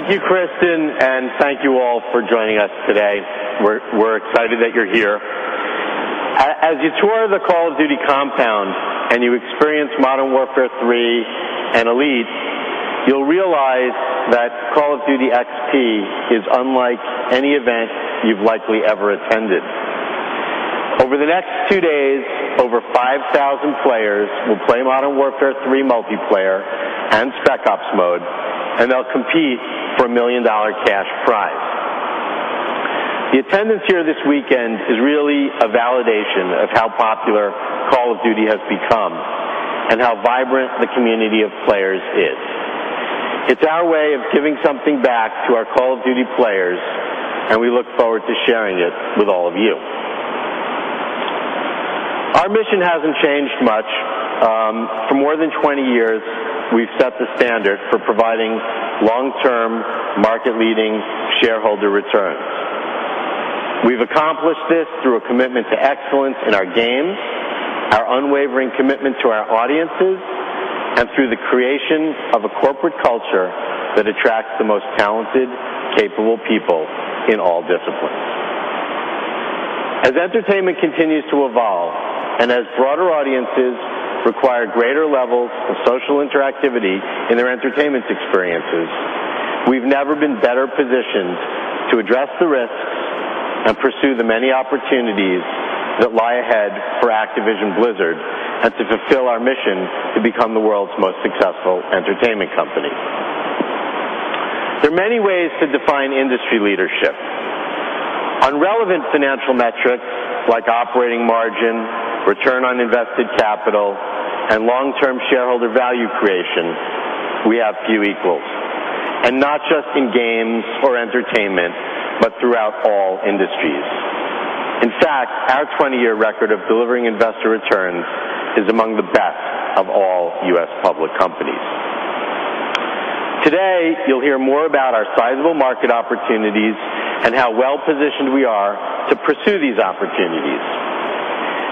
Thank you, Kristen, and thank you all for joining us today. We're excited that you're here. As you tour the Call of Duty compound and you experience Modern Warfare III and Elite, you'll realize that Call of Duty XP is unlike any event you've likely ever attended. Over the next two days, over 5,000 players will play Modern Warfare III multiplayer and Spec Ops mode, and they'll compete for a $1 million cash prize. The attendance here this weekend is really a validation of how popular Call of Duty has become and how vibrant the community of players is. It's our way of giving something back to our Call of Duty players, and we look forward to sharing it with all of you. Our mission hasn't changed much. For more than 20 years, we've set the standard for providing long-term, market-leading shareholder returns. We've accomplished this through a commitment to excellence in our games, our unwavering commitment to our audiences, and through the creation of a corporate culture that attracts the most talented, capable people in all disciplines. As entertainment continues to evolve and as broader audiences require greater levels of social interactivity in their entertainment experiences, we've never been better positioned to address the risks and pursue the many opportunities that lie ahead for Activision Blizzard as we fulfill our mission to become the world's most successful entertainment company. There are many ways to define industry leadership. On relevant financial metrics like operating margin, return on invested capital, and long-term shareholder value creation, we have few equals, and not just in games or entertainment, but throughout all industries. In fact, our 20-year record of delivering investor returns is among the best of all U.S. public companies. Today, you'll hear more about our sizable market opportunities and how well-positioned we are to pursue these opportunities.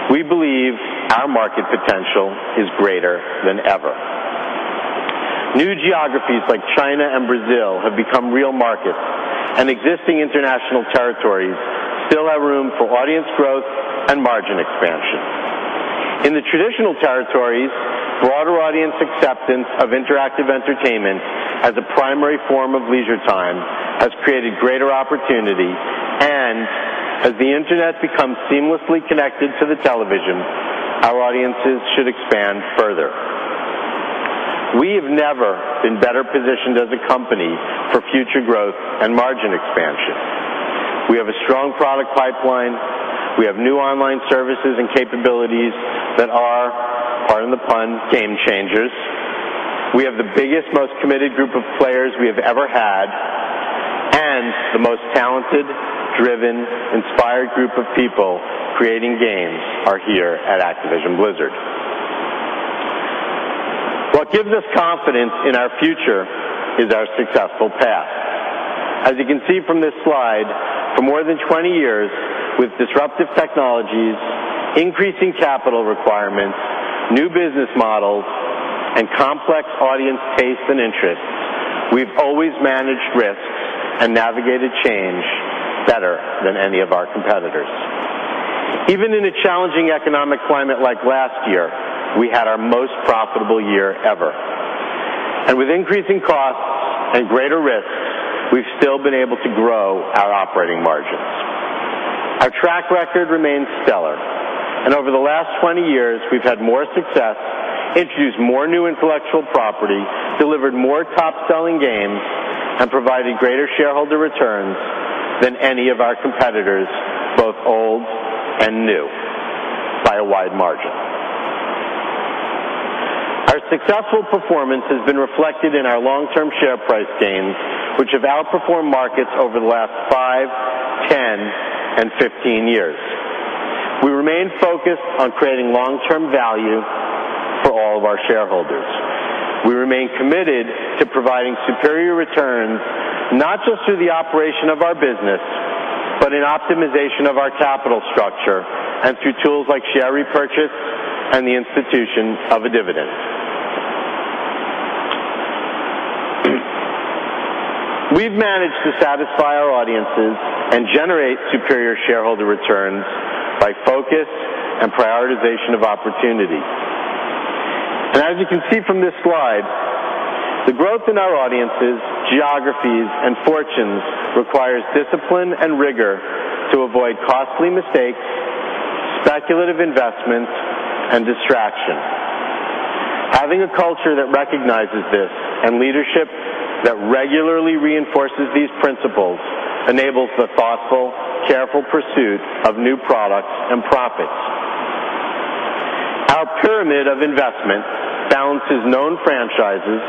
We believe our market potential is greater than ever. New geographies like China and Brazil have become real markets, and existing international territories still have room for audience growth and margin expansion. In the traditional territories, broader audience acceptance of interactive entertainment as a primary form of leisure time has created greater opportunity, and as the internet becomes seamlessly connected to the television, our audiences should expand further. We have never been better positioned as a company for future growth and margin expansion. We have a strong product pipeline. We have new online services and capabilities that are, pardon the pun, game changers. We have the biggest, most committed group of players we have ever had, and the most talented, driven, inspired group of people creating games are here at Activision Blizzard. What gives us confidence in our future is our successful past. As you can see from this slide, for more than 20 years, with disruptive technologies, increasing capital requirements, new business models, and complex audience tastes and interests, we've always managed risks and navigated change better than any of our competitors. Even in a challenging economic climate like last year, we had our most profitable year ever. With increasing costs and greater risks, we've still been able to grow our operating margin. Our track record remains stellar, and over the last 20 years, we've had more success, introduced more new intellectual property, delivered more top-selling games, and provided greater shareholder returns than any of our competitors, both old and new, by a wide margin. Our successful performance has been reflected in our long-term share price gains, which have outperformed markets over the last 5, 10, and 15 years. We remain focused on creating long-term value for all of our shareholders. We remain committed to providing superior returns, not just through the operation of our business, but in optimization of our capital structure and through tools like share repurchase and the institution of a dividend. We've managed to satisfy our audiences and generate superior shareholder returns by focus and prioritization of opportunities. As you can see from this slide, the growth in our audiences, geographies, and fortunes requires discipline and rigor to avoid costly mistakes, speculative investments, and distraction. Having a culture that recognizes this and leadership that regularly reinforces these principles enables the thoughtful, careful pursuit of new products and profits. Our pyramid of investment balances known franchises,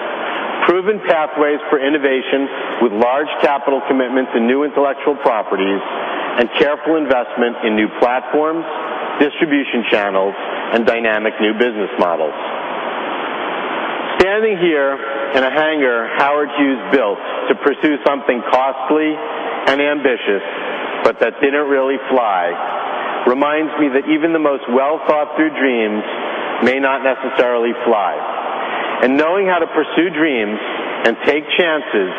proven pathways for innovation with large capital commitments and new intellectual properties, and careful investment in new platforms, distribution channels, and dynamic new business models. Standing here in a hangar Howard Hughes built to pursue something costly and ambitious, but that didn't really fly, reminds me that even the most well-thought-through dreams may not necessarily fly. Knowing how to pursue dreams and take chances,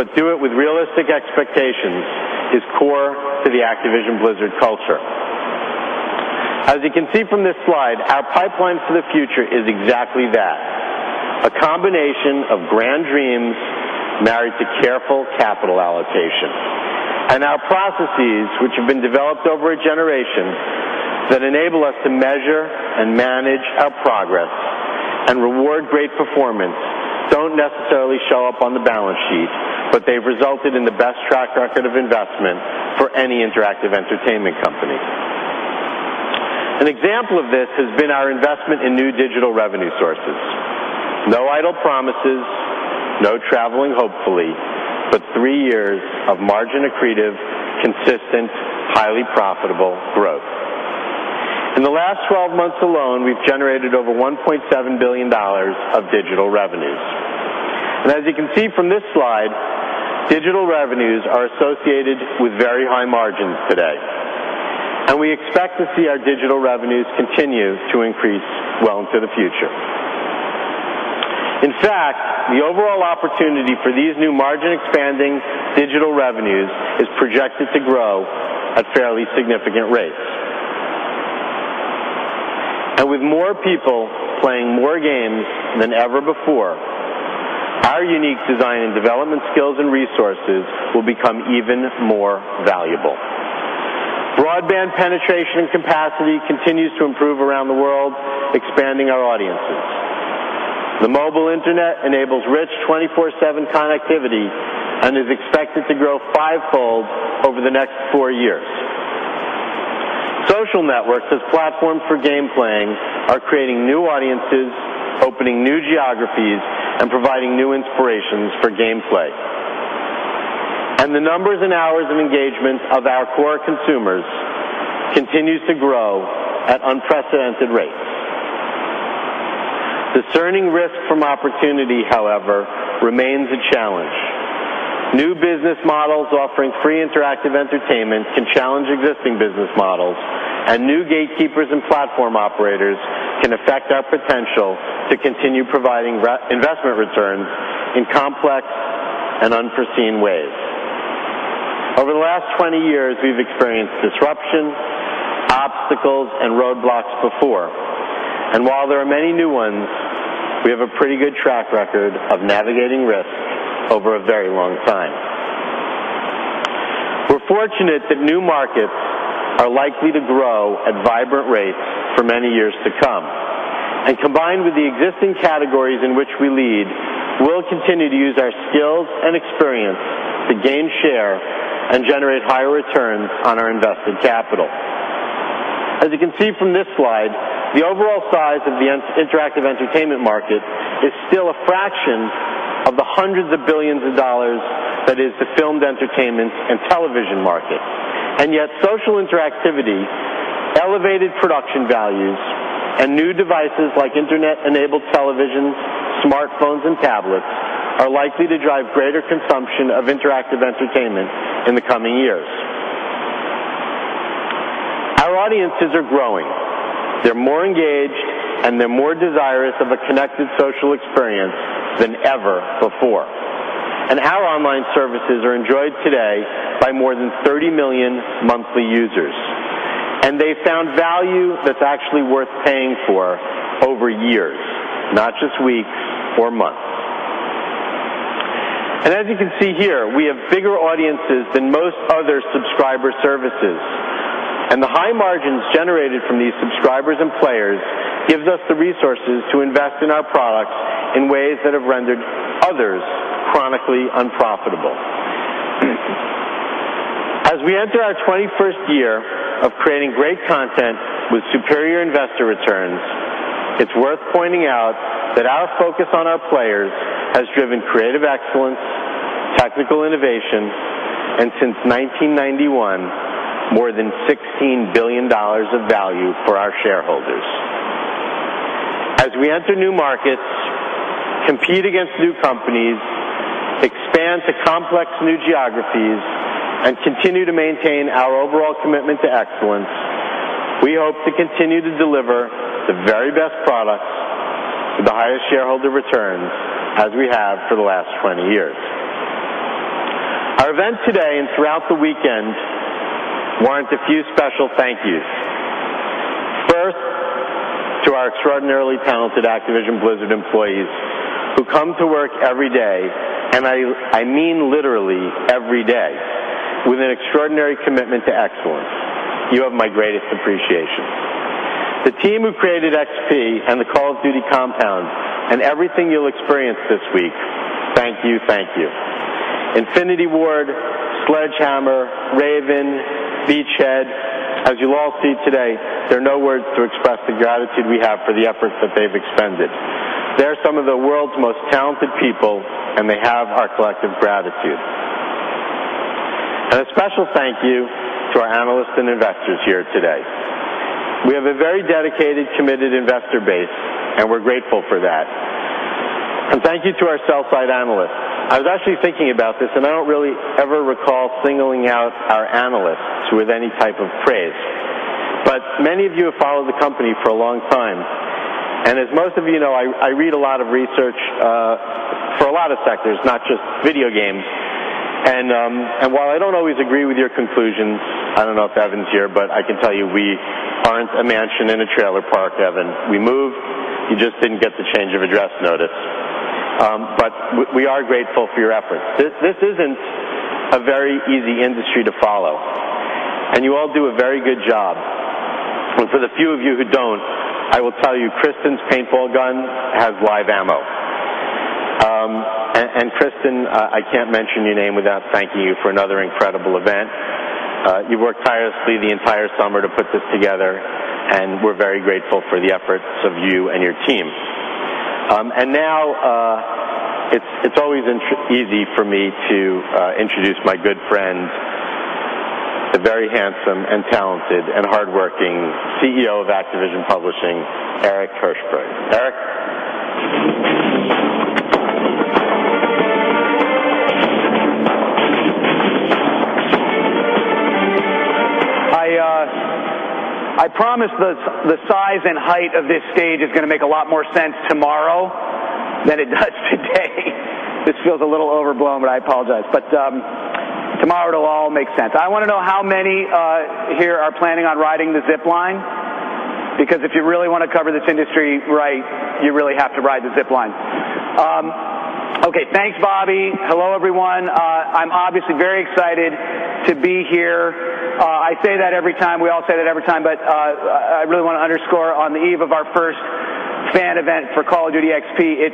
but do it with realistic expectations, is core to the Activision Blizzard culture. As you can see from this slide, our pipeline for the future is exactly that: a combination of grand dreams married to careful capital allocation and our processes, which have been developed over a generation that enable us to measure and manage our progress and reward great performance. These don't necessarily show up on the balance sheet, but they've resulted in the best track record of investment for any interactive entertainment company. An example of this has been our investment in new digital revenue sources. No idle promises, no traveling, hopefully, but three years of margin accretive, consistent, highly profitable growth. In the last 12 months alone, we've generated over $1.7 billion of digital revenues. As you can see from this slide, digital revenues are associated with very high margins today. We expect to see our digital revenues continue to increase well into the future. In fact, the overall opportunity for these new margin-expanding digital revenues is projected to grow at fairly significant rates. With more people playing more games than ever before, our unique design and development skills and resources will become even more valuable. Broadband penetration and capacity continue to improve around the world, expanding our audiences. The mobile internet enables rich 24/7 connectivity and is expected to grow five-fold over the next four years. Social networks with platforms for game playing are creating new audiences, opening new geographies, and providing new inspirations for gameplay. The numbers and hours of engagement of our core consumers continue to grow at unprecedented rates. Discerning risk from opportunity, however, remains a challenge. New business models offering free interactive entertainment can challenge existing business models, and new gatekeepers and platform operators can affect our potential to continue providing investment returns in complex and unforeseen ways. Over the last 20 years, we've experienced disruption, obstacles, and roadblocks before. While there are many new ones, we have a pretty good track record of navigating risks over a very long time. We're fortunate that new markets are likely to grow at vibrant rates for many years to come. Combined with the existing categories in which we lead, we will continue to use our skills and experience to gain share and generate higher returns on our invested capital. As you can see from this slide, the overall size of the interactive entertainment market is still a fraction of the hundreds of billions of dollars that is the filmed entertainment and television market. Social interactivity, elevated production values, and new devices like internet-enabled television, smartphones, and tablets are likely to drive greater consumption of interactive entertainment in the coming years. Our audiences are growing. They are more engaged, and they are more desirous of a connected social experience than ever before. Our online services are enjoyed today by more than 30 million monthly users. They found value that is actually worth paying for over years, not just weeks or months. As you can see here, we have bigger audiences than most other subscriber services. The high margins generated from these subscribers and players give us the resources to invest in our product in ways that have rendered others chronically unprofitable. As we enter our 21st year of creating great content with superior investor returns, it is worth pointing out that our focus on our players has driven creative excellence, technical innovation, and since 1991, more than $16 billion of value for our shareholders. As we enter new markets, compete against new companies, expand to complex new geographies, and continue to maintain our overall commitment to excellence, we hope to continue to deliver the very best product with the highest shareholder return as we have for the last 20 years. Our event today and throughout the weekend warrants a few special thank yous. First, to our extraordinarily talented Activision Blizzard employees who come to work every day, and I mean literally every day, with an extraordinary commitment to excellence. You have my greatest appreciation. The team who created XP and the Call of Duty compound and everything you will experience this week, thank you, thank you. Infinity Ward, Sledgehammer, Raven, VCHED. As you will all see today, there are no words to express the gratitude we have for the efforts that they have expended. They are some of the world's most talented people, and they have our collective gratitude. A special thank you to our analysts and investors here today. We have a very dedicated, committed investor base, and we're grateful for that. Thank you to our self-taught analyst. I was actually thinking about this, and I don't really ever recall singling out our analysts with any type of phrase. Many of you have followed the company for a long time. As most of you know, I read a lot of research for a lot of sectors, not just video games. While I don't always agree with your conclusion, I don't know if Evan's here, but I can tell you we aren't a mansion in a trailer park, Evan. We move. You just didn't get the change of address notice. We are grateful for your efforts. This isn't a very easy industry to follow. You all do a very good job. For the few of you who don't, I will tell you, Kristen's paintball gun has live ammo. Kristen, I can't mention your name without thanking you for another incredible event. You worked tirelessly the entire summer to put this together, and we're very grateful for the efforts of you and your team. Now, it's always easy for me to introduce my good friend, the very handsome and talented and hardworking CEO of Activision Publishing, Eric Hirshberg. Eric? I promise the size and height of this stage is going to make a lot more sense tomorrow than it does today. This feels a little overblown, but I apologize. Tomorrow it'll all make sense. I want to know how many here are planning on riding the zipline? Because if you really want to cover this industry right, you really have to ride the zipline. OK, thanks, Bobby. Hello, everyone. I'm obviously very excited to be here. I say that every time. We all say that every time. I really want to underscore on the eve of our first fan event for Call of Duty XP,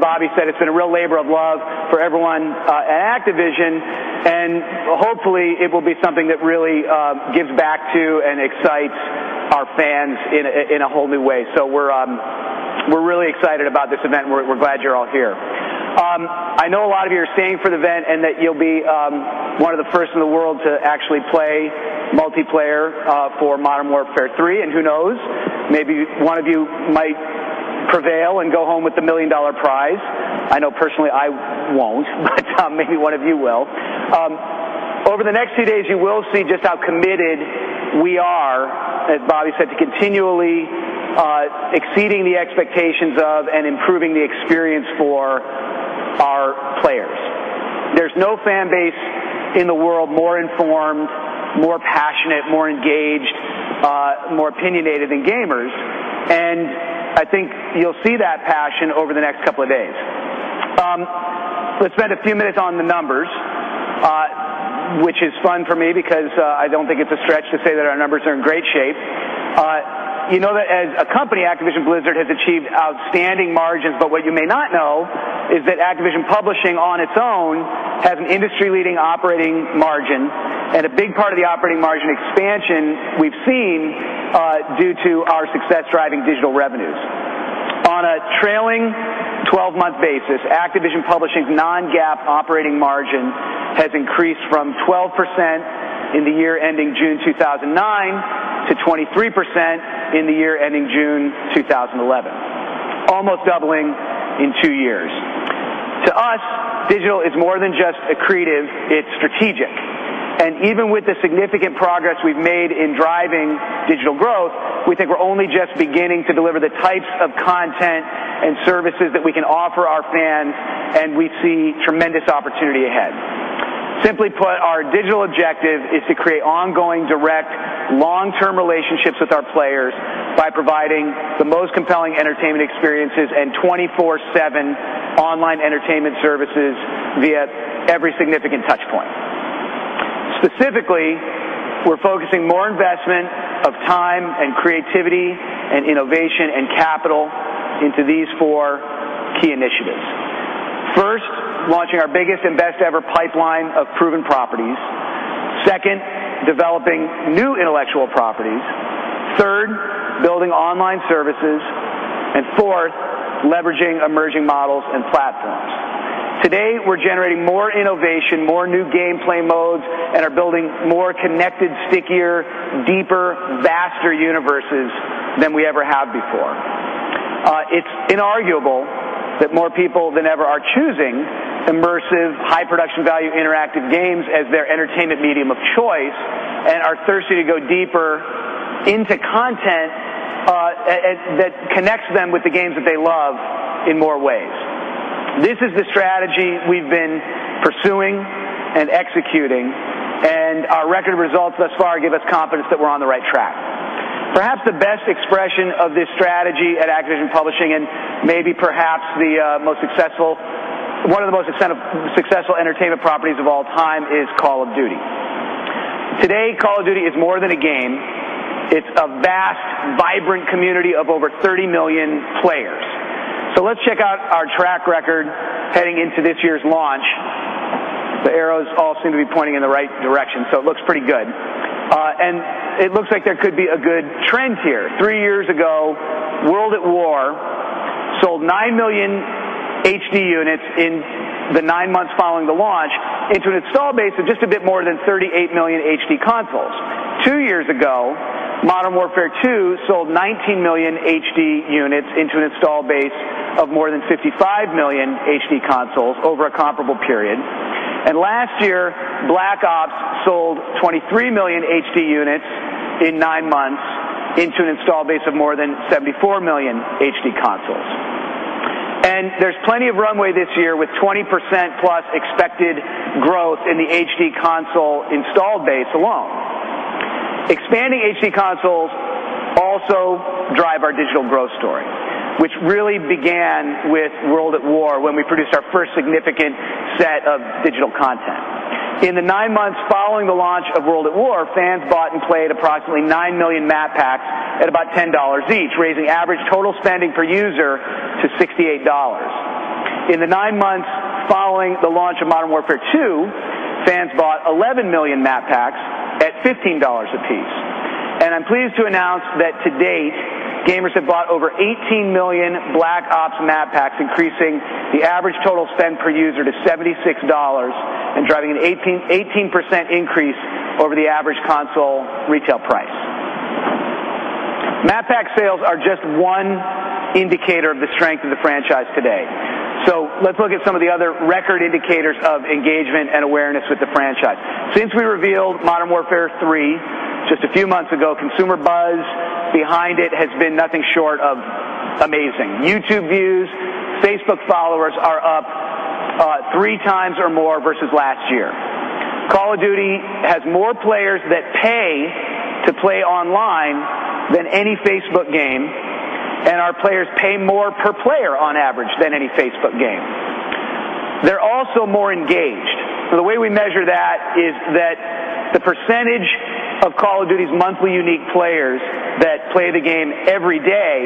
Bobby said it's been a real labor of love for everyone at Activision. Hopefully, it will be something that really gives back to and excites our fans in a whole new way. We're really excited about this event. We're glad you're all here. I know a lot of you are staying for the event and that you'll be one of the first in the world to actually play multiplayer for Modern Warfare III. Who knows? Maybe one of you might prevail and go home with the $1 million prize. I know personally I won't, but maybe one of you will. Over the next few days, you will see just how committed we are, as Bobby said, to continually exceeding the expectations of and improving the experience for our players. There's no fan base in the world more informed, more passionate, more engaged, more opinionated than gamers. I think you'll see that passion over the next couple of days. Let's spend a few minutes on the numbers, which is fun for me because I don't think it's a stretch to say that our numbers are in great shape. You know that as a company, Activision Blizzard has achieved outstanding margins. What you may not know is that Activision Publishing on its own has an industry-leading operating margin. A big part of the operating margin expansion we've seen is due to our success driving digital revenues. On a trailing 12-month basis, Activision Publishing's non-GAAP operating margin has increased from 12% in the year ending June 2009 to 23% in the year ending June 2011, almost doubling in two years. To us, digital is more than just accretive. It's strategic. Even with the significant progress we've made in driving digital growth, we think we're only just beginning to deliver the types of content and services that we can offer our fans. We see tremendous opportunity ahead. Simply put, our digital objective is to create ongoing direct long-term relationships with our players by providing the most compelling entertainment experiences and 24/7 online entertainment services via every significant touchpoint. Specifically, we're focusing more investment of time and creativity and innovation and capital into these four key initiatives. First, launching our biggest and best ever pipeline of proven properties. Second, developing new intellectual properties. Third, building online services. Fourth, leveraging emerging models and platforms. Today, we're generating more innovation, more new gameplay modes, and are building more connected, stickier, deeper, vaster universes than we ever have before. It's inarguable that more people than ever are choosing immersive, high production value interactive games as their entertainment medium of choice and are thirsty to go deeper into content that connects them with the games that they love in more ways. This is the strategy we've been pursuing and executing. Our record results thus far give us confidence that we're on the right track. Perhaps the best expression of this strategy at Activision Publishing and maybe perhaps one of the most successful entertainment properties of all time is Call of Duty. Today, Call of Duty is more than a game. It's a vast, vibrant community of over 30 million players. Let's check out our track record heading into this year's launch. The arrows all seem to be pointing in the right direction. It looks pretty good. It looks like there could be a good trend here. Three years ago, World at War sold 9 million HD units in the nine months following the launch into an install base of just a bit more than 38 million HD consoles. Two years ago, Modern Warfare II sold 19 million HD units into an install base of more than 55 million HD consoles over a comparable period. Last year, Black Ops sold 23 million HD units in nine months into an install base of more than 74 million HD consoles. There's plenty of runway this year with 20%+ expected growth in the HD console install base alone. Expanding HD consoles also drives our digital growth story, which really began with World at War when we produced our first significant set of digital content. In the nine months following the launch of World at War, fans bought and played approximately 9 million map packs at about $10 each, raising average total spending per user to $68. In the nine months following the launch of Modern Warfare II, fans bought 11 million map packs at $15 apiece. I'm pleased to announce that to date, gamers have bought over 18 million Black Ops map packs, increasing the average total spend per user to $76 and driving an 18% increase over the average console retail price. Map pack sales are just one indicator of the strength of the franchise today. Let's look at some of the other record indicators of engagement and awareness with the franchise. Since we revealed Modern Warfare III just a few months ago, consumer buzz behind it has been nothing short of amazing. YouTube views and Facebook followers are up three times or more versus last year. Call of Duty has more players that pay to play online than any Facebook game, and our players pay more per player on average than any Facebook game. They're also more engaged. The way we measure that is that the percentage of Call of Duty's monthly unique players that play the game every day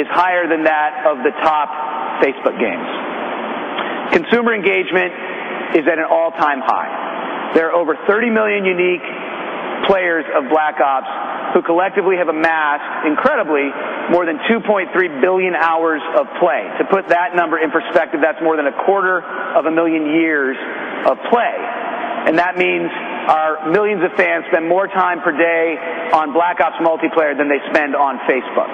is higher than that of the top Facebook games. Consumer engagement is at an all-time high. There are over 30 million unique players of Black Ops who collectively have amassed incredibly more than 2.3 billion hours of play. To put that number in perspective, that's more than a quarter of a million years of play. That means our millions of fans spend more time per day on Black Ops multiplayer than they spend on Facebook.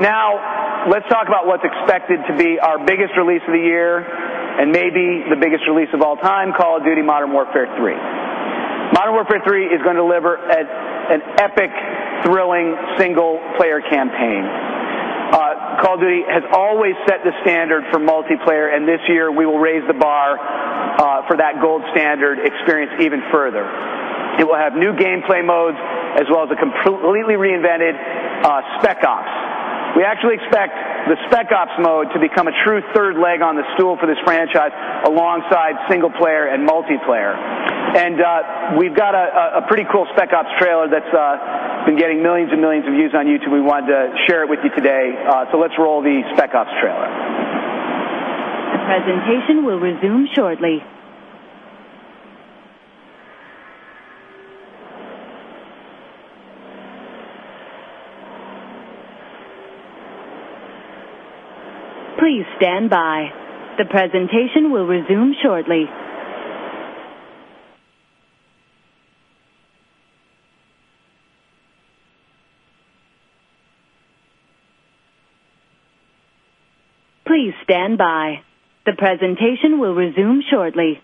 Now, let's talk about what's expected to be our biggest release of the year and maybe the biggest release of all time, Call of Duty: Modern Warfare III. Modern Warfare III is going to deliver an epic, thrilling single-player campaign. Call of Duty has always set the standard for multiplayer, and this year, we will raise the bar for that gold standard experience even further. It will have new gameplay modes, as well as a completely reinvented Spec Ops. We actually expect the Spec Ops mode to become a true third leg on the stool for this franchise alongside single-player and multiplayer. We've got a pretty cool Spec Ops trailer that's been getting millions and millions of views on YouTube. We wanted to share it with you today. Let's roll the Spec Ops trailer. The presentation will resume shortly. Please stand by. The presentation will resume shortly. Please stand by. The presentation will resume shortly.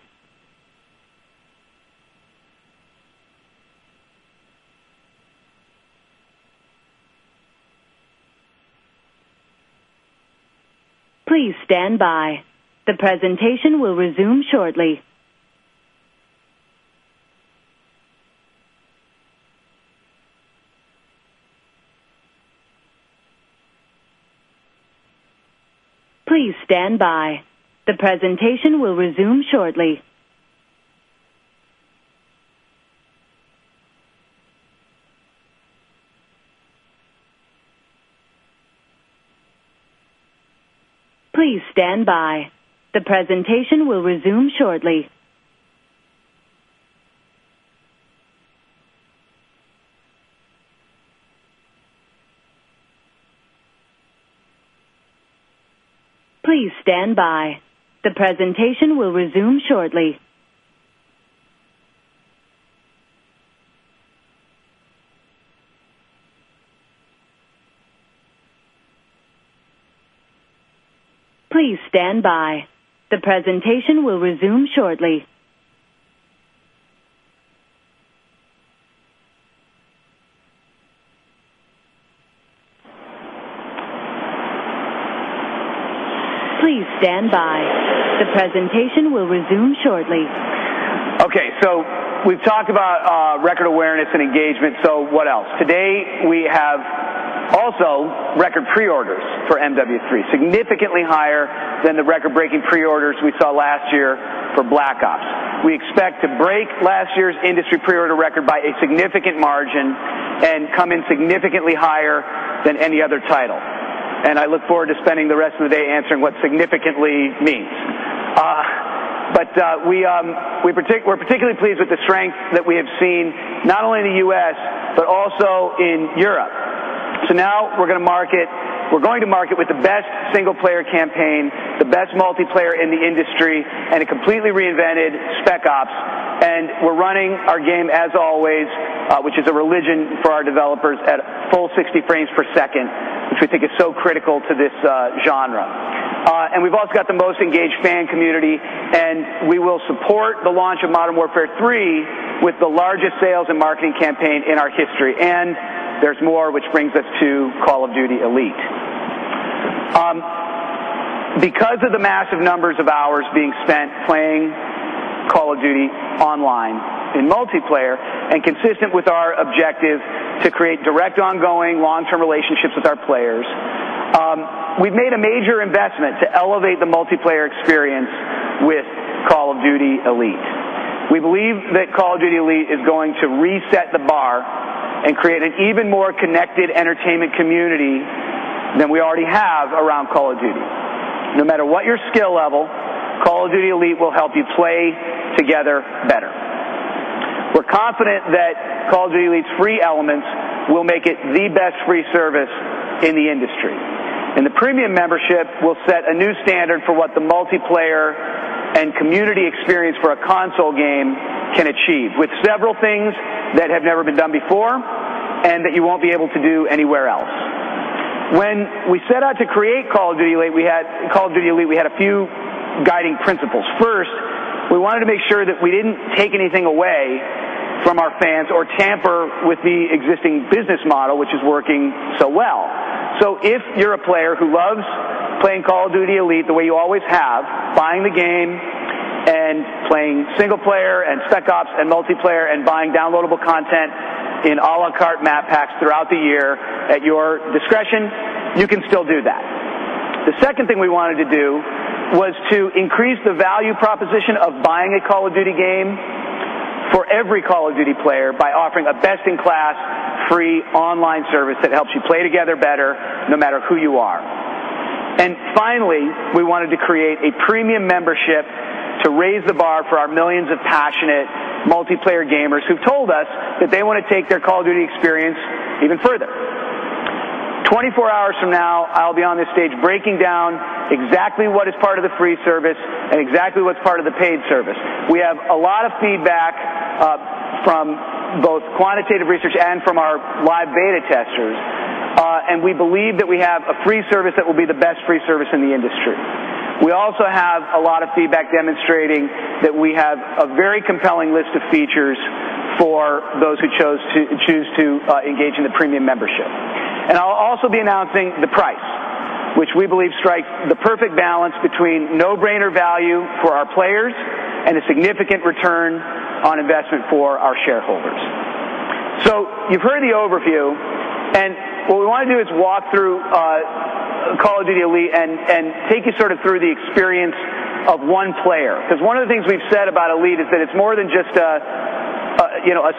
Please stand by. The presentation will resume shortly. Please stand by. The presentation will resume shortly. Please stand by. The presentation will resume shortly. Please stand by. The presentation will resume shortly. Please stand by. The presentation will resume shortly. OK, so we've talked about record awareness and engagement. What else? Today, we have also record pre-orders for MWIII, significantly higher than the record-breaking pre-orders we saw last year for Black Ops. We expect to break last year's industry pre-order record by a significant margin and come in significantly higher than any other title. I look forward to spending the rest of the day answering what significantly means. We're particularly pleased with the strength that we have seen, not only in the U.S., but also in Europe. Now we're going to market. We're going to market with the best single-player campaign, the best multiplayer in the industry, and a completely reinvented Spec Ops. We're running our game as always, which is a religion for our developers, at full 60 frames per second, which we think is so critical to this genre. We've also got the most engaged fan community. We will support the launch of Modern Warfare III with the largest sales and marketing campaign in our history. There's more, which brings us to Call of Duty: Elite. Because of the massive numbers of hours being spent playing Call of Duty online in multiplayer and consistent with our objective to create direct ongoing long-term relationships with our players, we've made a major investment to elevate the multiplayer experience with Call of Duty: Elite. We believe that Call of Duty: Elite is going to reset the bar and create an even more connected entertainment community than we already have around Call of Duty. No matter what your skill level, Call of Duty Elite will help you play together better. We're confident that Call of Duty: Elite's free elements will make it the best free service in the industry. The premium membership will set a new standard for what the multiplayer and community experience for a console game can achieve, with several things that have never been done before and that you won't be able to do anywhere else. When we set out to create Call of Duty: Elite, we had a few guiding principles. First, we wanted to make sure that we didn't take anything away from our fans or tamper with the existing business model, which is working so well. If you're a player who loves playing Call of Duty the way you always have, buying the game and playing single-player and Spec Ops and multiplayer and buying downloadable content in a la carte map packs throughout the year at your discretion, you can still do that. The second thing we wanted to do was to increase the value proposition of buying a Call of Duty game for every Call of Duty player by offering a best-in-class free online service that helps you play together better, no matter who you are. Finally, we wanted to create a premium membership to raise the bar for our millions of passionate multiplayer gamers who've told us that they want to take their Call of Duty experience even further. Twenty-four hours from now, I'll be on this stage breaking down exactly what is part of the free service and exactly what's part of the paid service. We have a lot of feedback from both quantitative research and from our live beta testers, and we believe that we have a free service that will be the best free service in the industry. We also have a lot of feedback demonstrating that we have a very compelling list of features for those who choose to engage in the premium membership. I'll also be announcing the price, which we believe strikes the perfect balance between no-brainer value for our players and a significant return on investment for our shareholders. You've heard the overview. What we want to do is walk through Call of Duty: Elite and take you through the experience of one player. One of the things we've said about Elite is that it's more than just a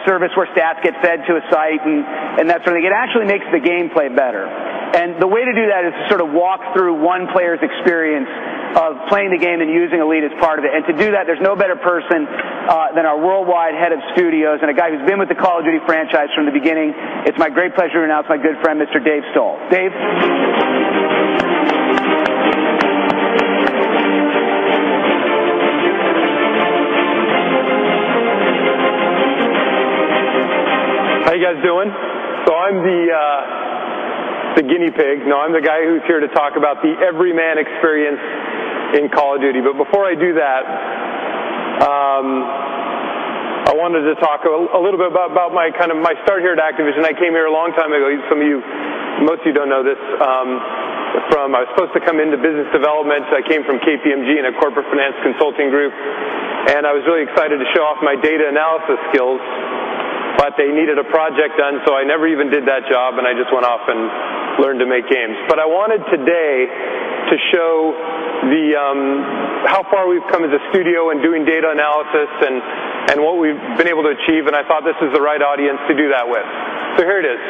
service where stats get fed to a site and that sort of thing. It actually makes the gameplay better. The way to do that is to walk through one player's experience of playing the game and using Elite as part of it. To do that, there's no better person than our Worldwide Head of Studios and a guy who's been with the Call of Duty franchise from the beginning. It's my great pleasure to announce my good friend, Mr. Dave Stohl. Dave. How you guys doing? I'm the guinea pig. I'm the guy who's here to talk about the everyman experience in Call of Duty. Before I do that, I wanted to talk a little bit about my start here at Activision. I came here a long time ago. Most of you don't know this. I was supposed to come into business development. I came from KPMG in a corporate finance consulting group. I was really excited to show off my data analysis skills. They needed a project done, so I never even did that job. I just went off and learned to make games. I wanted today to show how far we've come as a studio in doing data analysis and what we've been able to achieve. I thought this is the right audience to do that with. Here it is.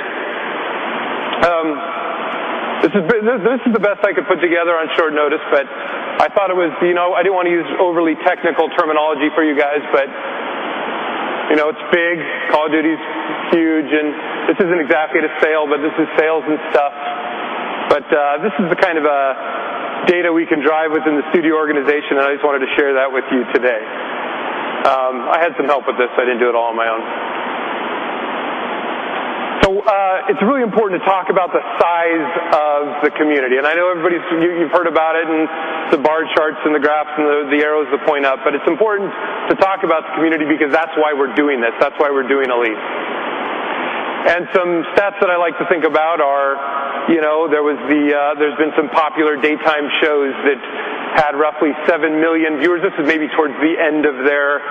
This is the best I could put together on short notice. I didn't want to use overly technical terminology for you guys. It's big. Call of Duty is huge. This isn't exactly to sale, but this is sales and stuff. This is the kind of data we can drive within the studio organization. I just wanted to share that with you today. I had some help with this. I didn't do it all on my own. It's really important to talk about the size of the community. I know you've heard about it and the bar charts and the graphs and the arrows that point up. It's important to talk about the community because that's why we're doing this. That's why we're doing Elite. Some stats that I like to think about are, there's been some popular daytime shows that had roughly 7 million viewers. This is maybe towards the end of their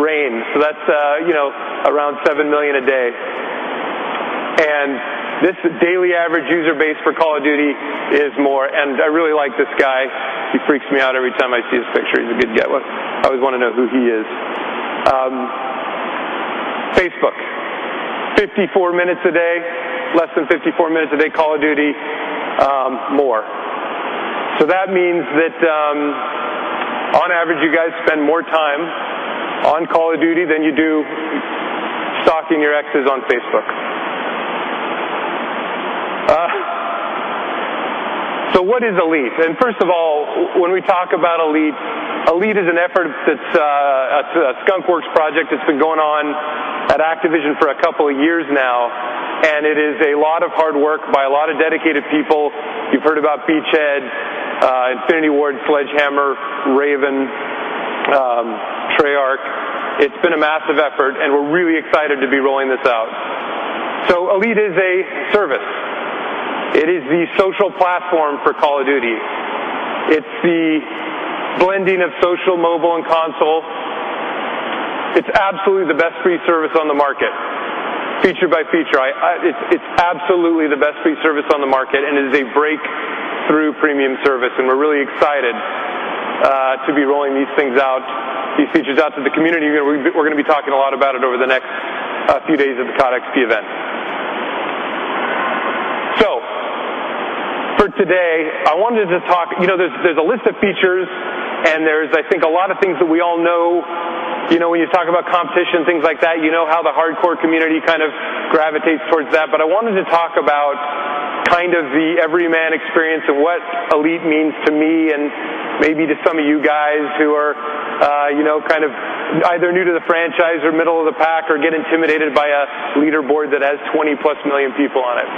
reign. That's around 7 million a day. This daily average user base for Call of Duty is more. I really like this guy. He freaks me out every time I see his picture. He's a good get. I always want to know who he is. Facebook, 54 minutes a day, less than 54 minutes a day. Call of Duty, more. That means that on average, you guys spend more time on Call of Duty than you do stalking your exes on Facebook. What is Elite? First of all, when we talk about Elite, Elite is an effort that's a Skunk Works project that's been going on at Activision for a couple of years now. It is a lot of hard work by a lot of dedicated people. You've heard about VCHED, Infinity Ward, Sledgehammer, Raven, Treyarch. It's been a massive effort. We're really excited to be rolling this out. Elite is a service. It is the social platform for Call of Duty. It's the blending of social, mobile, and console. It's absolutely the best free service on the market, feature by feature. It's absolutely the best free service on the market. It is a breakthrough premium service. We're really excited to be rolling these things out, these features out to the community. We're going to be talking a lot about it over the next few days at the COD XP event. For today, I wanted to talk, you know, there's a list of features. There's, I think, a lot of things that we all know. You know, when you talk about competition and things like that, you know how the hardcore community kind of gravitates towards that. I wanted to talk about kind of the everyman experience of what Elite means to me and maybe to some of you guys who are, you know, kind of either new to the franchise or middle of the pack or get intimidated by a leaderboard that has 20+ million people on it.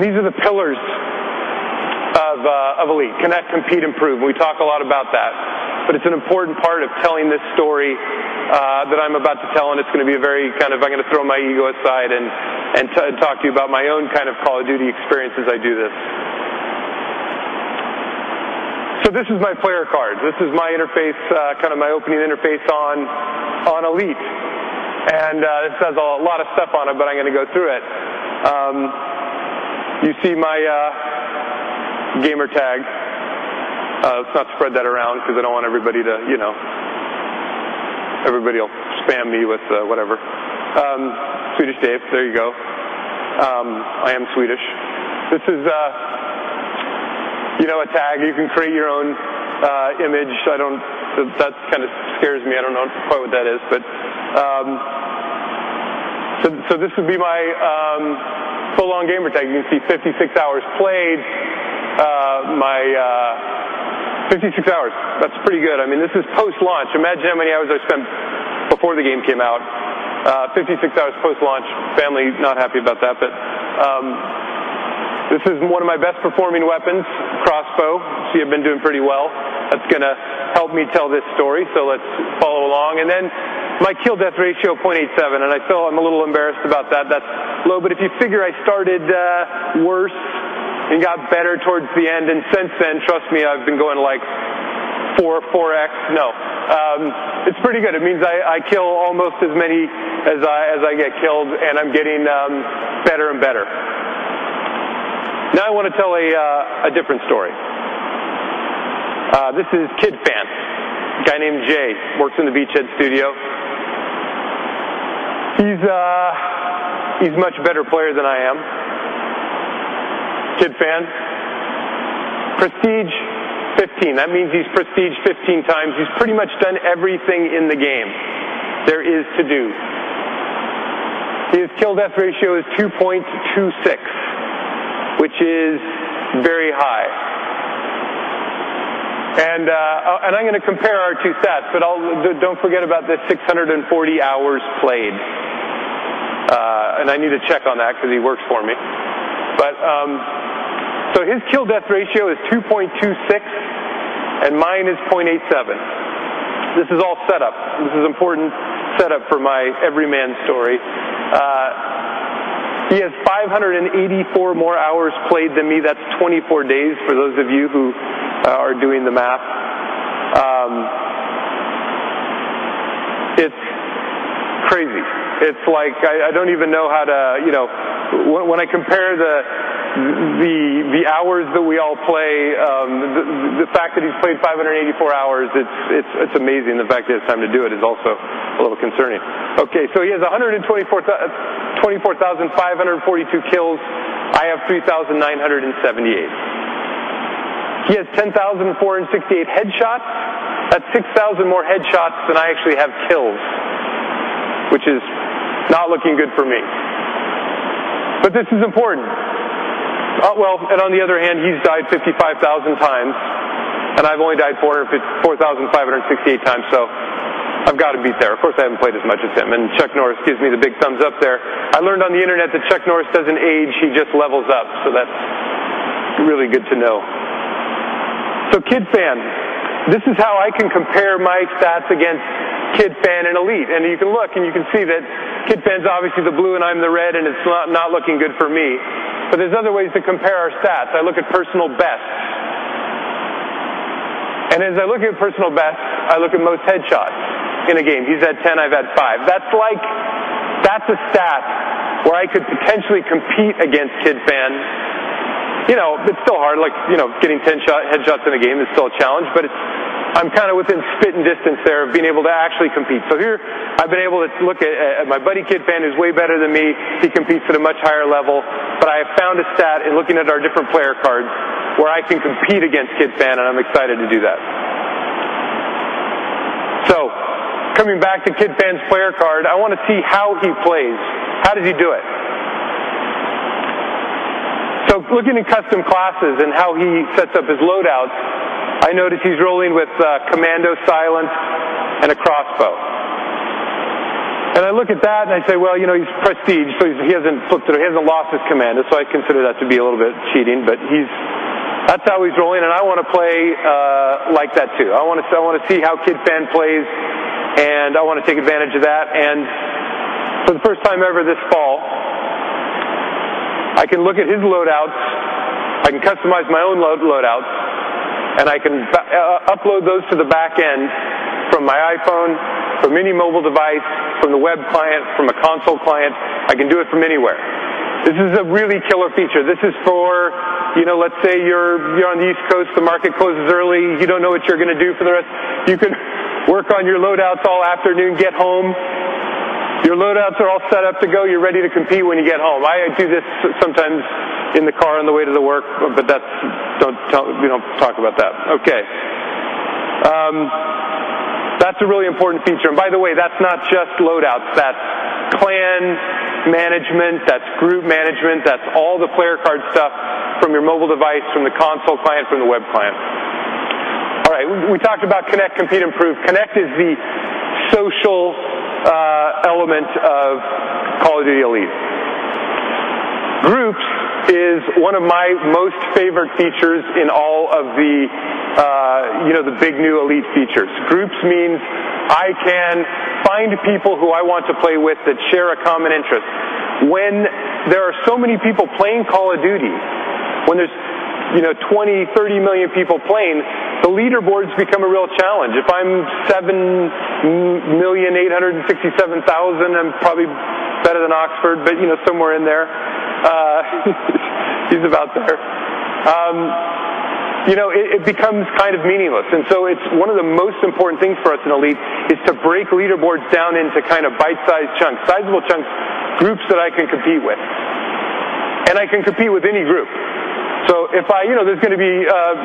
These are the pillars of Elite: connect, compete, improve. We talk a lot about that. It's an important part of telling this story that I'm about to tell. It's going to be a very kind of I'm going to throw my ego aside and talk to you about my own kind of Call of Duty experience as I do this. This is my player card. This is my interface, kind of my opening interface on Elite. It says a lot of stuff on it, but I'm going to go through it. You see my gamer tag. Let's not spread that around because I don't want everybody to, you know, everybody will spam me with whatever. Swedish Dave, there you go. I am Swedish. This is, you know, a tag. You can create your own image. That kind of scares me. I don't know quite what that is. This would be my full-on gamer tag. You can see 56 hours played. My 56 hours, that's pretty good. I mean, this is post-launch. Imagine how many hours I spent before the game came out. 56 hours post-launch. Family not happy about that. This is one of my best performing weapons, crossbow. See, I've been doing pretty well. That's going to help me tell this story. Let's follow along. My kill death ratio is 0.87. I feel I'm a little embarrassed about that. That's low. If you figure I started worse and got better towards the end. Since then, trust me, I've been going like 4 or 4x. No, it's pretty good. It means I kill almost as many as I get killed. I'm getting better and better. Now I want to tell a different story. This is Kid Fan, a guy named Jay, who works in the VCHED studio. He's a much better player than I am. Kid Fan, prestige 15. That means he's prestige 15x. He's pretty much done everything in the game there is to do. His kill death ratio is 2.26, which is very high. I'm going to compare our two stats. Don't forget about the 640 hours played. I need to check on that because he works for me. His kill death ratio is 2.26. Mine is 0.87. This is all setup. This is an important setup for my everyman story. He has 584 more hours played than me. That's 24 days for those of you who are doing the math. It's crazy. I don't even know how to, you know, when I compare the hours that we all play, the fact that he's played 584 hours, it's amazing. The fact that he has time to do it is also a little concerning. He has 124,542 kills. I have 3,978. He has 10,468 headshots. That's 6,000 more headshots than I actually have kills, which is not looking good for me. This is important. On the other hand, he's died 55,000 times. I've only died 4,568 times. I've got to beat there. Of course, I haven't played as much as him. Chuck Norris gives me the big thumbs up there. I learned on the internet that Chuck Norris doesn't age. He just levels up. That's really good to know. Kid Fan, this is how I can compare my stats against Kid Fan and Elite. You can look and you can see that Kid Fan's obviously the blue and I'm the red. It's not looking good for me. There are other ways to compare our stats. I look at personal best. As I look at personal best, I look at most headshots in a game. He's at 10. I'm at 5. That's a stat where I could potentially compete against Kid Fan. You know, it's still hard. Like, you know, getting 10 headshots in a game is still a challenge. I'm kind of within spit and distance there of being able to actually compete. Here, I've been able to look at my buddy Kid Fan, who's way better than me. He competes at a much higher level. I have found a stat in looking at our different player cards where I can compete against Kid Fan. I'm excited to do that. Coming back to Kid Fan's player card, I want to see how he plays. How does he do it? Looking at custom classes and how he sets up his loadouts, I noticed he's rolling with Commando, Silent, and a Crossbow. I look at that and I say, you know, he's prestige. He hasn't looked at it. He hasn't lost with Commando. I consider that to be a little bit cheating, but that's how he's rolling. I want to play like that too. I want to see how Kid Fan plays, and I want to take advantage of that. For the first time ever this fall, I can look at his loadout, customize my own loadout, and upload those to the back end from my iPhone, from any mobile device, from the web client, from a console client. I can do it from anywhere. This is a really killer feature. This is for, you know, let's say you're on the East Coast. The market closes early. You don't know what you're going to do for the rest. You can work on your loadouts all afternoon, get home, your loadouts are all set up to go, you're ready to compete when you get home. I do this sometimes in the car on the way to work, but we don't talk about that. That's a really important feature. By the way, that's not just loadouts. That's plan management, group management, all the player card stuff from your mobile device, from the console client, from the web client. We talked about connect, compete, improve. Connect is the social element of Call of Duty: Elite. Groups is one of my most favorite features in all of the big new Elite features. Groups mean I can find people who I want to play with that share a common interest. When there are so many people playing Call of Duty, when there's, you know, 20, 30 million people playing, the leaderboards become a real challenge. If I'm 7,867,000, I'm probably better than Oxford, but, you know, somewhere in there. He's about there. It becomes kind of meaningless. One of the most important things for us in Elite is to break leaderboards down into kind of bite-sized chunks, sizable chunks, groups that I can compete with. I can compete with any group. There's going to be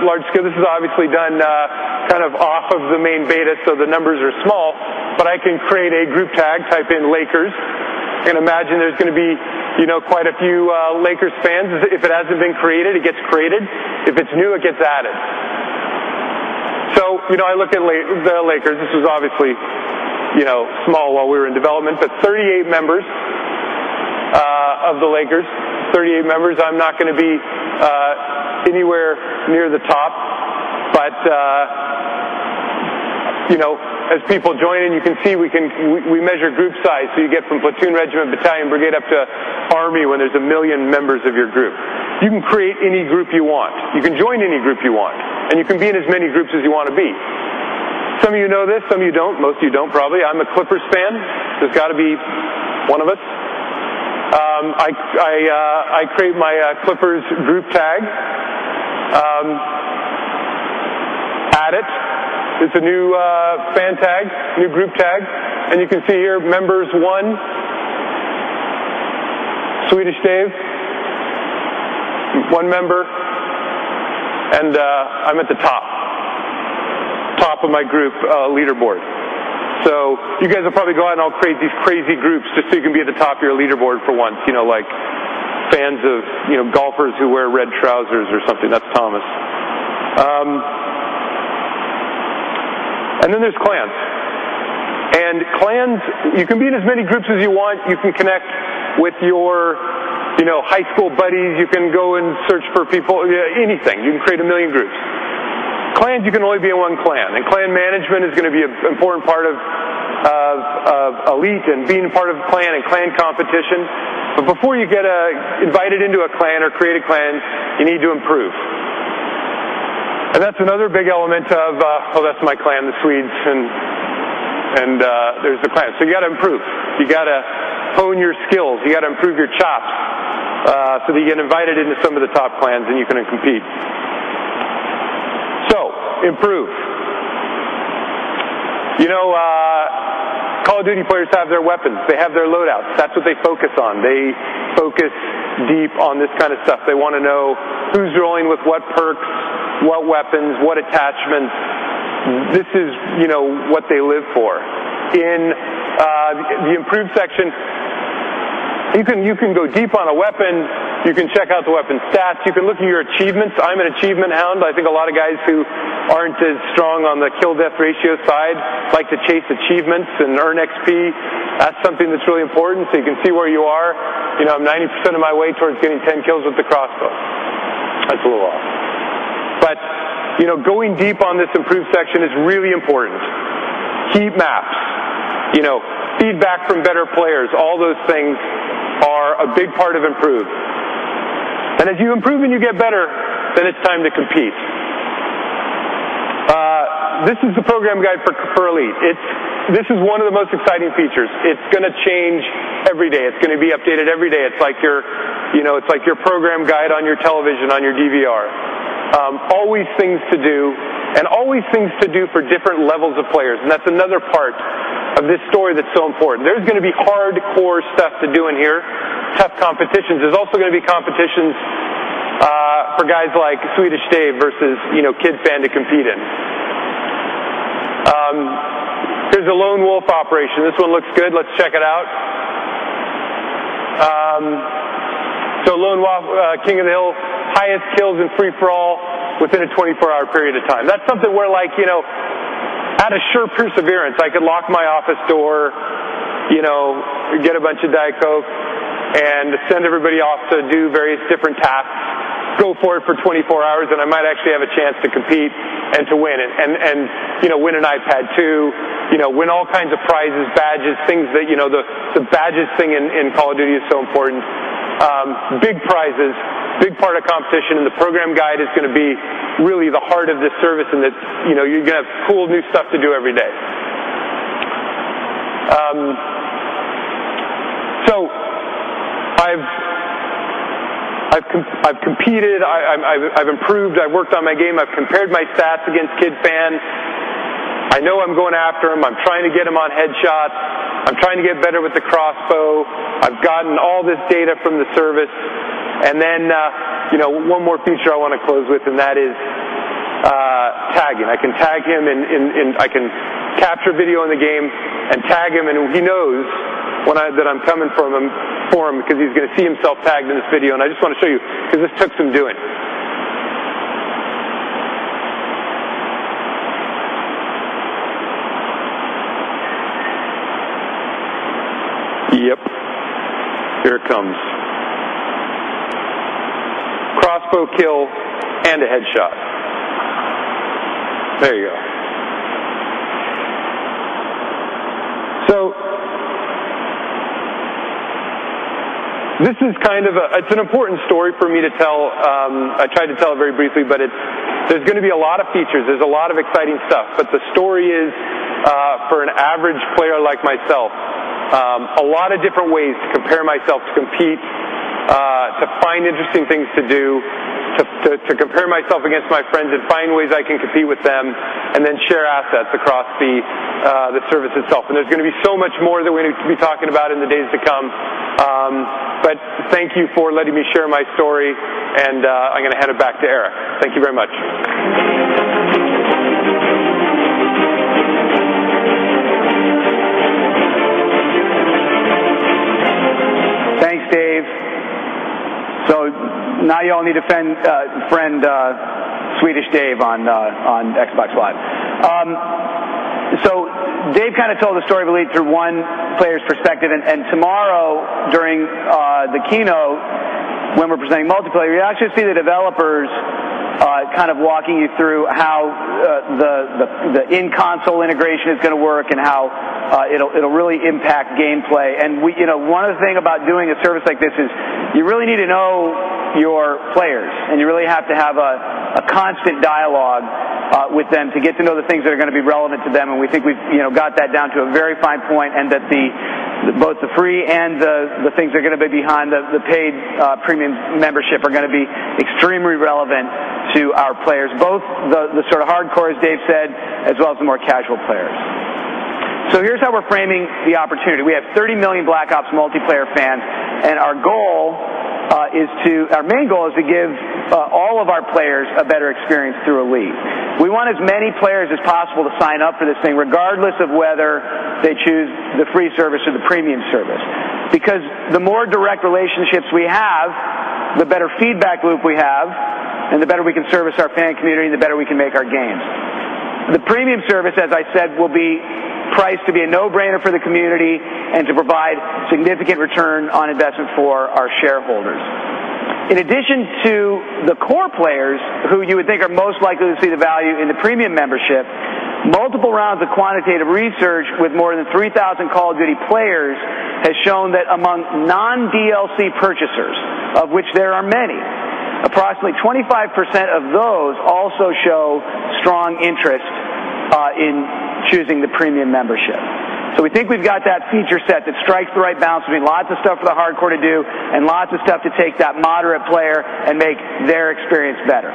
large scale. This is obviously done kind of off of the main beta, so the numbers are small. I can create a group tag, type in Lakers. You can imagine there's going to be quite a few Lakers fans. If it hasn't been created, it gets created. If it's new, it gets added. I look at the Lakers. This was obviously small while we were in development, but 38 members of the Lakers, 38 members. I'm not going to be anywhere near the top, but as people join in, you can see we measure group size. You get from Platoon, Regiment, Battalion, Brigade, up to Army when there's a million members of your group. You can create any group you want. You can join any group you want. You can be in as many groups as you want to be. Some of you know this. Some of you don't. Most of you don't, probably. I'm a Clippers fan. It's got to be one of us. I create my Clippers group tag, add it. It's a new fan tag, new group tag. You can see here, members one, Swedish Dave, one member. I'm at the top, top of my group leaderboard. You guys will probably go out and create these crazy groups just so you can be at the top of your leaderboard for once. You know, like fans of, you know, golfers who wear red trousers or something. That's Thomas. Then there's clans. Clans, you can be in as many groups as you want. You can connect with your high school buddies. You can go and search for people, anything. You can create a million groups. Clans, you can only be in one clan. Clan management is going to be an important part of Elite and being a part of a clan and clan competition. Before you get invited into a clan or create a clan, you need to improve. That's another big element of, oh, that's my clan, the Swedes. There's the clan. You have to improve. You have to hone your skills. You have to improve your chops so that you get invited into some of the top clans and you can compete. Improve. Call of Duty players have their weapons. They have their loadouts. That's what they focus on. They focus deep on this kind of stuff. They want to know who's rolling with what perks, what weapons, what attachments. This is what they live for. In the improve section, you can go deep on a weapon. You can check out the weapon stats. You can look at your achievements. I'm an achievement hound. I think a lot of guys who aren't as strong on the kill/death ratio side like to chase achievements and earn XP. That's something that's really important. You can see where you are. I'm 90% of my way towards getting 10 kills with the Crossbow. That's a little off. Going deep on this improve section is really important. Key maps, feedback from better players, all those things are a big part of improve. As you improve and you get better, then it's time to compete. This is the program guide for Elite. This is one of the most exciting features. It's going to change every day. It's going to be updated every day. It's like your, you know, it's like your program guide on your television, on your DVR. Always things to do and always things to do for different levels of players. That's another part of this story that's so important. There's going to be hardcore stuff to do in here, tough competitions. There's also going to be competitions for guys like Swedish Dave versus, you know, Kid Fan to compete in. There's a lone wolf operation. This one looks good. Let's check it out. Lone Wolf, King of the Hill, highest kills in free-for-all within a 24-hour period of time. That's something where, like, you know, out of sheer perseverance, I could lock my office door, get a bunch of Diet Coke and send everybody off to do various different tasks, go for it for 24 hours. I might actually have a chance to compete and to win it and, you know, win an iPad too, win all kinds of prizes, badges, things that, you know, the badges thing in Call of Duty is so important. Big prizes, big part of competition. The program guide is going to be really the heart of this service. That's, you know, you're going to have cool new stuff to do every day. I've competed. I've improved. I've worked on my game. I've compared my stats against Kid Fan. I know I'm going after him. I'm trying to get him on headshot. I'm trying to get better with the crossbow. I've gotten all this data from the service. One more feature I want to close with, and that is tagging. I can tag him. I can capture video in the game and tag him. He knows that I'm coming for him because he's going to see himself tagged in this video. I just want to show you because this took some doing. Yep, there it comes. Crossbow kill and a headshot. There you go. This is kind of a, it's an important story for me to tell. I tried to tell it very briefly. There's going to be a lot of features. There's a lot of exciting stuff. The story is for an average player like myself, a lot of different ways to compare myself, to compete, to find interesting things to do, to compare myself against my friends and find ways I can compete with them and then share assets across the service itself. There's going to be so much more that we're going to be talking about in the days to come. Thank you for letting me share my story. I'm going to hand it back to Eric. Thank you very much. Thanks, Dave. Now you all need to friend Swedish Dave on Xbox Live. Dave kind of told the story of Elite through one player's perspective. Tomorrow during the keynote, when we're presenting multiplayer, you actually see the developers walking you through how the in-console integration is going to work and how it'll really impact gameplay. One of the things about doing a service like this is you really need to know your players. You really have to have a constant dialogue with them to get to know the things that are going to be relevant to them. We think we've got that down to a very fine point and that both the free and the things that are going to be behind the paid premium membership are going to be extremely relevant to our players, both the sort of hardcore, as Dave said, as well as the more casual players. Here's how we're framing the opportunity. We have 30 million Black Ops multiplayer fans. Our main goal is to give all of our players a better experience through Elite. We want as many players as possible to sign up for this thing, regardless of whether they choose the free service or the premium service. The more direct relationships we have, the better feedback loop we have, and the better we can service our fan community, and the better we can make our games. The premium service, as I said, will be priced to be a no-brainer for the community and to provide significant return on investment for our shareholders. In addition to the core players who you would think are most likely to see the value in the premium membership, multiple rounds of quantitative research with more than 3,000 Call of Duty players has shown that among non-DLC purchasers, of which there are many, approximately 25% of those also show strong interest in choosing the premium membership. We think we've got that feature set that strikes the right balance between lots of stuff for the hardcore to do and lots of stuff to take that moderate player and make their experience better.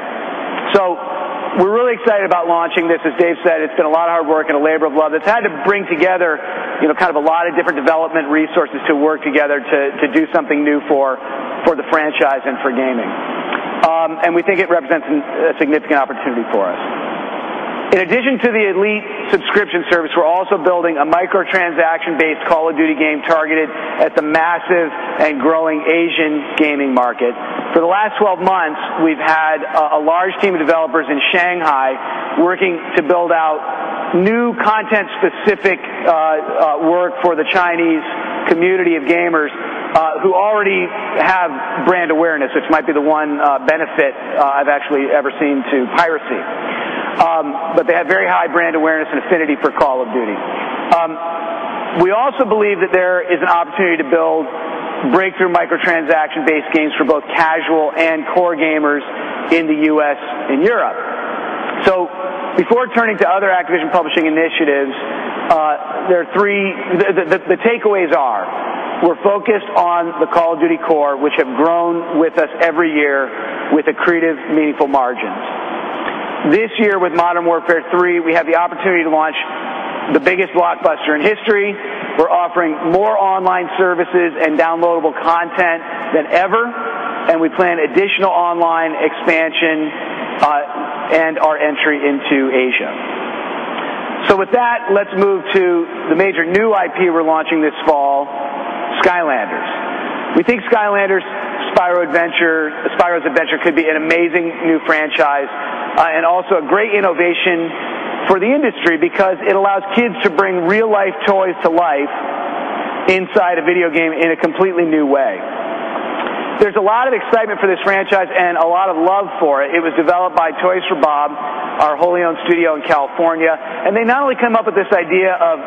We're really excited about launching this. As Dave said, it's been a lot of hard work and a labor of love that's had to bring together a lot of different development resources to work together to do something new for the franchise and for gaming. We think it represents a significant opportunity for us. In addition to the Elite subscription service, we're also building a microtransaction-based Call of Duty game targeted at the massive and growing Asian gaming market. For the last 12 months, we've had a large team of developers in Shanghai working to build out new content-specific work for the Chinese community of gamers who already have brand awareness, which might be the one benefit I've actually ever seen to piracy. They have very high brand awareness and affinity for Call of Duty. We also believe that there is an opportunity to build breakthrough microtransaction-based games for both casual and core gamers in the U.S. and Europe. Before turning to other Activision Publishing initiatives, the takeaways are we're focused on the Call of Duty core, which have grown with us every year with accretive meaningful margins. This year, with Modern Warfare III, we have the opportunity to launch the biggest blockbuster in history. We're offering more online services and downloadable content than ever. We plan additional online expansion and our entry into Asia. With that, let's move to the major new IP we're launching this fall, Skylanders. We think Skylanders: Spyro's Adventure could be an amazing new franchise and also a great innovation for the industry because it allows kids to bring real-life toys to life inside a video game in a completely new way. There's a lot of excitement for this franchise and a lot of love for it. It was developed by Toys for Bob, our wholly owned studio in California. They not only came up with this idea of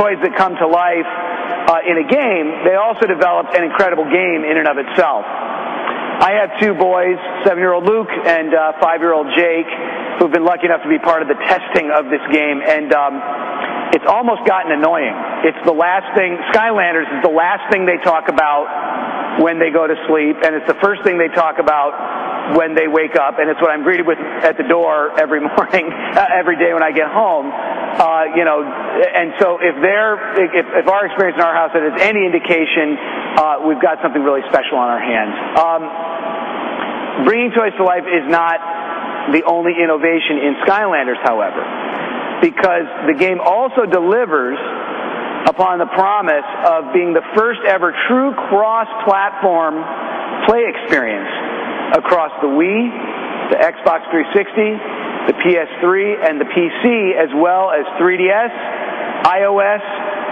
toys that come to life in a game, they also developed an incredible game in and of itself. I have two boys, 7-year-old Luke and 5-year-old Jake, who have been lucky enough to be part of the testing of this game. It's almost gotten annoying. Skylanders is the last thing they talk about when they go to sleep, and it's the first thing they talk about when they wake up. It's what I'm greeted with at the door every morning, every day when I get home. If our experience in our house is any indication, we've got something really special on our hands. Bringing toys to life is not the only innovation in Skylanders, however, because the game also delivers upon the promise of being the first ever true cross-platform play experience across the Wii, the Xbox 360, the PS3, and the PC, as well as 3DS, iOS,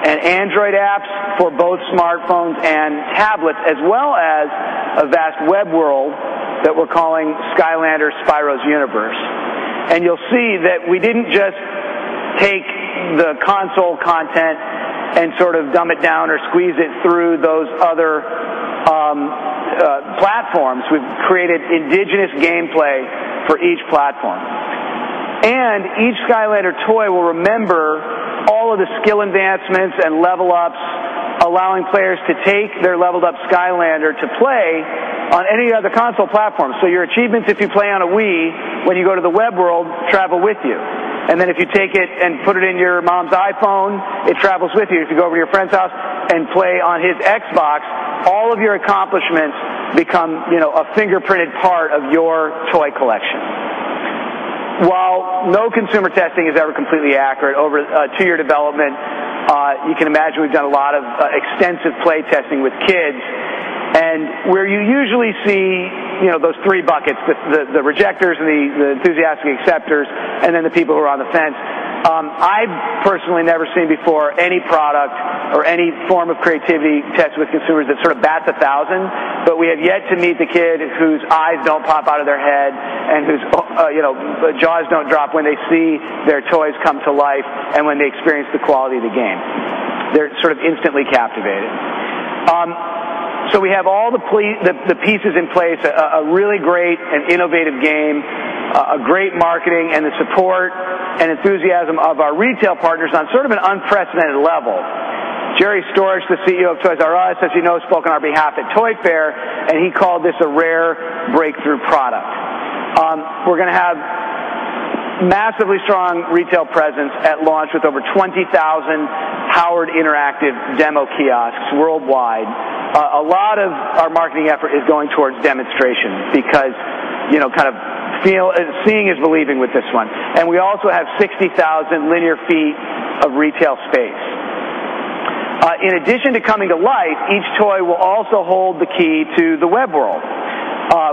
and Android apps for both smartphones and tablets, as well as a vast web world that we're calling Skylanders: Spyro's Universe. You will see that we didn't just take the console content and sort of dumb it down or squeeze it through those other platforms. We've created indigenous gameplay for each platform, and each Skylander toy will remember all of the skill advancements and level ups, allowing players to take their leveled-up Skylander to play on any other console platform. Your achievements, if you play on a Wii, when you go to the web world, travel with you. If you take it and put it in your mom's iPhone, it travels with you. If you go over to your friend's house and play on his Xbox, all of your accomplishments become a fingerprinted part of your toy collection. While no consumer testing is ever completely accurate over a two-year development, you can imagine we've done a lot of extensive play testing with kids. Where you usually see those three buckets with the rejectors and the enthusiastic acceptors and then the people who are on the fence, I've personally never seen before any product or any form of creativity test with consumers that sort of bat the thousand. We have yet to meet the kid whose eyes don't pop out of their head and whose jaws don't drop when they see their toys come to life and when they experience the quality of the game. They're sort of instantly captivated. We have all the pieces in place, a really great and innovative game, a great marketing, and the support and enthusiasm of our retail partners on sort of an unprecedented level. Jerry Storch, the CEO of Toys"R"Us, as you know, spoke on our behalf at Toy Fair. He called this a rare breakthrough product. We're going to have a massively strong retail presence at launch with over 20,000 Howard Interactive demo kiosks worldwide. A lot of our marketing effort is going towards demonstrations because, you know, kind of seeing is believing with this one. We also have 60,000 linear feet of retail space. In addition to coming to life, each toy will also hold the key to the web world,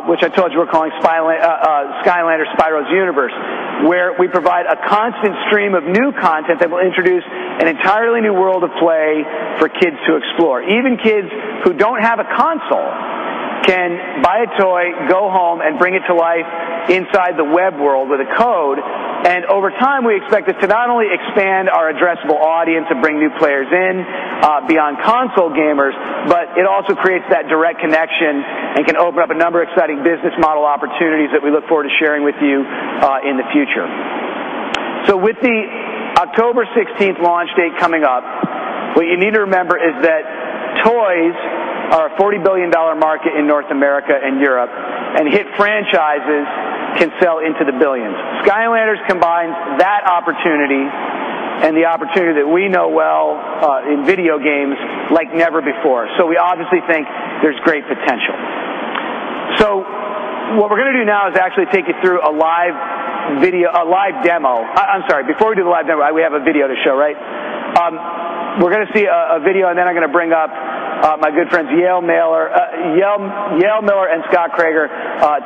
which I told you we're calling Skylanders: Spyro's Universe, where we provide a constant stream of new content that will introduce an entirely new world of play for kids to explore. Even kids who don't have a console can buy a toy, go home, and bring it to life inside the web world with a code. Over time, we expect this to not only expand our addressable audience and bring new players in beyond console gamers, but it also creates that direct connection and can open up a number of exciting business model opportunities that we look forward to sharing with you in the future. With the October 16 launch date coming up, what you need to remember is that toys are a $40 billion market in North America and Europe. Hit franchises can sell into the billions. Skylanders combines that opportunity and the opportunity that we know well in video games like never before. We obviously think there's great potential. What we're going to do now is actually take you through a live video, a live demo. I'm sorry, before we do the live demo, we have a video to show, right? We're going to see a video. Then I'm going to bring up my good friends Yale Miller, Yale Miller, and Scott Krager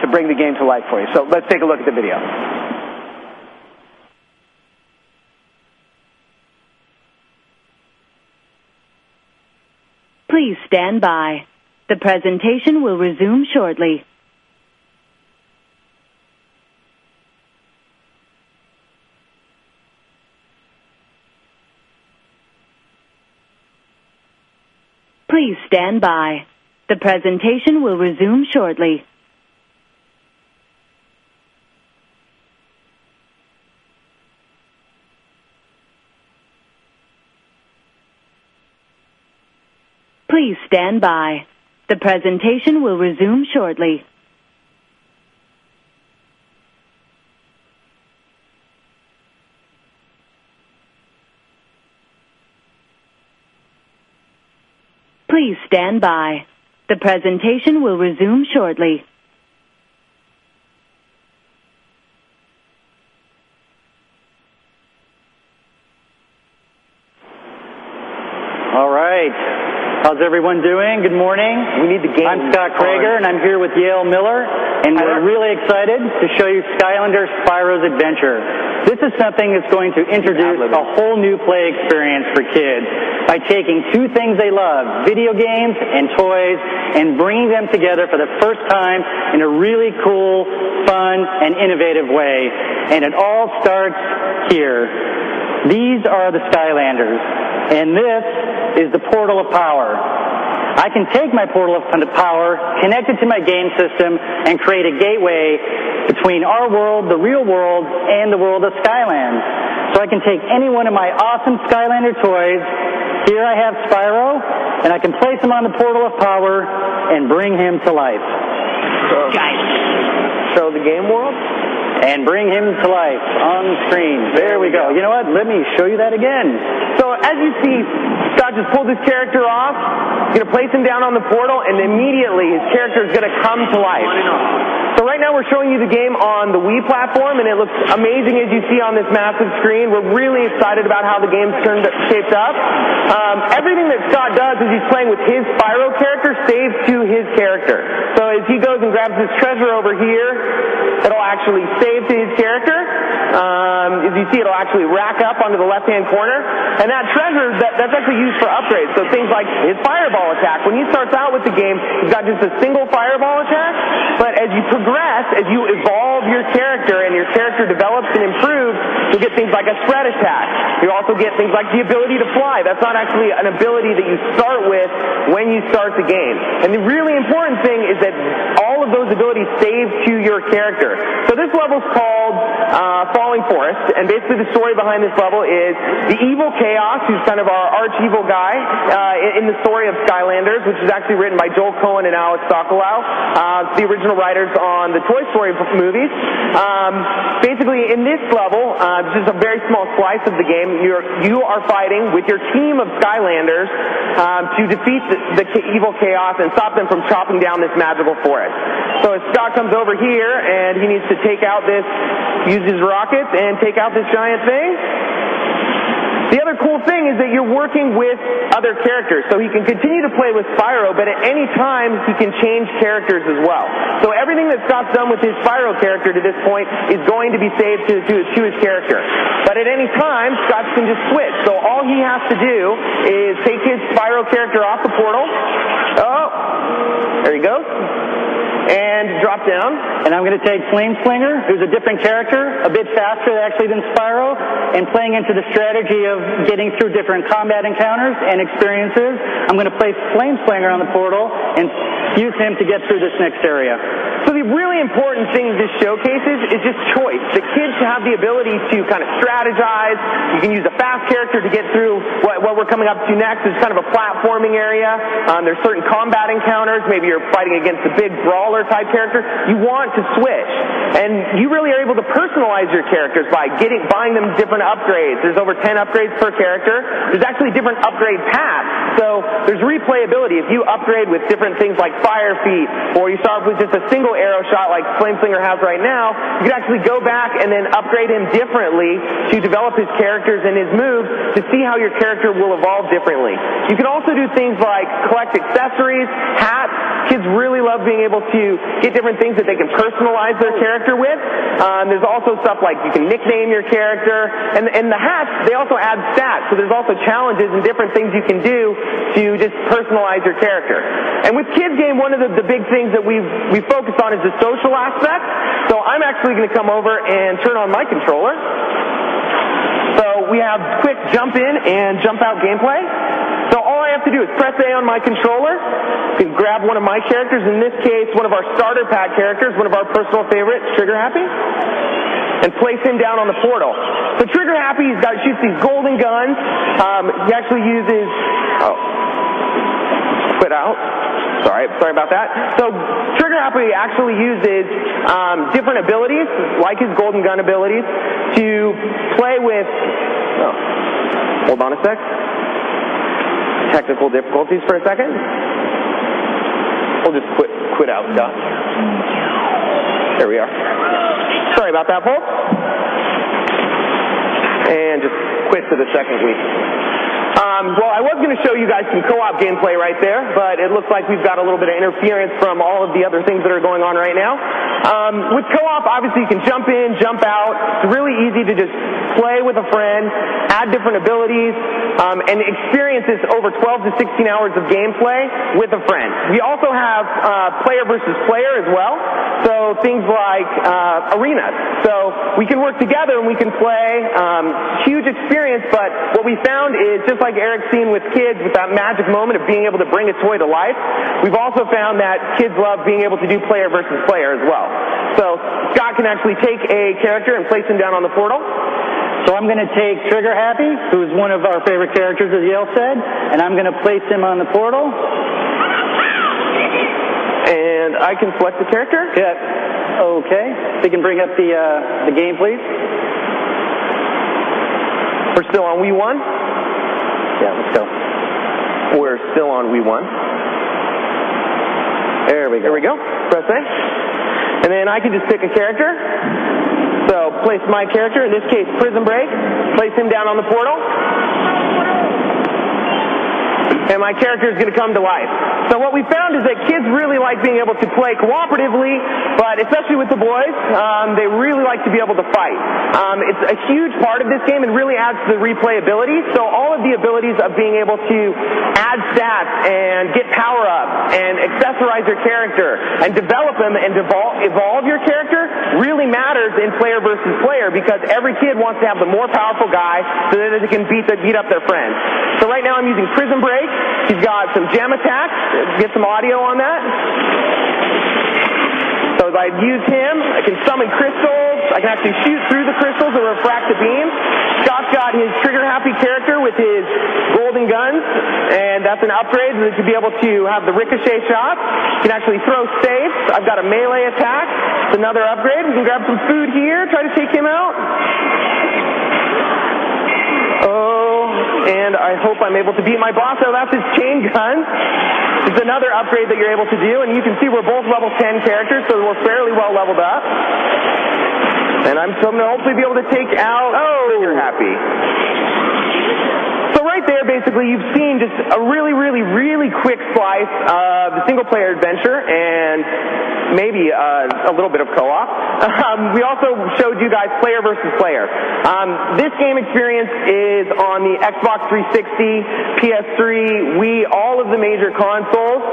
to bring the game to life for you. Let's take a look at the video. Please stand by. The presentation will resume shortly. Please stand by. The presentation will resume shortly. Please stand by. The presentation will resume shortly. Please stand by. The presentation will resume shortly. All right, how's everyone doing? Good morning. I'm Scott Krager. I'm here with Yale Miller. We're really excited to show you Skylanders: Spyro's Adventure. This is something that's going to introduce a whole new play experience for kids by taking two things they love, video games and toys, and bringing them together for the first time in a really cool, fun, and innovative way. It all starts here. These are the Skylanders. This is the portal of power. I can take my portal of power, connect it to my game system, and create a gateway between our world, the real world, and the world of Skyland. I can take any one of my awesome Skylander toys. Here I have Spyro. I can place him on the portal of power and bring him tofun life. Guys. Show the game world. Bring him to life on screen. There we go. You know what? Let me show you that again. As you see, Scott just pulled this character off. You're going to place him down on the portal, and immediately, his character is going to come to life. Putting it off. Right now, we're showing you the game on the Wii platform, and it looks amazing, as you see on this massive screen. We're really excited about how the game's shaped up. Everything that Scott does as he's playing with his Spyro character saves to his character. As he goes and grabs his treasure over here, it'll actually save to his character. As you see, it'll actually rack up onto the left-hand corner. That treasure is actually used for upgrades. Things like his fireball attack, when he starts out with the game, he's got just a single fireball attack. As you progress, as you evolve your character and your character develops and improves, you'll get things like a sweat attack. You'll also get things like the ability to fly. That's not actually an ability that you start with when you start the game. The really important thing is that all of those abilities save to your character. This level's called Falling Forest. Basically, the story behind this level is the evil Kaos, who's kind of our arch evil guy in the story of Skylanders, which was actually written by Joel Cohen and Alec Sokolow, the original writers on the Toy Story movies. Basically, in this level, this is a very small slice of the game. You are fighting with your team of Skylanders to defeat the evil Kaos and stop them from chopping down this magical forest. Scott comes over here, and he needs to take out this, use his rockets, and take out this giant thing. The other cool thing is that you're working with other characters, so he can continue to play with Spyro. At any time, he can change characters as well. Everything that Scott's done with his Spyro character to this point is going to be saved to his character. At any time, Scott can just quit. All he has to do is take his Spyro character off the portal. Oh, there he goes, and drop down. I am going to take Flameslinger. Who's a different character, a bit faster, actually, than Spyro. Playing into the strategy of getting through different combat encounters and experiences, I'm going to place Flameslinger on the portal and use him to get through this next area. The really important thing this showcases is just choice. The kids have the ability to kind of strategize. You can use a fast character to get through what we're coming up to next. It's kind of a platforming area. There are certain combat encounters. Maybe you're fighting against a big brawler-type character. You want to switch. You really are able to personalize your characters by buying them different upgrades. There are over 10 upgrades per character. There are actually different upgrade paths. There's replayability. If you upgrade with different things like fire feed or you sharpen just a single arrow shot like Flameslinger has right now, you can actually go back and then upgrade in differently to develop his characters and his moves to see how your character will evolve differently. You can also do things like collect accessories, hats. Kids really love being able to get different things that they can personalize their character with. There's also stuff like you can nickname your character. The hats also add stats. There are also challenges and different things you can do to just personalize your character. With kids' games, one of the big things that we focus on is the social aspect. I'm actually going to come over and turn on my controller. We have quick jump in and jump out gameplay. All I have to do is press A on my controller and grab one of my characters, in this case, one of our Starter Pack characters, one of our personal favorites, Trigger Happy, and place him down on the portal. Trigger Happy's got to shoot the Golden Gun. He actually uses different abilities, like his Golden Gun abilities, to play with—oh, more bonus specs? Technical difficulties for a second. We'll just quit out. Sorry about that, Paul. I was going to show you guys some co-op gameplay right there. It looks like we've got a little bit of interference from all of the other things that are going on right now. With co-op, obviously, you can jump in, jump out. It's really easy to just play with a friend, add different abilities, and experience this over 12 to 16 hours of gameplay with a friend. We also have player versus player as well, things like arenas. We can work together, and we can play huge experience. What we found is, just like Eric's seen with kids with that magic moment of being able to bring a toy to life, we've also found that kids love being able to do player versus player as well. Scott can actually take a character and place him down on the portal. I'm going to take Trigger Happy, who is one of our favorite characters, as Yale said. I'm going to place him on the portal, and I can select the character. Yes. OK. You can bring up the game, please. We're still on Wii 1. Yeah, we're still. We're still on Wii 1. There we go. There we go. Press A. Then I can just pick a character. Place my character, in this case, Prism Break, place him down on the portal. My character is going to come to life. What we found is that kids really like being able to play cooperatively. Especially with the boys, they really like to be able to fight. It's a huge part of this game. It really adds to the replayability. All of the abilities of being able to add stat and get power up and accessorize your character and develop them and evolve your character really matters in player versus player because every kid wants to have the more powerful guy so that they can beat up their friend. Right now, I'm using Prism Break. He's got some gem attacks. Get some audio on that. As I use him, I can summon crystals. I can actually shoot through the crystals or refract the beams. Scott's got his Trigger Happy character with his Golden Gun. That's an upgrade so that you'll be able to have the ricochet shot. You can actually throw safes. I've got a melee attack. It's another upgrade. We'll grab some food here. Try to take him out. Oh, I hope I'm able to beat my boss. That's his chain gun. It's another upgrade that you're able to do. You can see we're both level 10 characters. We're fairly well leveled up. I'm going to hopefully be able to take out Trigger Happy. Right there, basically, you've seen just a really, really, really quick slide of the single-player adventure and maybe a little bit of co-op. We also showed you guys player versus player. This game experience is on the Xbox 360, PS3, Wii, all of the major consoles.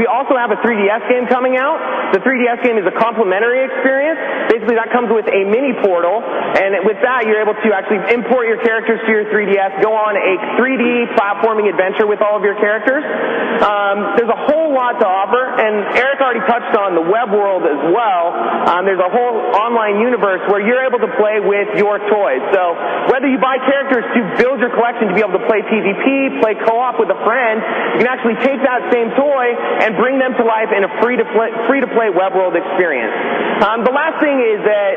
We also have a 3DS game coming out. The 3DS game is a complementary experience. Basically, that comes with a mini portal. With that, you're able to actually import your characters to your 3DS, go on a 3D platforming adventure with all of your characters. There's a whole lot to offer. Eric already touched on the web world as well. There's a whole online universe where you're able to play with your toy. Whether you buy characters to build your collection to be able to play PvP, play co-op with a friend, you can actually take that same toy and bring them to life in a free-to-play web world experience. The last thing is that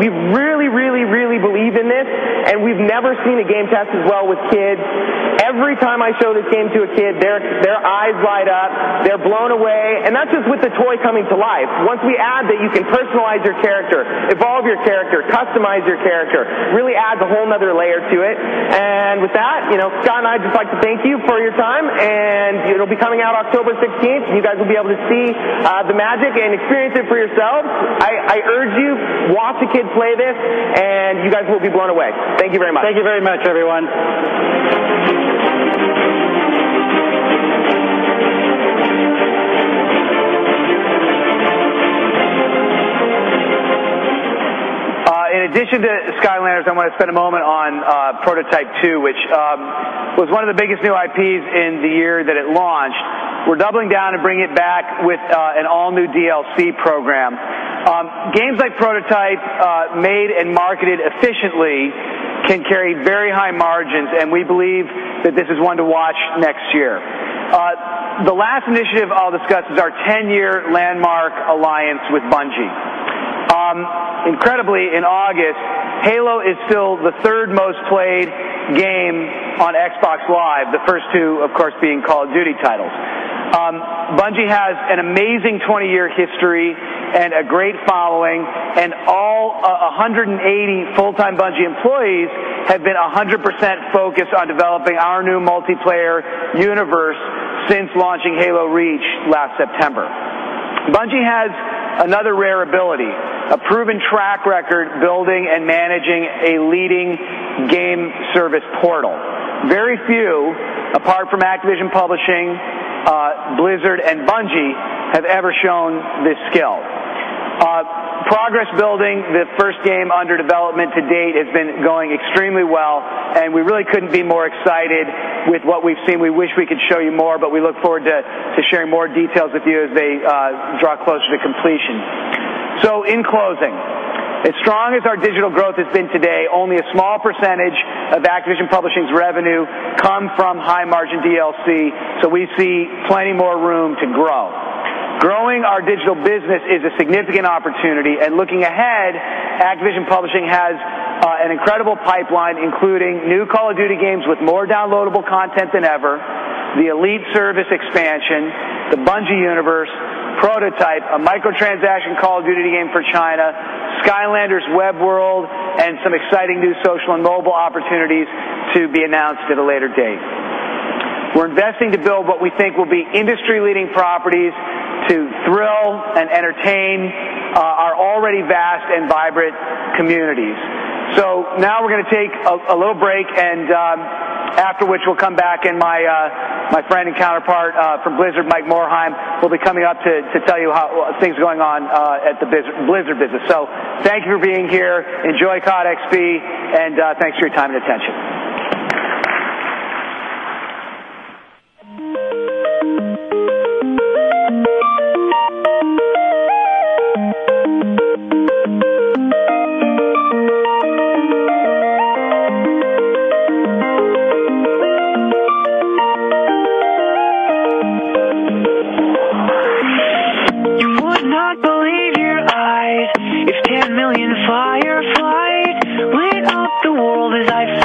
we really, really, really believe in this. We've never seen a game test as well with kids and. Every time I show this game to a kid, their eyes light up. They're blown away, and that's just with the toy coming to life. Once we add that you can personalize your character, evolve your character, customize your character, it really adds a whole other layer to it. Scott and I would just like to thank you for your time. It will be coming out October 16th, and you will be able to see the magic and experience it for yourselves. I urge you, watch a kid play this, and you will be blown away. Thank you very much. Thank you very much, everyone. In addition to Skylanders, I want to spend a moment on Prototype 2, which was one of the biggest new IPs in the year that it launched. We're doubling down to bring it back with an all-new DLC program. Games like Prototype, made and marketed efficiently, can carry very high margins. We believe that this is one to watch next year. The last initiative I'll discuss is our 10-year landmark alliance with Bungie. Incredibly, in August, Halo is still the third most played game on Xbox Live, the first two, of course, being Call of Duty titles. Bungie has an amazing 20-year history and a great following. All 180 full-time Bungie employees have been 100% focused on developing our new multiplayer universe since launching Halo: Reach last September. Bungie has another rare ability: a proven track record building and managing a leading game service portal. Very few, apart from Activision Publishing, Blizzard, and Bungie, have ever shown this skill. Progress building the first game under development to date has been going extremely well. We really couldn't be more excited with what we've seen. We wish we could show you more. We look forward to sharing more details with you as they draw close to completion. In closing, as strong as our digital growth has been today, only a small percentage of Activision Publishing's revenue comes from high-margin DLC. We see plenty more room to grow. Growing our digital business is a significant opportunity. Looking ahead, Activision Publishing has an incredible pipeline, including new Call of Duty games with more downloadable content than ever, the Elite Service expansion, the Bungie Universe, Prototype, a microtransaction Call of Duty game for China, Skylanders Webworld, and some exciting new social and mobile opportunities to be announced at a later date. We're investing to build what we think will be industry-leading properties to thrill and entertain our already vast and vibrant communities. Now we're going to take a little break, after which we'll come back. My friend and counterpart from Blizzard, Mike Morhaime, will be coming up to tell you how things are going on at the Blizzard business. Thank you for being here. Enjoy COD XP, and thanks for your time and attention. I cannot believe your eyes. You've 10 million fireflies light up the world as I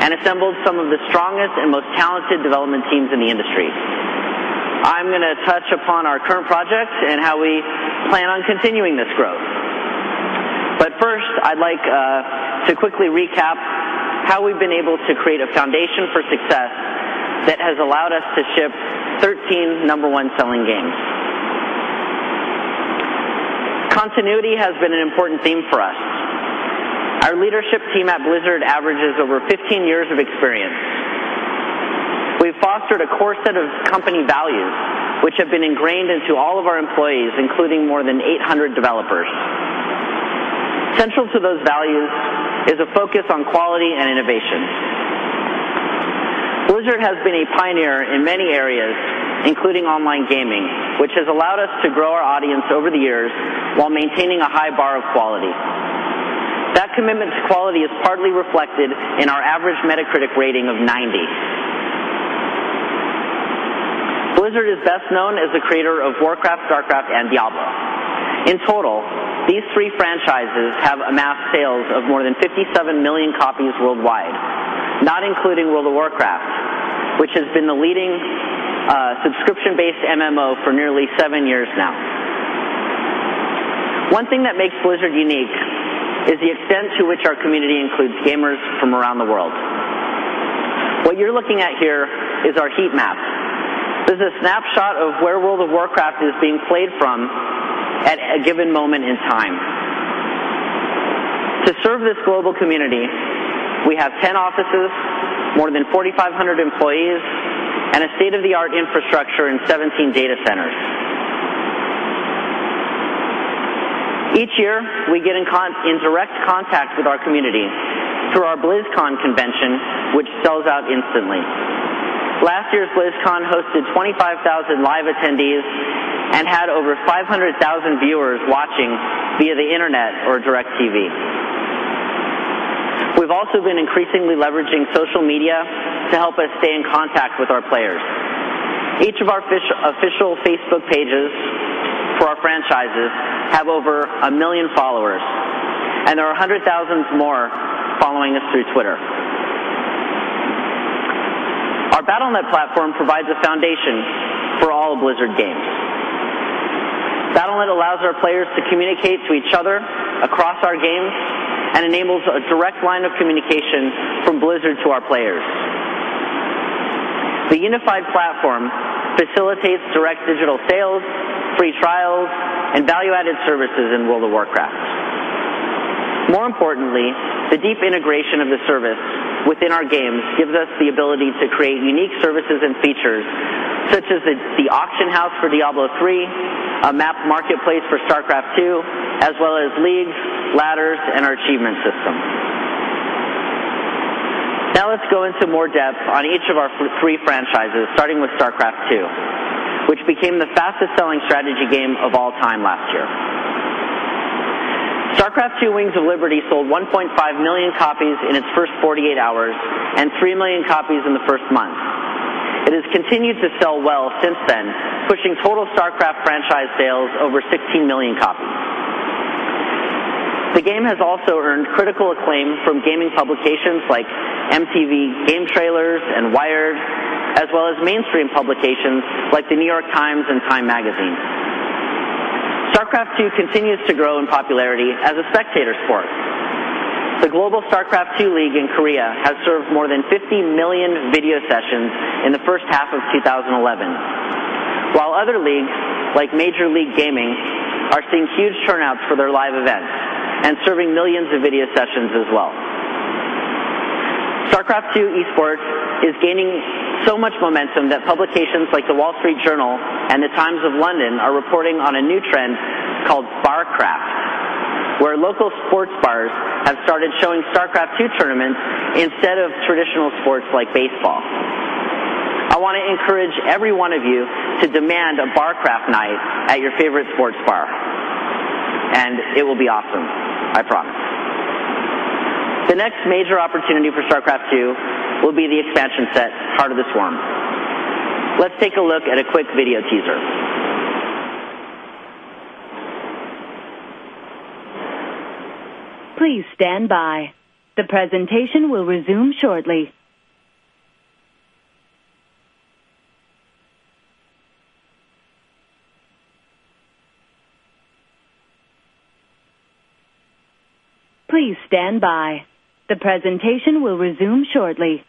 and assembled some of the strongest and most talented development teams in the industry. I'm going to touch upon our current projects and how we plan on continuing this growth. First, I'd like to quickly recap how we've been able to create a foundation for success that has allowed us to ship 13 number-one selling games. Continuity has been an important theme for us. Our leadership team at Blizzard averages over 15 years of experience. We've fostered a core set of company values, which have been ingrained into all of our employees, including more than 800 developers. Central to those values is a focus on quality and innovation. Blizzard has been a pioneer in many areas, including online gaming, which has allowed us to grow our audience over the years while maintaining a high bar of quality. That commitment to quality is hardly reflected in our average Metacritic rating of 90. Blizzard is best known as the creator of Warcraft, StarCraft, and Diablo. In total, these three franchises have amassed sales of more than 57 million copies worldwide, not including World of Warcraft, which has been the leading subscription-based MMO for nearly seven years now. One thing that makes Blizzard unique is the extent to which our community includes gamers from around the world. What you're looking at here is our heat map. This is a snapshot of where World of Warcraft is being played from at a given moment in time. To serve this global community, we have 10 offices, more than 4,500 employees, and a state-of-the-art infrastructure in 17 data centers. Each year, we get in direct contact with our community through our BlizzCon convention, which sells out instantly. Last year's BlizzCon hosted 25,000 live attendees and had over 500,000 viewers watching via the internet or DirecTV. We've also been increasingly leveraging social media to help us stay in contact with our players. Each of our official Facebook pages for our franchises has over a million followers. There are hundreds of thousands more following us through Twitter. Our Battle.net platform provides a foundation for all of Blizzard games. Battle.net allows our players to communicate to each other across our games and enables a direct line of communication from Blizzard to our players. The unified platform facilitates direct digital sales, free trials, and value-added services in World of Warcraft. More importantly, the deep integration of the service within our games gives us the ability to create unique services and features, such as the auction house for Diablo III, a map marketplace for StarCraft II, as well as leagues, ladders, and our achievement system. Now let's go into more depth on each of our three franchises, starting with StarCraft II, which became the fastest-selling strategy game of all time last year. StarCraft II: Wings of Liberty sold 1.5 million copies in its first 48 hours and 3 million copies in the first month. It has continued to sell well since then, pushing total StarCraft franchise sales over 16 million copies. The game has also earned critical acclaim from gaming publications like MTV Game Trailers and Wired, as well as mainstream publications like The New York Times and Time Magazine. StarCraft II continues to grow in popularity as a spectator sport. The global StarCraft II League in Korea has served more than 50 million video sessions in the first half of 2011, while other leagues, like Major League Gaming, are seeing huge turnouts for their live events and serving millions of video sessions as well. StarCraft II eSports is gaining so much momentum that publications like The Wall Street Journal and The Times of London are reporting on a new trend called BarCraft, where local sports bars have started showing StarCraft II tournaments instead of traditional sports like baseball. I want to encourage every one of you to demand a BarCraft night at your favorite sports bar. It will be awesome, I promise. The next major opportunity for StarCraft II will be the expansion set, Heart of the Swarm. Let's take a look at a quick video teaser. Please stand by. The presentation will resume shortly. Please stand by. The presentation will resume shortly.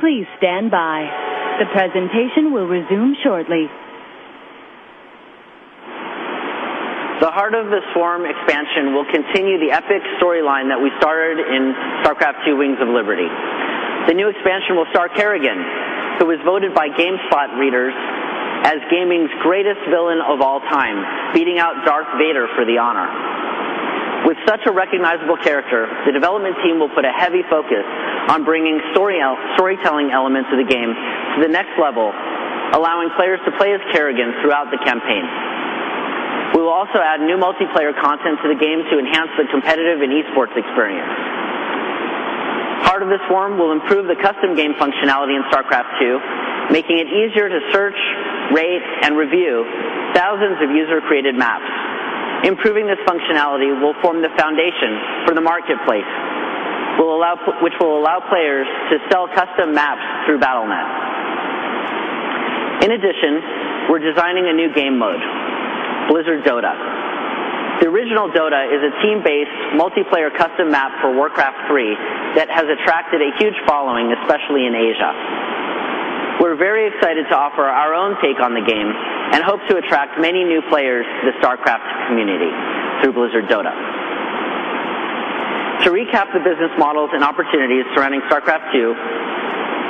Please stand by. The presentation will resume shortly. The Heart of the Swarm expansion will continue the epic storyline that we started in StarCraft II: Wings of Liberty. The new expansion will star Kerrigan, who was voted by GameSpot readers as gaming's greatest villain of all time, beating out Darth Vader for the honor. With such a recognizable character, the development team will put a heavy focus on bringing storytelling elements of the game to the next level, allowing players to play as Kerrigan throughout the campaign. We will also add new multiplayer content to the game to enhance the competitive and eSports experience. Heart of the Swarm will improve the custom game functionality in StarCraft II, making it easier to search, rate, and review thousands of user-created maps. Improving this functionality will form the foundation for the marketplace, which will allow players to sell custom maps through Battle.net. In addition, we're designing a new game mode, Blizzard DOTA. The original Dota is a team-based multiplayer custom map for Warcraft 3 that has attracted a huge following, especially in Asia. We're very excited to offer our own take on the game and hope to attract many new players to the StarCraft community through Blizzard DOTA. To recap the business models and opportunities surrounding StarCraft II,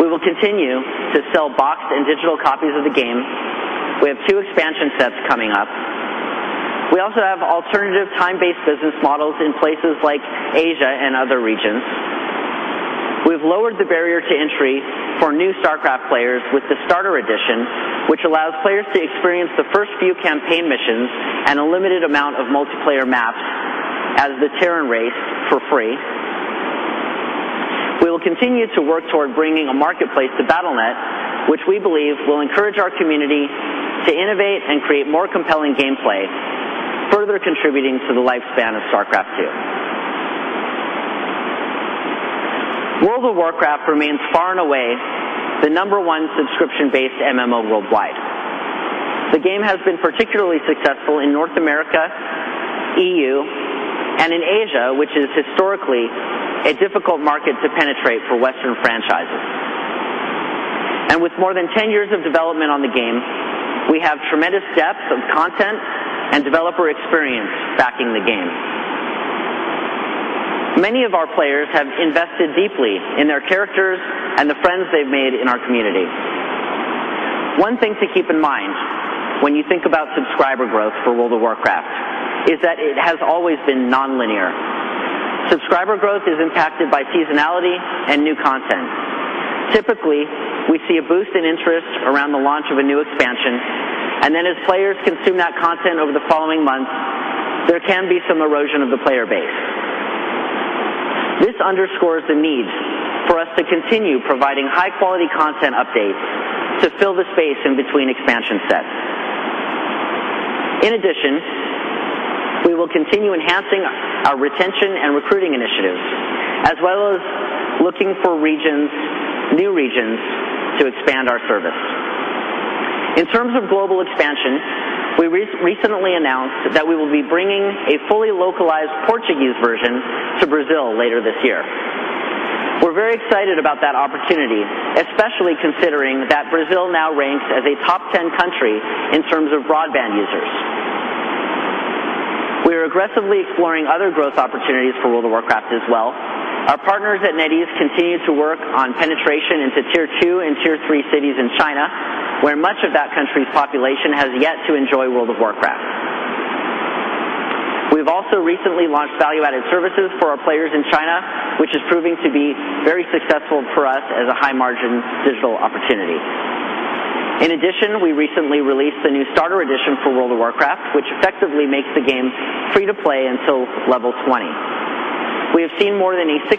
we will continue to sell boxed and digital copies of the game. We have two expansion sets coming up. We also have alternative time-based business models in places like Asia and other regions. We've lowered the barrier to entry for new StarCraft players with the Starter Edition, which allows players to experience the first few campaign missions and a limited amount of multiplayer maps as the Terran race for free. We will continue to work toward bringing a marketplace to Battle.net, which we believe will encourage our community to innovate and create more compelling gameplay, further contributing to the lifespan of StarCraft II. World of Warcraft remains far and away the number-one subscription-based MMO worldwide. The game has been particularly successful in North America, EU, and in Asia, which is historically a difficult market to penetrate for Western franchises. With more than 10 years of development on the game, we have tremendous depth of content and developer experience backing the game. Many of our players have invested deeply in their characters and the friends they've made in our community. One thing to keep in mind when you think about subscriber growth for World of Warcraft is that it has always been non-linear. Subscriber growth is impacted by seasonality and new content. Typically, we see a boost in interest around the launch of a new expansion. As players consume that content over the following month, there can be some erosion of the player base. This underscores the need for us to continue providing high-quality content updates to fill the space in between expansion sets. In addition, we will continue enhancing our retention and recruiting initiatives, as well as looking for new regions to expand our service. In terms of global expansion, we recently announced that we will be bringing a fully localized Portuguese version to Brazil later this year. We're very excited about that opportunity, especially considering that Brazil now ranks as a top 10 country in terms of broadband users. We are aggressively exploring other growth opportunities for World of Warcraft as well. Our partners at NetEase continue to work on penetration into Tier 2 and Tier 3 cities in China, where much of that country's population has yet to enjoy World of Warcraft. We've also recently launched value-added services for our players in China, which is proving to be very successful for us as a high-margin digital opportunity. In addition, we recently released the new Starter Edition for World of Warcraft, which effectively makes the game free to play until level 20. We have seen more than a 60%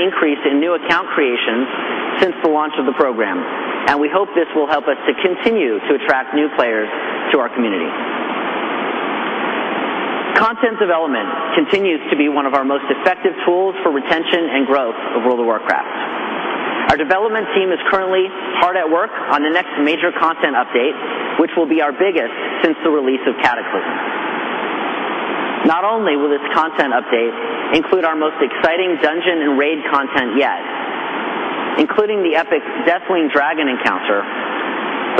increase in new account creations since the launch of the program. We hope this will help us to continue to attract new players to our community. Content development continues to be one of our most effective tools for retention and growth of World of Warcraft. Our development team is currently hard at work on the next major content update, which will be our biggest since the release of Cataclysm. Not only will this content update include our most exciting dungeon and raid content yet, including the epic Deathwing Dragon encounter,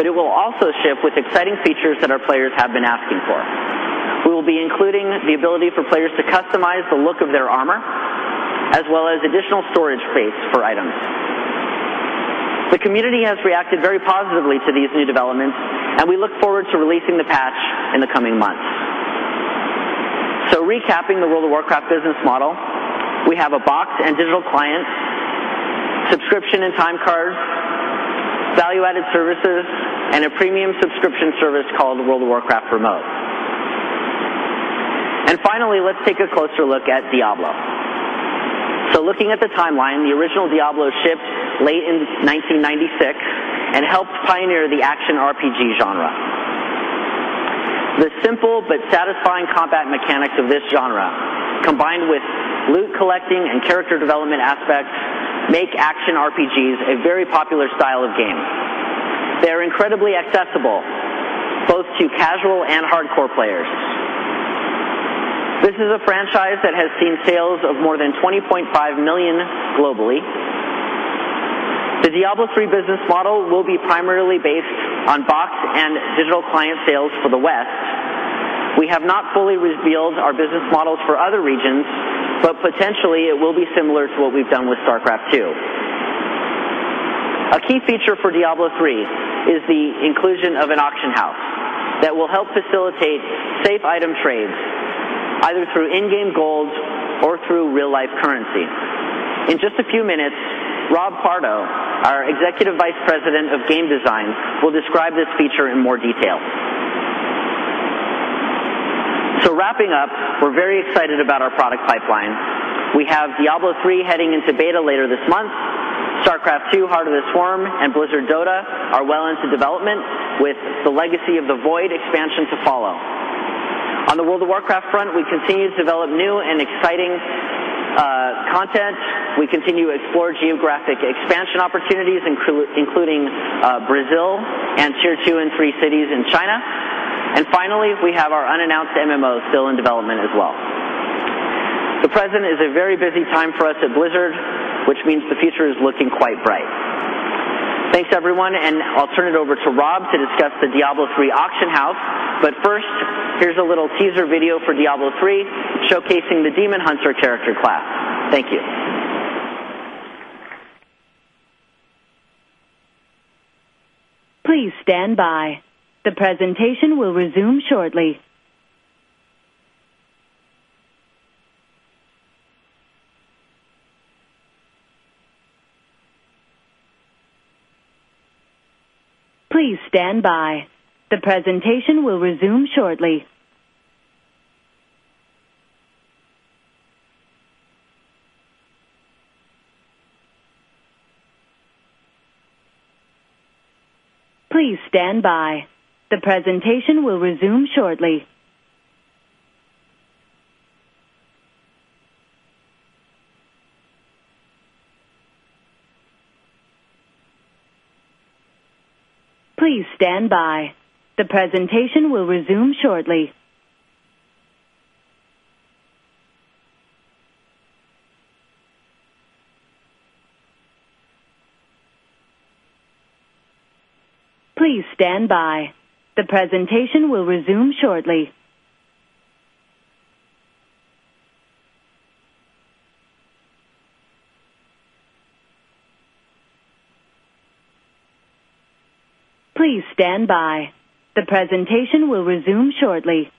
it will also ship with exciting features that our players have been asking for. We will be including the ability for players to customize the look of their armor, as well as additional storage space for items. The community has reacted very positively to these new developments. We look forward to releasing the patch in the coming months. Recapping the World of Warcraft business model, we have a boxed and digital client, subscription and time card, value-added services, and a premium subscription service called World of Warcraft Remote. Finally, let's take a closer look at Diablo. Looking at the timeline, the original Diablo shipped late in 1996 and helped pioneer the action RPG genre. The simple but satisfying combat mechanics of this genre, combined with loot collecting and character development aspects, make action RPGs a very popular style of game. They're incredibly accessible, both to casual and hardcore players. This is a franchise that has seen sales of more than 20.5 million globally. The Diablo III business model will be primarily based on boxed and digital client sales for the West. We have not fully revealed our business model for other regions, but potentially it will be similar to what we've done with StarCraft II. A key feature for Diablo III is the inclusion of an auction house that will help facilitate safe item trades, either through in-game gold or through real-life currency. In just a few minutes, Rob Pardo, our Executive Vice President of Game Design, will describe this feature in more detail. Wrapping up, we're very excited about our product pipeline. We have Diablo III heading into beta later this month. StarCraft II: Heart of the Swarm and Blizzard DOTA are well into development, with the Legacy of the Void expansion to follow. On the World of Warcraft front, we continue to develop new and exciting content. We continue to explore geographic expansion opportunities, including Brazil and Tier 2 and 3 cities in China. Finally, we have our unannounced MMO still in development as well. The present is a very busy time for us at Blizzard, which means the future is looking quite bright. Thanks, everyone. I'll turn it over to Rob to discuss the Diablo III auction house. First, here's a little teaser video for Diablo III, showcasing the Demon Hunter character class. Thank you. Please stand by. The presentation will resume shortly. Please stand by. The presentation will resume shortly. Please stand by. The presentation will resume shortly. Please stand by. The presentation will resume shortly. Please stand by. The presentation will resume shortly. Please stand by. The presentation will resume shortly.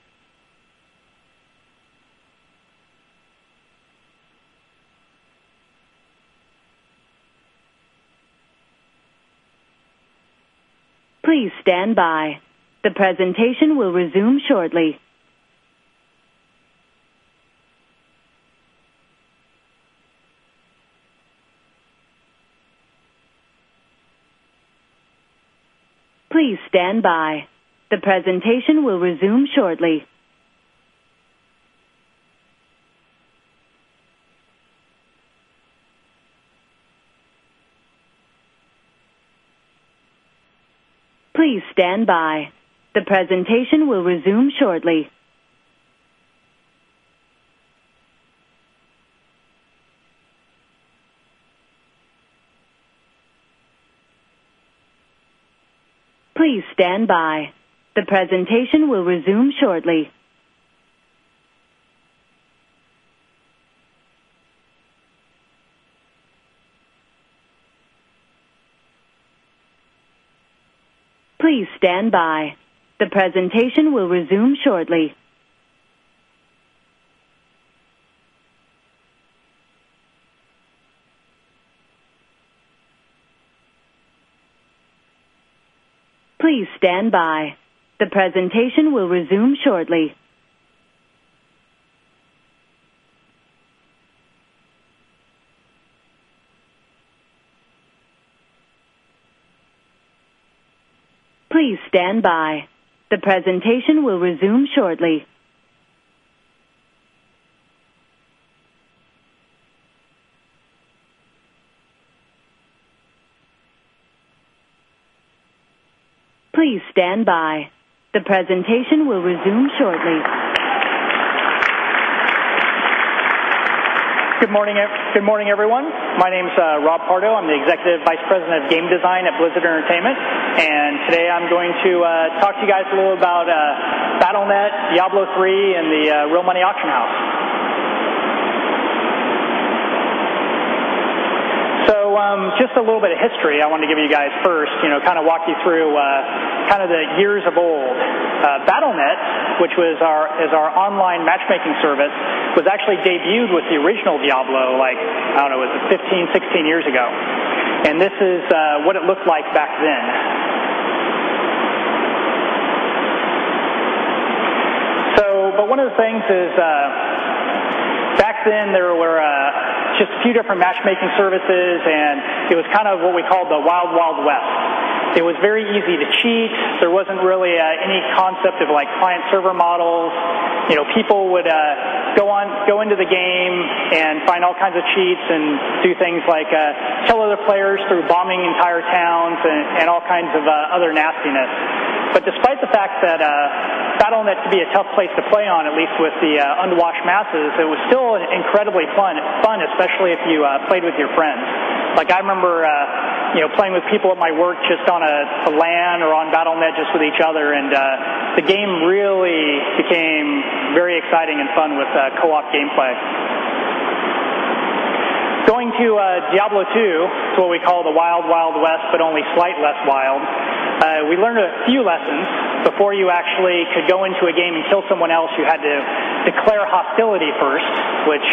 Please stand by. The presentation will resume shortly. Please stand by. The presentation will resume shortly. Please stand by. The presentation will resume shortly. Please stand by. The presentation will resume shortly. Please stand by. The presentation will resume shortly. Please stand by. The presentation will resume shortly. Please stand by. The presentation will resume shortly. Good morning, everyone. My name is Rob Pardo. I'm the Executive Vice President of Game Design at Blizzard Entertainment. Today I'm going to talk to you guys a little about Battle.net, Diablo III, and the real-money auction house. Just a little bit of history I wanted to give you guys first, kind of walk you through the years of old. Battle.net, which is our online matchmaking service, was actually debuted with the original Diablo like, I don't know, was it 15, 16 years ago? This is what it looked like back then. One of the things is back then there were just a few different matchmaking services. It was kind of what we called the Wild Wild West. It was very easy to cheat. There wasn't really any concept of client server models. People would go into the game and find all kinds of cheats and do things like shell other players through bombing entire towns and all kinds of other nastiness. Despite the fact that Battle.net could be a tough place to play on, at least with the unwashed masses, it was still incredibly fun. It was fun, especially if you played with your friends. I remember playing with people at my work just on a LAN or on Battle.net just with each other. The game really became very exciting and fun with co-op gameplay. Going to Diablo II, it's what we call the Wild Wild West, but only slightly less wild. We learned a few lessons. Before you actually could go into a game and kill someone else, you had to declare hostility first, which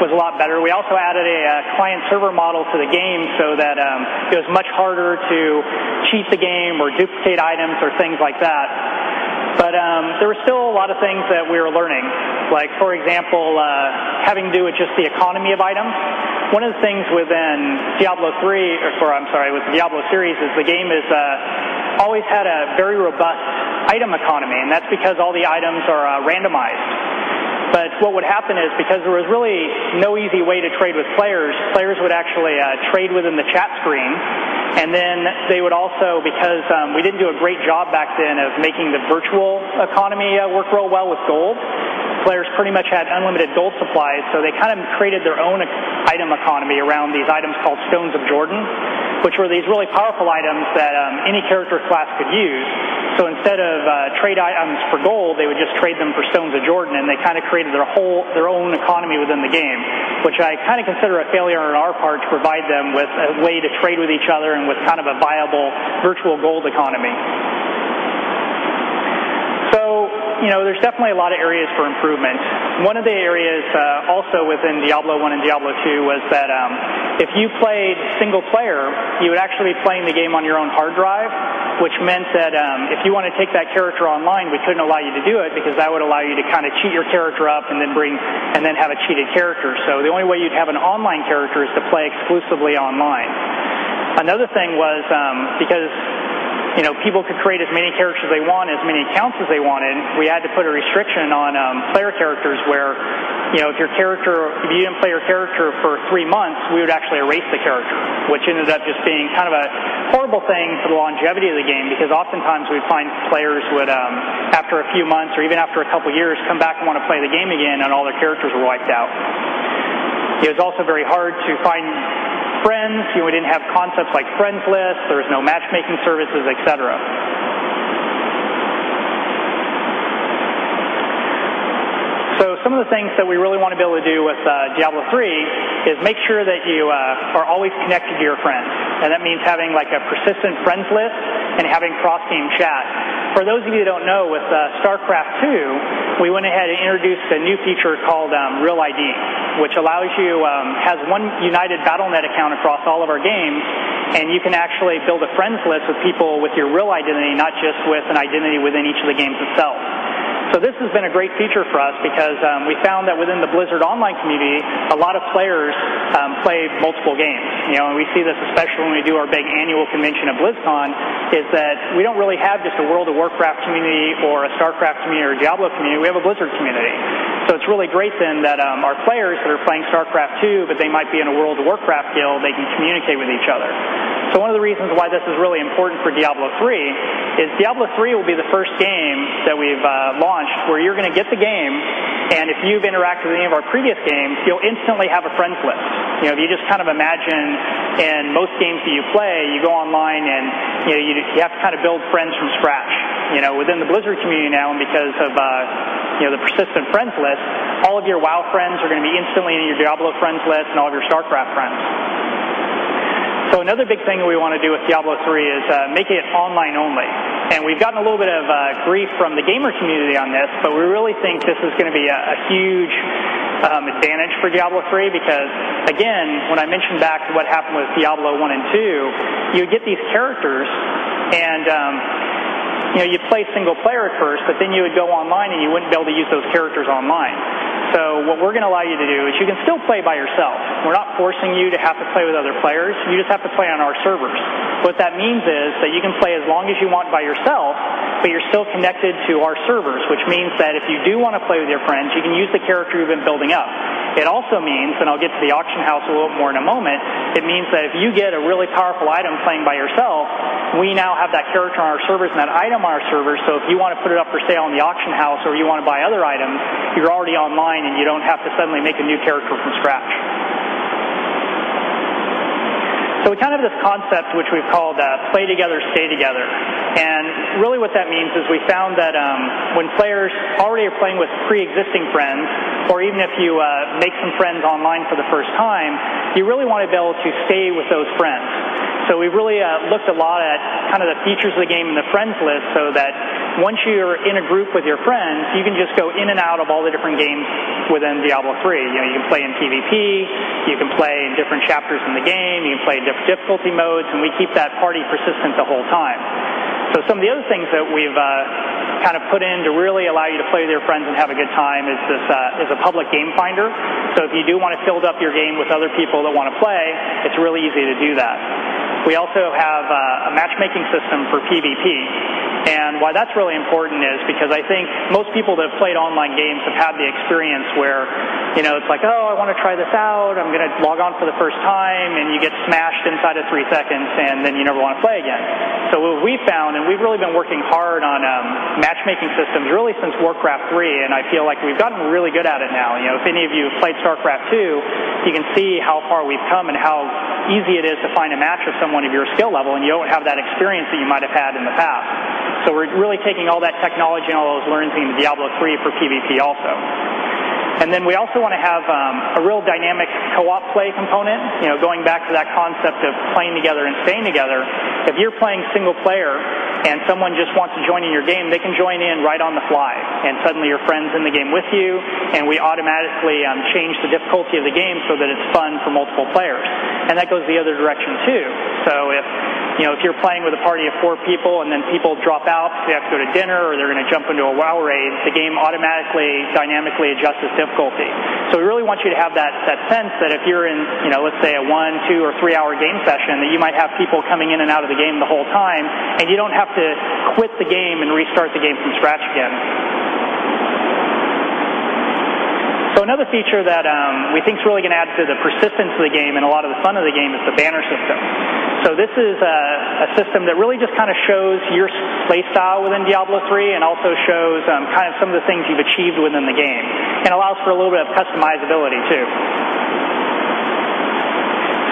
was a lot better. We also added a client server model to the game so that it was much harder to cheat the game or duplicate items or things like that. There were still a lot of things that we were learning. For example, having to do with just the economy of items. One of the things within Diablo III, or I'm sorry, with the Diablo series, is the game has always had a very robust item economy. That's because all the items are randomized. What would happen is because there was really no easy way to trade with players, players would actually trade within the chat screen. Because we didn't do a great job back then of making the virtual economy work real well with gold, players pretty much had unlimited gold supplies. They kind of created their own item economy around these items called Stones of Jordan, which were these really powerful items that any character class could use. Instead of trade items for gold, they would just trade them for Stones of Jordan. They kind of created their own economy within the game, which I kind of consider a failure on our part to provide them with a way to trade with each other and with kind of a viable virtual gold economy. There are definitely a lot of areas for improvement. One of the areas also within Diablo I and Diablo II was that if you played single player, you would actually be playing the game on your own hard drive, which meant that if you want to take that character online, we could not allow you to do it because that would allow you to kind of cheat your character up and then have a cheated character. The only way you would have an online character is to play exclusively online. Another thing was because people could create as many characters as they wanted, as many accounts as they wanted, we had to put a restriction on player characters where if you did not play your character for three months, we would actually erase the character, which ended up just being kind of a horrible thing for the longevity of the game because oftentimes we would find players would, after a few months or even after a couple of years, come back and want to play the game again and all their characters were wiped out. It was also very hard to find friends. We did not have concepts like friends lists. There were no matchmaking services, et cetera. Some of the things that we really want to be able to do with Diablo III is make sure that you are always connected to your friends. That means having a persistent friends list and having cross-team chat. For those of you that do not know, with StarCraft II, we went ahead and introduced a new feature called Real ID, which allows you to have one united Battle.net account across all of our games. You can actually build a friends list with people with your real identity, not just with an identity within each of the games itself. This has been a great feature for us because we found that within the Blizzard online community, a lot of players play multiple games. We see this especially when we do our big annual convention at BlizzCon, that we do not really have just a World of Warcraft community or a StarCraft community or a Diablo community. We have a Blizzard community. It is really great then that our players that are playing StarCraft II, but they might be in a World of Warcraft guild, they can communicate with each other. One of the reasons why this is really important for Diablo III is Diablo III will be the first game that we've launched where you're going to get the game, and if you've interacted with any of our previous games, you'll instantly have a friends list. If you just kind of imagine, in most games that you play, you go online and you have to kind of build friends from scratch. Within the Blizzard community now, and because of the persistent friends list, all of your World of Warcraft friends are going to be instantly in your Diablo friends list and all of your StarCraft friends. Another big thing that we want to do with Diablo III is make it online only. We've gotten a little bit of grief from the gamer community on this. We really think this is going to be a huge advantage for Diablo III because, again, when I mentioned back to what happened with Diablo I and II, you would get these characters and you'd play single player at first, but then you would go online and you wouldn't be able to use those characters online. What we're going to allow you to do is you can still play by yourself. We're not forcing you to have to play with other players. You just have to play on our servers. What that means is that you can play as long as you want by yourself, but you're still connected to our servers, which means that if you do want to play with your friends, you can use the character you've been building up. It also means, and I'll get to the auction house a little more in a moment, it means that if you get a really powerful item playing by yourself, we now have that character on our servers and that item on our servers. If you want to put it up for sale on the auction house or you want to buy other items, you're already online and you don't have to suddenly make a new character from scratch. We kind of have this concept, which we've called Play Together, Stay Together. What that means is we found that when players already are playing with pre-existing friends, or even if you make some friends online for the first time, you really want to be able to stay with those friends. We've really looked a lot at kind of the features of the game and the friends list so that once you're in a group with your friends, you can just go in and out of all the different games within Diablo III. You can play in PvP. You can play in different chapters in the game. You can play in different difficulty modes, and we keep that party persistent the whole time. Some of the other things that we've kind of put in to really allow you to play with your friends and have a good time is this public game finder. If you do want to fill up your game with other people that want to play, it's really easy to do that. We also have a matchmaking system for PvP. Why that's really important is because I think most people that have played online games have had the experience where it's like, oh, I want to try this out. I'm going to log on for the first time, and you get smashed inside of three seconds, and then you never want to play again. What we found, and we've really been working hard on matchmaking systems really since Warcraft III, is that I feel like we've gotten really good at it now. If any of you have played StarCraft II, you can see how far we've come and how easy it is to find a match with someone of your skill level, and you don't have that experience that you might have had in the past. We're really taking all that technology and all those learnings into Diablo III for PvP also. We also want to have a real dynamic co-op play component, going back to that concept of playing together and staying together. If you're playing single player and someone just wants to join in your game, they can join in right on the fly, and suddenly your friend's in the game with you. We automatically change the difficulty of the game so that it's fun for multiple players, and that goes the other direction too. If you're playing with a party of four people and then people drop out, they have to go to dinner or they're going to jump into a World of Warcraft raid, the game automatically dynamically adjusts its difficulty. We really want you to have that sense that if you're in, let's say, a one, two, or three-hour game session, you might have people coming in and out of the game the whole time, and you don't have to quit the game and restart the game from scratch again. Another feature that we think is really going to add to the persistence of the game and a lot of the fun of the game is the banner system. This is a system that really just kind of shows your play style within Diablo III and also shows some of the things you've achieved within the game. It allows for a little bit of customizability too.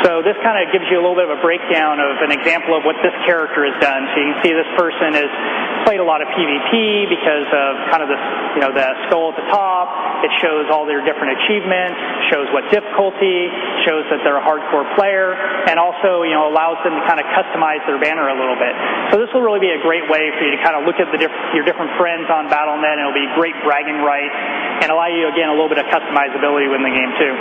This kind of gives you a little bit of a breakdown of an example of what this character has done. You can see this person has played a lot of PvP because of the soul at the top. It shows all their different achievements, shows what difficulty, shows that they're a hardcore player, and also allows them to kind of customize their banner a little bit. This will really be a great way for you to kind of look at your different friends on Battle.net. It'll be great bragging rights and allow you, again, a little bit of customizability within the game too.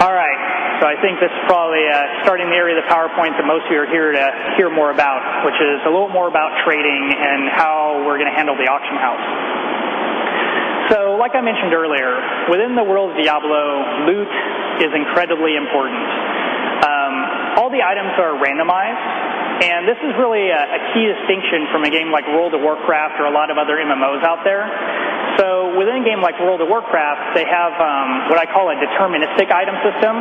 All right. I think this is probably starting in the area of the PowerPoint that most of you are here to hear more about, which is a little more about trading and how we're going to handle the auction house. Like I mentioned earlier, within the world of Diablo, loot is incredibly important. All the items are randomized. This is really a key distinction from a game like World of Warcraft or a lot of other MMOs out there. Within a game like World of Warcraft, they have what I call a deterministic item system.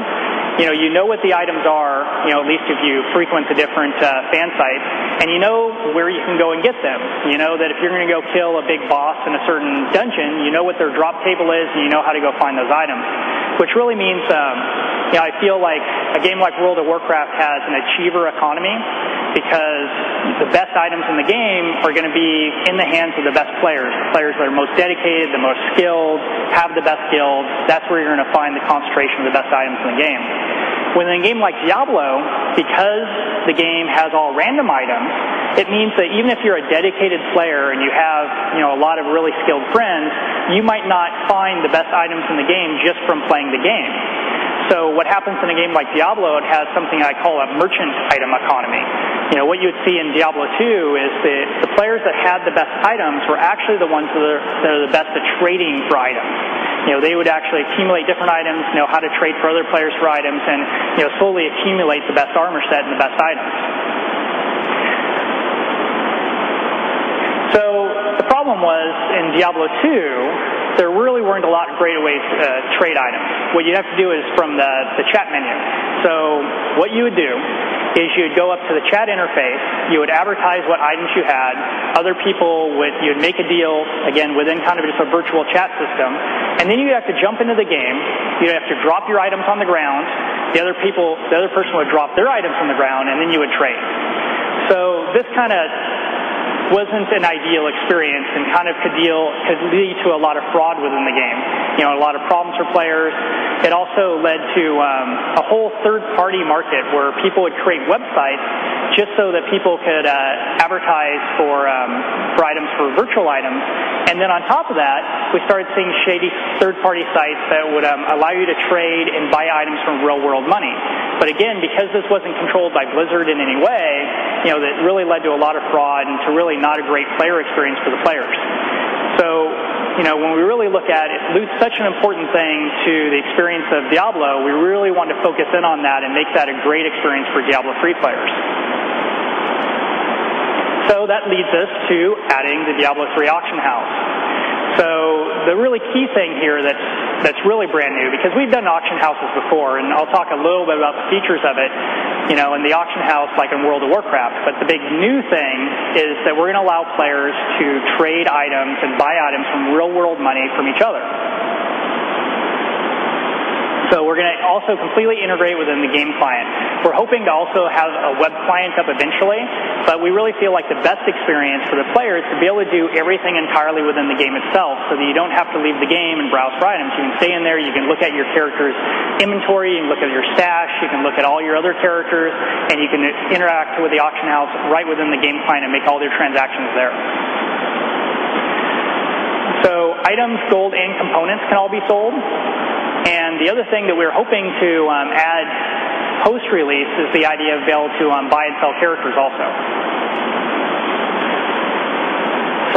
You know what the items are, at least if you frequent the different fan sites. You know where you can go and get them. You know that if you're going to go kill a big boss in a certain dungeon, you know what their drop table is. You know how to go find those items, which really means I feel like a game like World of Warcraft has an achiever economy because the best items in the game are going to be in the hands of the best players. Players that are most dedicated, the most skilled, have the best skills. That's where you're going to find the concentration of the best items in the game. Within a game like Diablo, because the game has all random items, it means that even if you're a dedicated player and you have a lot of really skilled friends, you might not find the best items in the game just from playing the game. What happens in a game like Diablo and has something I call a merchant item economy, what you would see in Diablo II is that the players that had the best items were actually the ones that are the best at trading for items. They would actually accumulate different items, know how to trade for other players for items, and solely accumulate the best armor set and the best items. The problem was in Diablo II, there really weren't a lot of great ways to trade items. What you'd have to do is from the chat menu. What you would do is you would go up to the chat interface. You would advertise what items you had. Other people, you'd make a deal, again, within kind of a virtual chat system. You'd have to jump into the game. You'd have to drop your items on the ground. The other person would drop their items on the ground, and then you would trade. This kind of wasn't an ideal experience and could lead to a lot of fraud within the game, a lot of problems for players. It also led to a whole third-party market where people would create websites just so that people could advertise for items, for virtual items. On top of that, we started seeing shady third-party sites that would allow you to trade and buy items for real-world money. Because this wasn't controlled by Blizzard in any way, it really led to a lot of fraud and to really not a great player experience for the players. When we really look at it, loot is such an important thing to the experience of Diablo. We really want to focus in on that and make that a great experience for Diablo III players. That leads us to adding the Diablo III auction house. The really key thing here that's really brand new, because we've done auction houses before, and I'll talk a little bit about the features of it, and the auction house like in World of Warcraft. The big new thing is that we're going to allow players to trade items and buy items for real-world money from each other. We're going to also completely integrate within the game client. We're hoping to also have a web client up eventually. We really feel like the best experience for the players is to be able to do everything entirely within the game itself so that you don't have to leave the game and browse for items. You can stay in there. You can look at your character's inventory. You can look at your stash. You can look at all your other characters, and you can interact with the auction house right within the game client and make all your transactions there. Items, gold, and components can all be sold. The other thing that we're hoping to add post-release is the idea of being able to buy and sell characters also.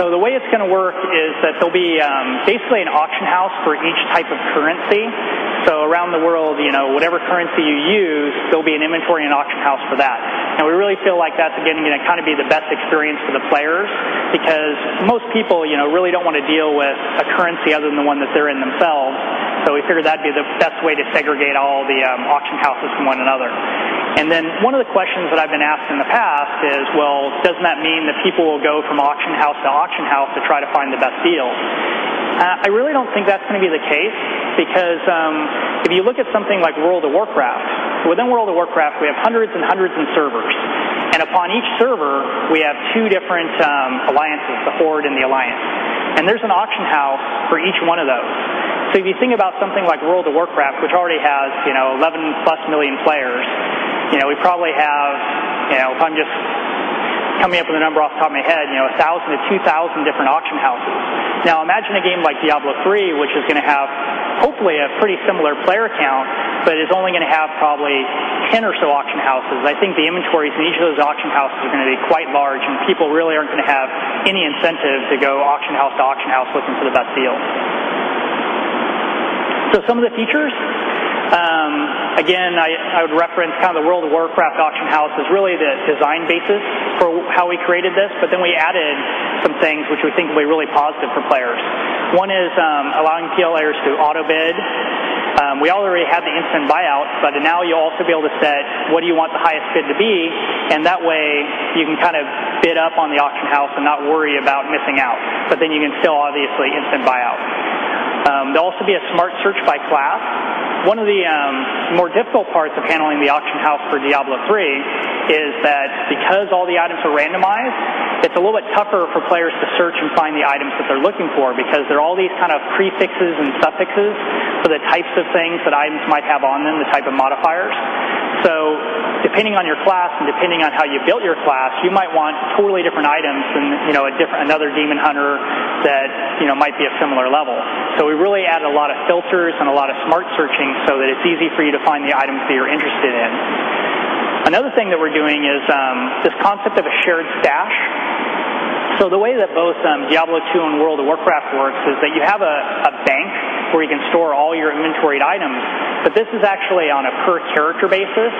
The way it's going to work is that there'll be basically an auction house for each type of currency. Around the world, whatever currency you use, there'll be an inventory and auction house for that. We really feel like that's going to kind of be the best experience for the players because most people really don't want to deal with a currency other than the one that they're in themselves. We figured that'd be the best way to segregate all the auction houses from one another. One of the questions that I've been asked in the past is, doesn't that mean that people will go from auction house to auction house to try to find the best deal? I really don't think that's going to be the case because if you look at something like World of Warcraft, within World of Warcraft, we have hundreds and hundreds of servers. Upon each server, we have two different alliances, the Horde and the Alliance, and there's an auction house for each one of those. If you think about something like World of Warcraft, which already has 11+ million players, we probably have, if I'm just coming up with a number off the top of my head, 1,000-2,000 different auction houses. Now imagine a game like Diablo III, which is going to have hopefully a pretty similar player count, but is only going to have probably 10 or so auction houses. I think the inventories in each of those auction houses are going to be quite large, and people really aren't going to have any incentive to go auction house to auction house looking for the best deal. Some of the features, again, I would reference kind of the World of Warcraft auction house as really the design basis for how we created this. We added some things which we think will be really positive for players. One is allowing players to auto-bid. We already had the instant buyout, but now you'll also be able to set what you want the highest bid to be. That way, you can kind of bid up on the auction house and not worry about missing out, but you can still obviously instant buy out. There will also be a smart search by class. One of the more difficult parts of handling the auction house for Diablo III is that because all the items are randomized, it's a little bit tougher for players to search and find the items that they're looking for because there are all these kind of prefixes and suffixes for the types of things that items might have on them, the type of modifiers. Depending on your class and depending on how you built your class, you might want totally different items than another Demon Hunter that might be a similar level. We really added a lot of filters and a lot of smart searching so that it's easy for you to find the items that you're interested in. Another thing that we're doing is this concept of a shared stash. The way that both Diablo II and World of Warcraft work is that you have a bank where you can store all your inventoried items. This is actually on a per-character basis,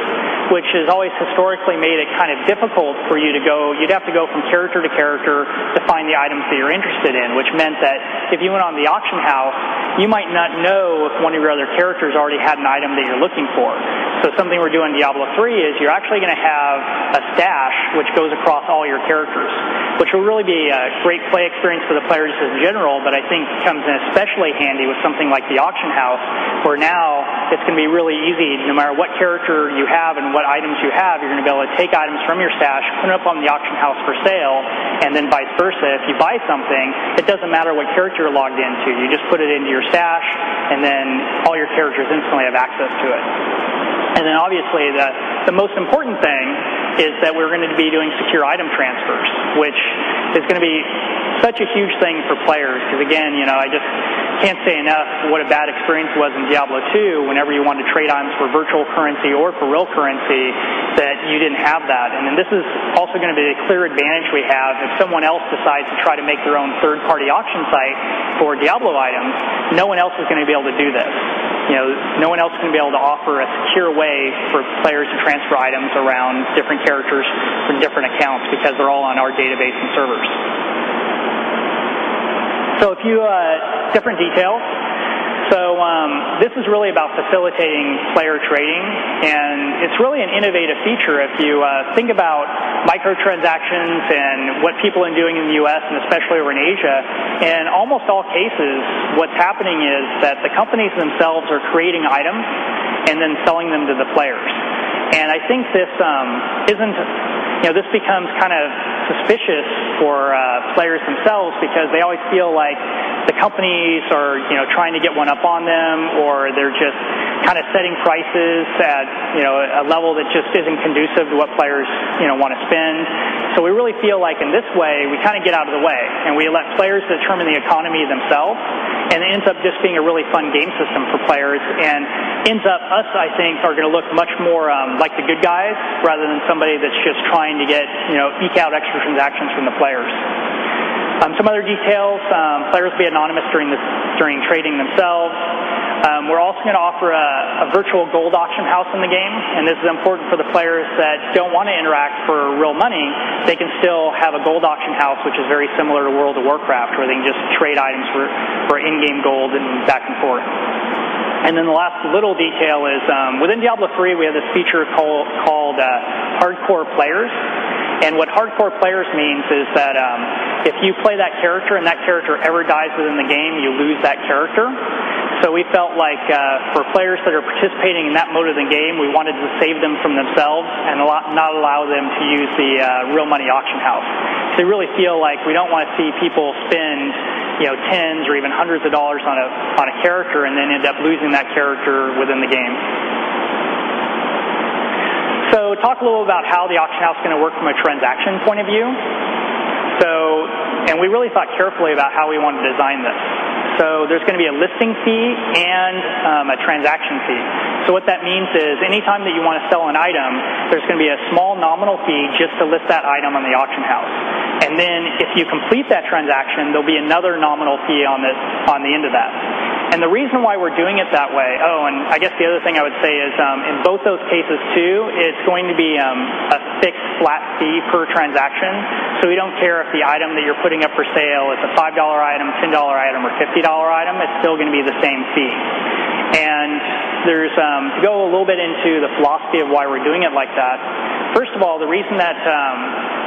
which has always historically made it kind of difficult for you to go. You'd have to go from character to character to find the items that you're interested in, which meant that if you went on the auction house, you might not know if one of your other characters already had an item that you're looking for. Something we're doing in Diablo III is you're actually going to have a stack which goes across all your characters, which will really be a great play experience for the players in general. I think it comes in especially handy with something like the auction house. For now, it's going to be really easy. No matter what character you have and what items you have, you're going to be able to take items from your stash, put it up on the auction house for sale, and then vice versa. If you buy something, it doesn't matter what character you're logged into. You just put it into your stack, and then all your characters instantly have access to it. Obviously, the most important thing is that we're going to be doing secure item transfers, which is going to be such a huge thing for players. I just can't say enough what a bad experience it was in Diablo 2 whenever you wanted to trade items for virtual currency or for real currency that you didn't have that. This is also going to be a clear advantage we have. If someone else decides to try to make their own third-party auction site for Diablo items, no one else is going to be able to do this. No one else is going to be able to offer a secure way for players to transfer items around different characters from different accounts because they're all on our database and servers. A few different details. This is really about facilitating player trading, and it's really an innovative feature if you think about microtransactions and what people are doing in the U.S., and especially over in Asia. In almost all cases. happening is that the companies themselves are creating items and then selling them to the players. I think this becomes kind of suspicious for players themselves because they always feel like the companies are trying to get one up on them or they're just kind of setting prices at a level that just isn't conducive to what players want to spend. We really feel like in this way we kind of get out of the way and we let players determine the economy themselves. It ends up just being a really fun game system for players and ends up us, I think, are going to look much more like the good guys rather than somebody that's just trying to eke out extra transactions from the players. Some other details, players will be anonymous during this, during trading themselves. We're also going to offer a virtual gold auction house in the game. This is important for the players that don't want to interact for real money. They can still have a gold auction house, which is very similar to World of Warcraft, where they can just trade items for in-game gold and back and forth. The last little detail is, within Diablo III, we have this feature called Hardcore Players. What Hardcore Players means is that if you play that character and that character ever dies within the game, you lose that character. We felt like, for players that are participating in that mode of the game, we wanted to save them from themselves and not allow them to use the real-money auction house. They really feel like we don't want to see people spend tens or even hundreds of dollars on a character and then end up losing that character within the game. Talk a little about how the auction house is going to work from a transaction point of view. We really thought carefully about how we want to design this. There's going to be a listing fee and a transaction fee. What that means is anytime that you want to sell an item, there's going to be a small nominal fee just to list that item on the auction house. If you complete that transaction, there'll be another nominal fee on the end of that. The reason why we're doing it that way, in both those cases too, it's going to be a fixed flat fee per transaction. We don't care if the item that you're putting up for sale is a $5 item, $10 item, or $50 item, it's still going to be the same fee. To go a little bit into the philosophy of why we're doing it like that, first of all, the reason that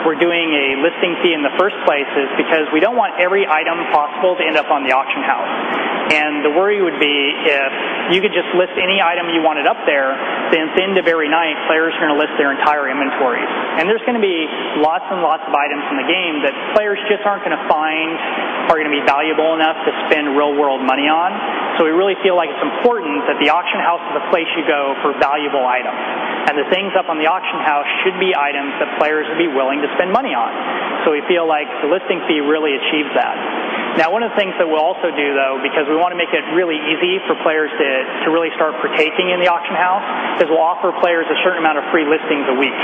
we're doing a listing fee in the first place is because we don't want every item possible to end up on the auction house. The worry would be if you could just list any item you wanted up there, then, to very night, players are going to list their entire inventories. There's going to be lots and lots of items in the game that players just aren't going to find are going to be valuable enough to spend real-world money on. We really feel like it's important that the auction house is the place you go for valuable items. The things up on the auction house should be items that players would be willing to spend money on. We feel like the listing fee really achieves that. One of the things that we'll also do, because we want to make it really easy for players to really start partaking in the auction house, is we'll offer players a certain amount of free listings a week.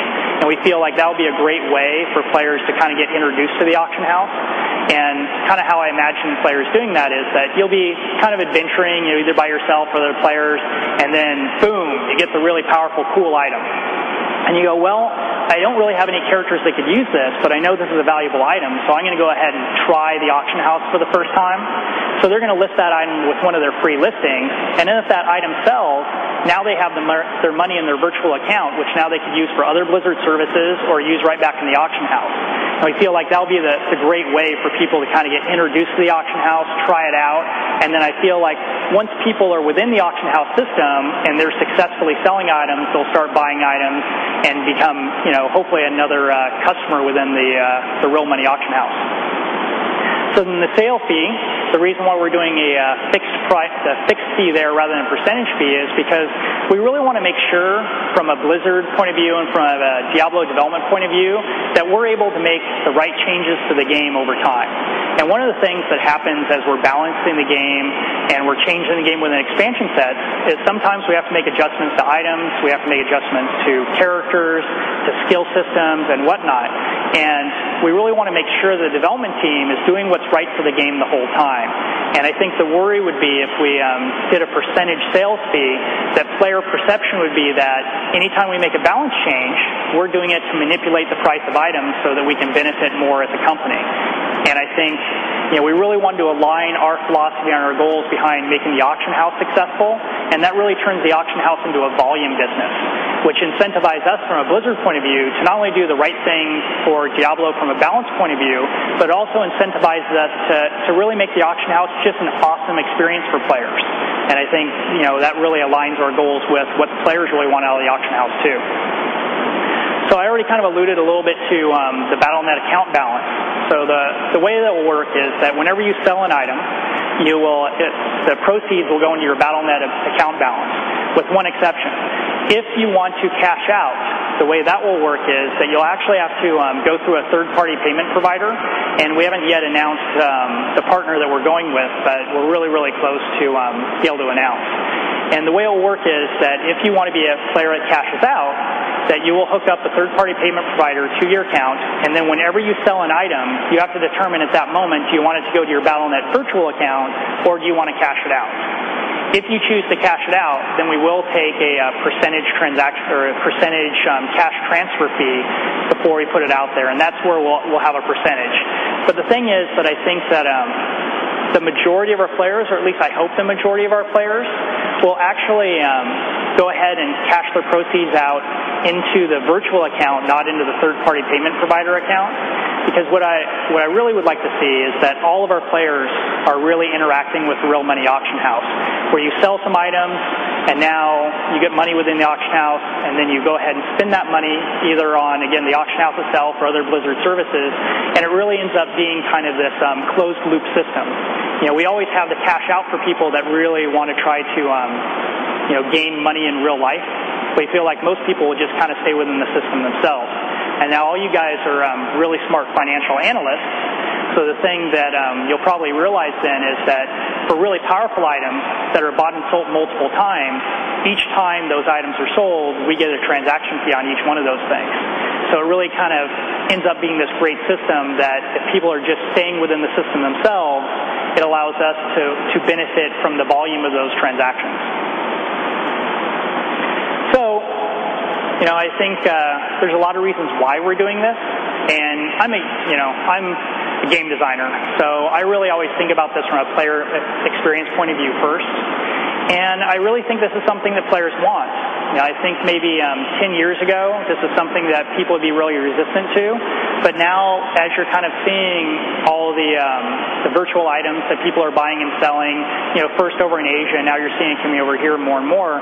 We feel like that would be a great way for players to kind of get introduced to the auction house. Kind of how I imagine players doing that is that you'll be kind of adventuring, you know, either by yourself or other players, and then boom, you get the really powerful, cool item. You go, I don't really have any characters that could use this, but I know this is a valuable item. I'm going to go ahead and try the auction house for the first time. They're going to list that item with one of their free listings. If that item sells, now they have their money in their virtual account, which now they could use for other Blizzard services or use right back in the auction house. We feel like that'll be the great way for people to kind of get introduced to the auction house, try it out. I feel like once people are within the auction house system and they're successfully selling items, they'll start buying items and become, you know, hopefully another customer within the real-money auction house. The sale fee, the reason why we're doing a fixed price, a fixed fee there rather than a percentage fee is because we really want to make sure from a Blizzard point of view and from a Diablo development point of view that we're able to make the right changes to the game over time. One of the things that happens as we're balancing the game and we're changing the game with an expansion set is sometimes we have to make adjustments to items, we have to make adjustments to characters, to skill systems, and whatnot. We really want to make sure the development team is doing what's right for the game the whole time. I think the worry would be if we did a % sales fee, that player perception would be that anytime we make a balance change, we're doing it to manipulate the price of items so that we can benefit more as a company. We really want to align our philosophy and our goals behind making the auction house successful. That really turns the auction house into a volume business, which incentivizes us from a Blizzard point of view to not only do the right thing for Diablo from a balance point of view, but also incentivizes us to really make the auction house just an awesome experience for players. I think that really aligns our goals with what players really want out of the auction house too. I already kind of alluded a little bit to the Battle.net account balance. The way that will work is that whenever you sell an item, the proceeds will go into your Battle.net account balance with one exception. If you want to cash out, the way that will work is that you'll actually have to go through a third-party payment provider. We haven't yet announced the partner that we're going with, but we're really, really close to being able to announce. The way it'll work is that if you want to be a player that cashes out, you will hook up a third-party payment provider to your account. Then whenever you sell an item, you have to determine at that moment if you want it to go to your Battle.net virtual account or if you want to cash it out. If you choose to cash it out, then we will take a % transaction or a % cash transfer fee before we put it out there. That's where we'll have a percentage. The thing is that I think the majority of our players, or at least I hope the majority of our players, will actually go ahead and cash their proceeds out into the virtual account, not into the third-party payment provider account. Because what I really would like to see is that all of our players are really interacting with the real-money auction house, where you sell some item and now you get money within the auction house and then you go ahead and spend that money either on, again, the auction house itself or other Blizzard services. It really ends up being kind of this closed loop system. We always have the cash out for people that really want to try to, you know, gain money in real life. We feel like most people will just kind of stay within the system themselves. All you guys are really smart financial analysts. The thing that you'll probably realize then is that for really powerful items that are bought and sold multiple times, each time those items are sold, we get a transaction fee on each one of those things. It really kind of ends up being this great system that if people are just staying within the system themselves, it allows us to benefit from the volume of those transactions. I think there's a lot of reasons why we're doing this. I'm a game designer. I really always think about this from a player experience point of view first. I really think this is something that players want. I think maybe 10 years ago, this is something that people would be really resistant to. Now, as you're kind of seeing all the virtual items that people are buying and selling, first over in Asia, now you're seeing it coming over here more and more,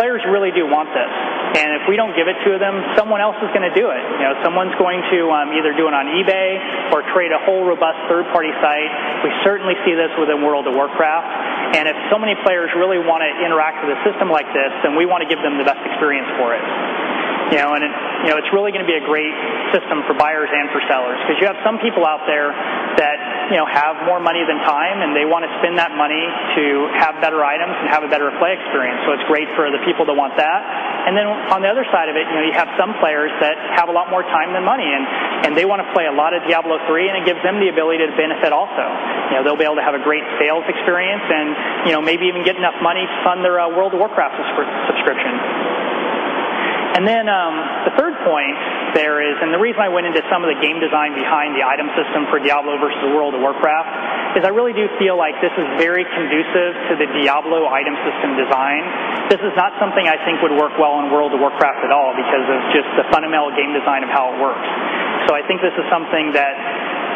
players really do want this. If we don't give it to them, someone else is going to do it. Someone's going to either do it on eBay or trade a whole robust third-party site. We certainly see this within World of Warcraft. If so many players really want to interact with a system like this, then we want to give them the best experience for it. It's really going to be a great system for buyers and for sellers because you have some people out there that have more money than time and they want to spend that money to have better items and have a better play experience. It's great for the people that want that. On the other side of it, you have some players that have a lot more time than money and they want to play a lot of Diablo III and it gives them the ability to benefit also. They'll be able to have a great sales experience and maybe even get enough money to fund their World of Warcraft subscription. The third point there is, and the reason I went into some of the game design behind the item system for Diablo versus World of Warcraft is I really do feel like this is very conducive to the Diablo item system design. This is not something I think would work well in World of Warcraft at all because of just the fundamental game design of how it works. I think this is something that,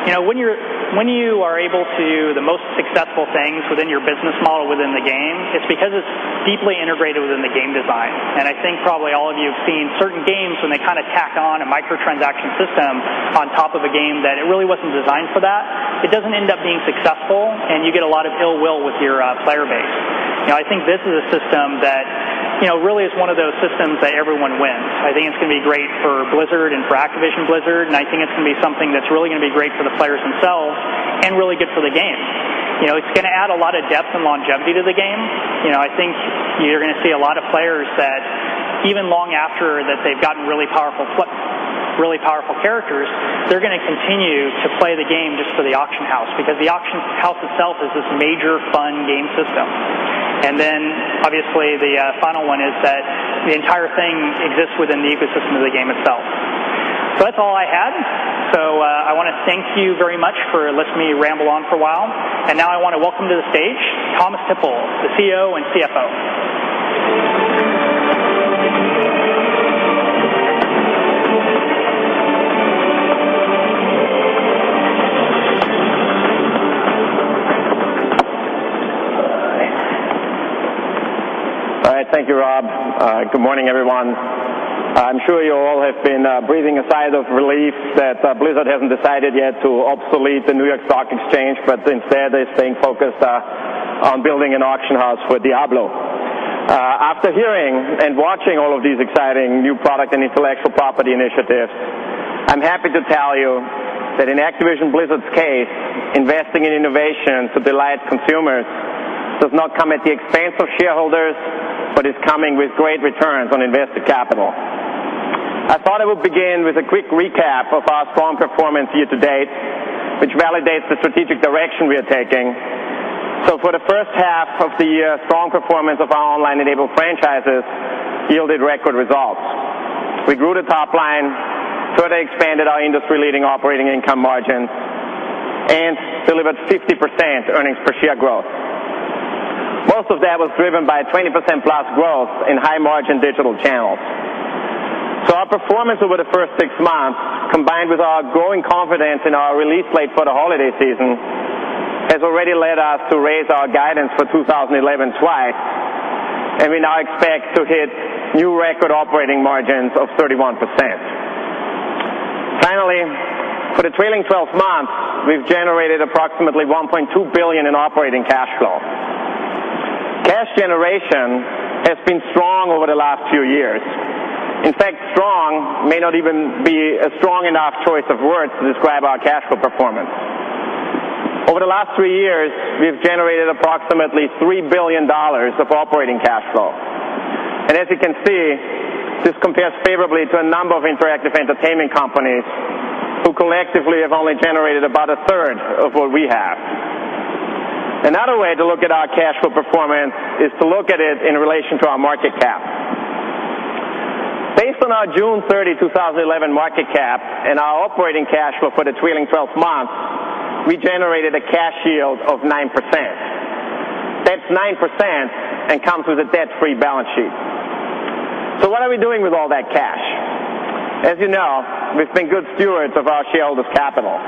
you know, when you are able to do the most successful things within your business model within the game, it's because it's deeply integrated within the game design. I think probably all of you have seen certain games when they kind of tack on a microtransaction system on top of a game that it really wasn't designed for that. It doesn't end up being successful and you get a lot of ill will with your player base. I think this is a system that, you know, really is one of those systems that everyone wins. I think it's going to be great for Blizzard and for Activision Blizzard. I think it's going to be something that's really going to be great for the players themselves and really good for the game. It's going to add a lot of depth and longevity to the game. I think you're going to see a lot of players that even long after that they've gotten really powerful characters, they're going to continue to play the game just for the auction house because the auction house itself is this major fun game system. Obviously the final one is that the entire thing exists within the ecosystem of the game itself. That's all I had. I want to thank you very much for letting me ramble on for a while. Now I want to welcome to the stage Thomas Tippl, the CEO and CFO. All right, thank you, Rob. Good morning, everyone. I'm sure you all have been breathing a sigh of relief that Blizzard hasn't decided yet to obsolete the New York Stock Exchange, but instead they're staying focused on building an auction house for Diablo. After hearing and watching all of these exciting new products and intellectual property initiatives, I'm happy to tell you that in Activision Blizzard's case, investing in innovation to delight consumers does not come at the expense of shareholders, but is coming with great returns on invested capital. I thought I would begin with a quick recap of our strong performance year to date, which validates the strategic direction we are taking. For the first half of the year, strong performance of our online-enabled franchises yielded record results. We grew the top line, further expanded our industry-leading operating income margin, and delivered 50% earnings per share growth. Most of that was driven by 20%+ growth in high margin digital channels. Our performance over the first six months, combined with our growing confidence in our release plate for the holiday season, has already led us to raise our guidance for 2011's flight. We now expect to hit new record operating margins of 31%. Finally, for the trailing 12 months, we've generated approximately $1.2 billion in operating cash flow. Cash generation has been strong over the last few years. In fact, strong may not even be a strong enough choice of words to describe our cash flow performance. Over the last three years, we've generated approximately $3 billion of operating cash flow. As you can see, this compares favorably to a number of interactive entertainment companies who collectively have only generated about a third of what we have. Another way to look at our cash flow performance is to look at it in relation to our market cap. Based on our June 30, 2011, market cap and our operating cash flow for the trailing 12 months, we generated a cash yield of 9%. That's 9% and comes with a debt-free balance sheet. What are we doing with all that cash? As you know, we've been good stewards of our shareholders' capital.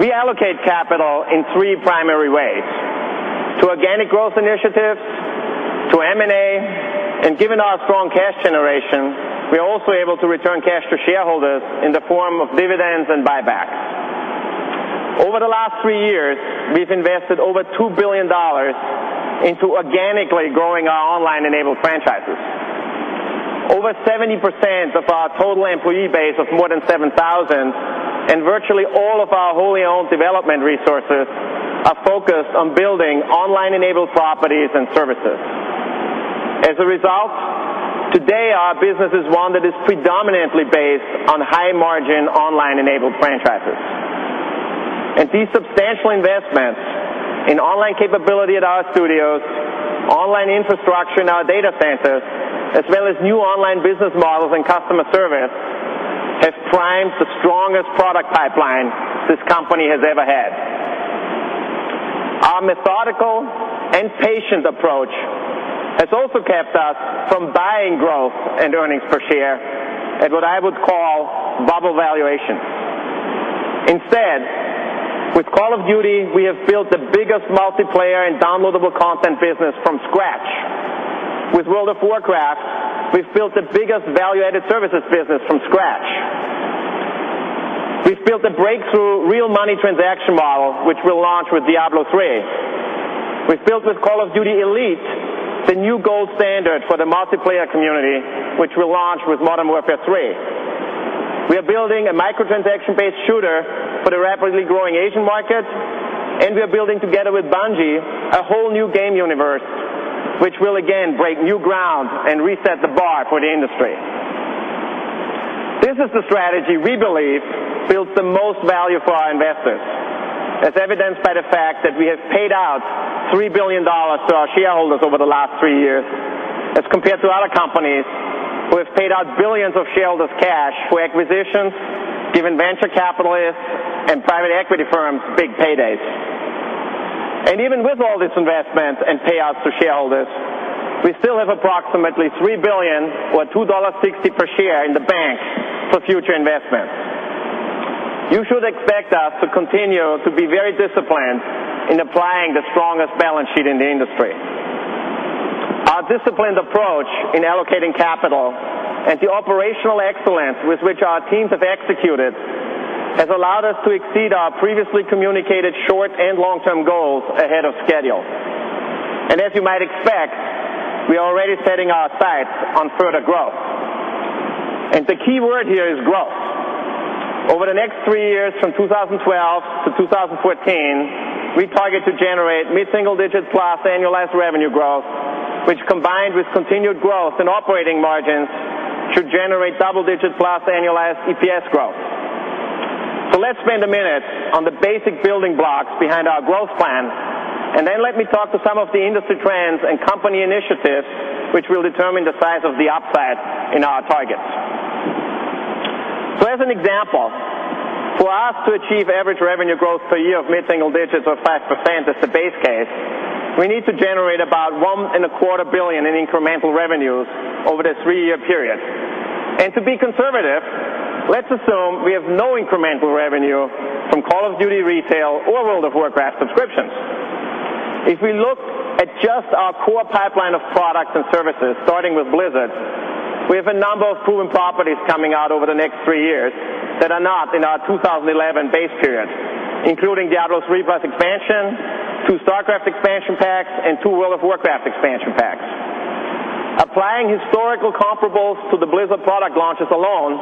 We allocate capital in three primary ways: to organic growth initiatives, to M&A, and given our strong cash generation, we're also able to return cash to shareholders in the form of dividends and buybacks. Over the last three years, we've invested over $2 billion into organically growing our online-enabled franchises. Over 70% of our total employee base of more than 7,000, and virtually all of our wholly owned development resources, are focused on building online-enabled properties and services. As a result, today our business is one that is predominantly based on high-margin online-enabled franchises. These substantial investments in online capability at our studios, online infrastructure in our data centers, as well as new online business models and customer service, have primed the strongest product pipeline this company has ever had. Our methodical and patient approach has also kept us from buying growth and earnings per share at what I would call bubble valuation. Instead, with Call of Duty, we have built the biggest multiplayer and downloadable content business from scratch. With World of Warcraft, we've built the biggest value-added services business from scratch. We've built a breakthrough real-money transaction model, which we'll launch with Diablo III. We've built with Call of Duty: Elite the new gold standard for the multiplayer community, which we'll launch with Modern Warfare III. We are building a microtransaction-based shooter for the rapidly growing Asian market. We are building together with Bungie a whole new game universe, which will again break new ground and reset the bar for the industry. This is the strategy we believe builds the most value for our investors, as evidenced by the fact that we have paid out $3 billion to our shareholders over the last three years, as compared to other companies who have paid out billions of shareholders' cash for acquisitions, even venture capitalists and private equity firms' big paydays. Even with all this investment and payouts to shareholders, we still have approximately $3 billion or $2.60 per share in the bank for future investment. You should expect us to continue to be very disciplined in applying the strongest balance sheet in the industry. Our disciplined approach in allocating capital and the operational excellence with which our teams have executed has allowed us to exceed our previously communicated short and long-term goals ahead of schedule. As you might expect, we are already setting our sights on further growth. The key word here is growth. Over the next three years, from 2012 to 2014, we target to generate mid-single-digit plus annualized revenue growth, which combined with continued growth in operating margins should generate double-digit plus annualized EPS growth. Let's spend a minute on the basic building blocks behind our growth plan. Let me talk to some of the industry trends and company initiatives which will determine the size of the upside in our targets. For us to achieve average revenue growth per year of mid-single digits of 5% as a base case, we need to generate about $1.25 billion in incremental revenue over the three-year period. To be conservative, let's assume we have no incremental revenue from Call of Duty retail or World of Warcraft subscriptions. If we look at just our core pipeline of products and services, starting with Blizzard, we have a number of proven properties coming out over the next three years that are not in our 2011 base period, including Diablo III plus expansion, two StarCraft expansion packs, and two World of Warcraft expansion packs. Applying historical comparables to the Blizzard product launches alone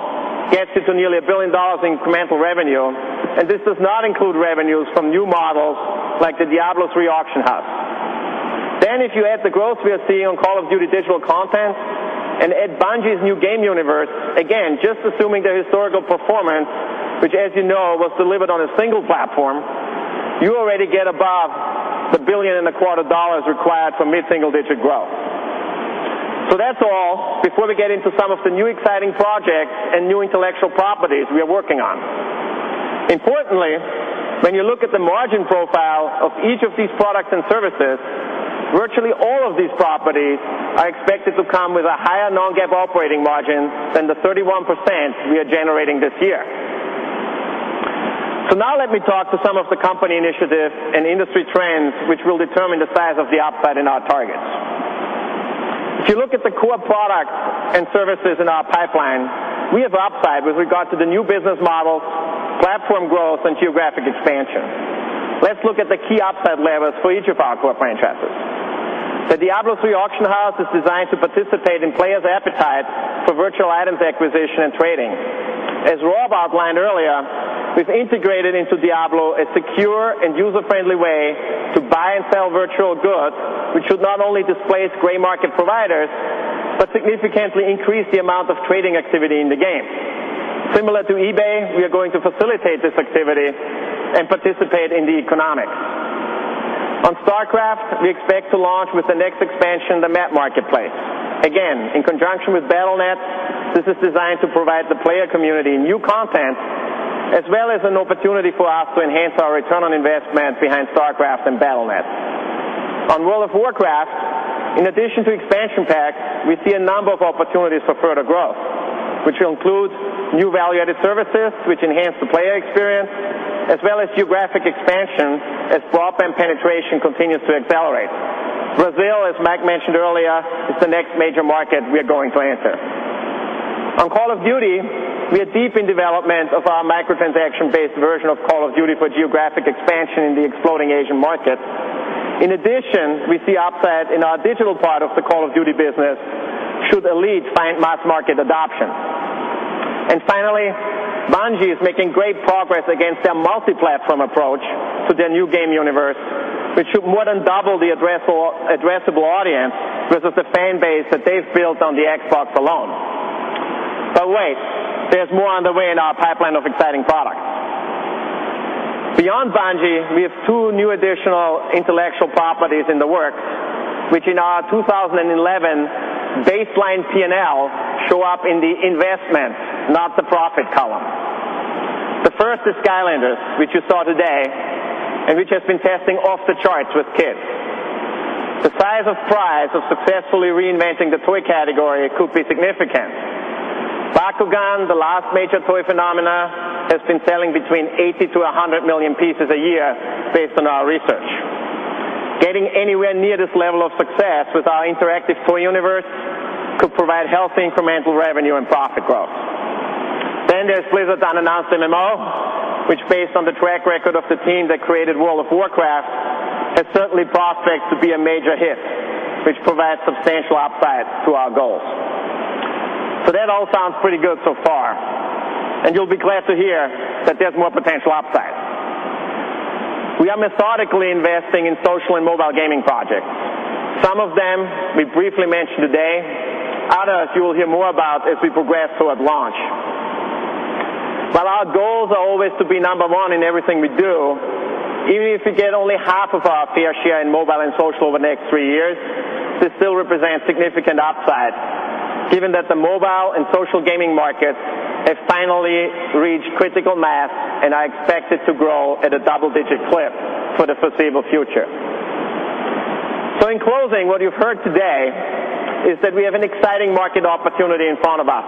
gets it to nearly $1 billion in incremental revenue. This does not include revenues from new models like the Diablo III auction house. If you add the growth we are seeing on Call of Duty digital content and add Bungie's new game universe, just assuming the historical performance, which as you know was delivered on a single platform, you already get above the $1.25 billion required for mid-single digit growth. That's all before we get into some of the new exciting projects and new intellectual properties we are working on. Importantly, when you look at the margin profile of each of these products and services, virtually all of these properties are expected to come with a higher non-GAAP operating margin than the 31% we are generating this year. Now let me talk to some of the company initiatives and industry trends which will determine the size of the upside in our targets. If you look at the core products and services in our pipeline, we have upside with regard to the new business model, platform growth, and geographic expansion. Let's look at the key upside levers for each of our core franchises. The Diablo III auction house is designed to participate in players' appetite for virtual items acquisition and trading. As Rob outlined earlier, we've integrated into Diablo a secure and user-friendly way to buy and sell virtual goods, which should not only displace gray market providers, but significantly increase the amount of trading activity in the game. Similar to eBay, we are going to facilitate this activity and participate in the economics. On StarCraft, we expect to launch with the next expansion, the Map Marketplace. Again, in conjunction with Battle.net, this is designed to provide the player community new content, as well as an opportunity for us to enhance our return on investment behind StarCraft and Battle.net. On World of Warcraft, in addition to expansion packs, we see a number of opportunities for further growth, which will include new value-added services which enhance the player experience, as well as geographic expansion as drop and penetration continues to accelerate. Brazil, as Mike mentioned earlier, is the next major market we are going to enter. On Call of Duty, we are deep in development of our microtransaction-based version of Call of Duty for geographic expansion in the exploding Asian market. In addition, we see upside in our digital part of the Call of Duty business should Elite find mass market adoption. Finally, Bungie is making great progress against their multi-platform approach for their new game universe, which should more than double the addressable audience versus the fan base that they've built on the Xbox alone. There is more on the way in our pipeline of exciting products. Beyond Bungie, we have two new additional intellectual properties in the works, which in our 2011 baseline P&L show up in the investments, not the profit column. The first is Skylanders, which you saw today and which has been testing off the charts with kids. The size of prize of successfully reinventing the toy category could be significant. Bakugan, the last major toy phenomenon, has been selling between 80 million to 100 million pieces a year based on our research. Getting anywhere near this level of success with our interactive toy universe could provide healthy incremental revenue and profit growth. There is Blizzard's unannounced MMO, which based on the track record of the team that created World of Warcraft has certainly prospects to be a major hit, which provides substantial upside to our goal. That all sounds pretty good so far. You'll be glad to hear that there's more potential upside. We are methodically investing in social and mobile gaming projects. Some of them we briefly mentioned today. Others you will hear more about as we progress toward launch. Our goals are always to be number one in everything we do. Even if we get only half of our fair share in mobile and social over the next three years, this still represents significant upside, given that the mobile and social gaming market has finally reached critical mass, and I expect it to grow at a double-digit % for the foreseeable future. In closing, what you've heard today is that we have an exciting market opportunity in front of us.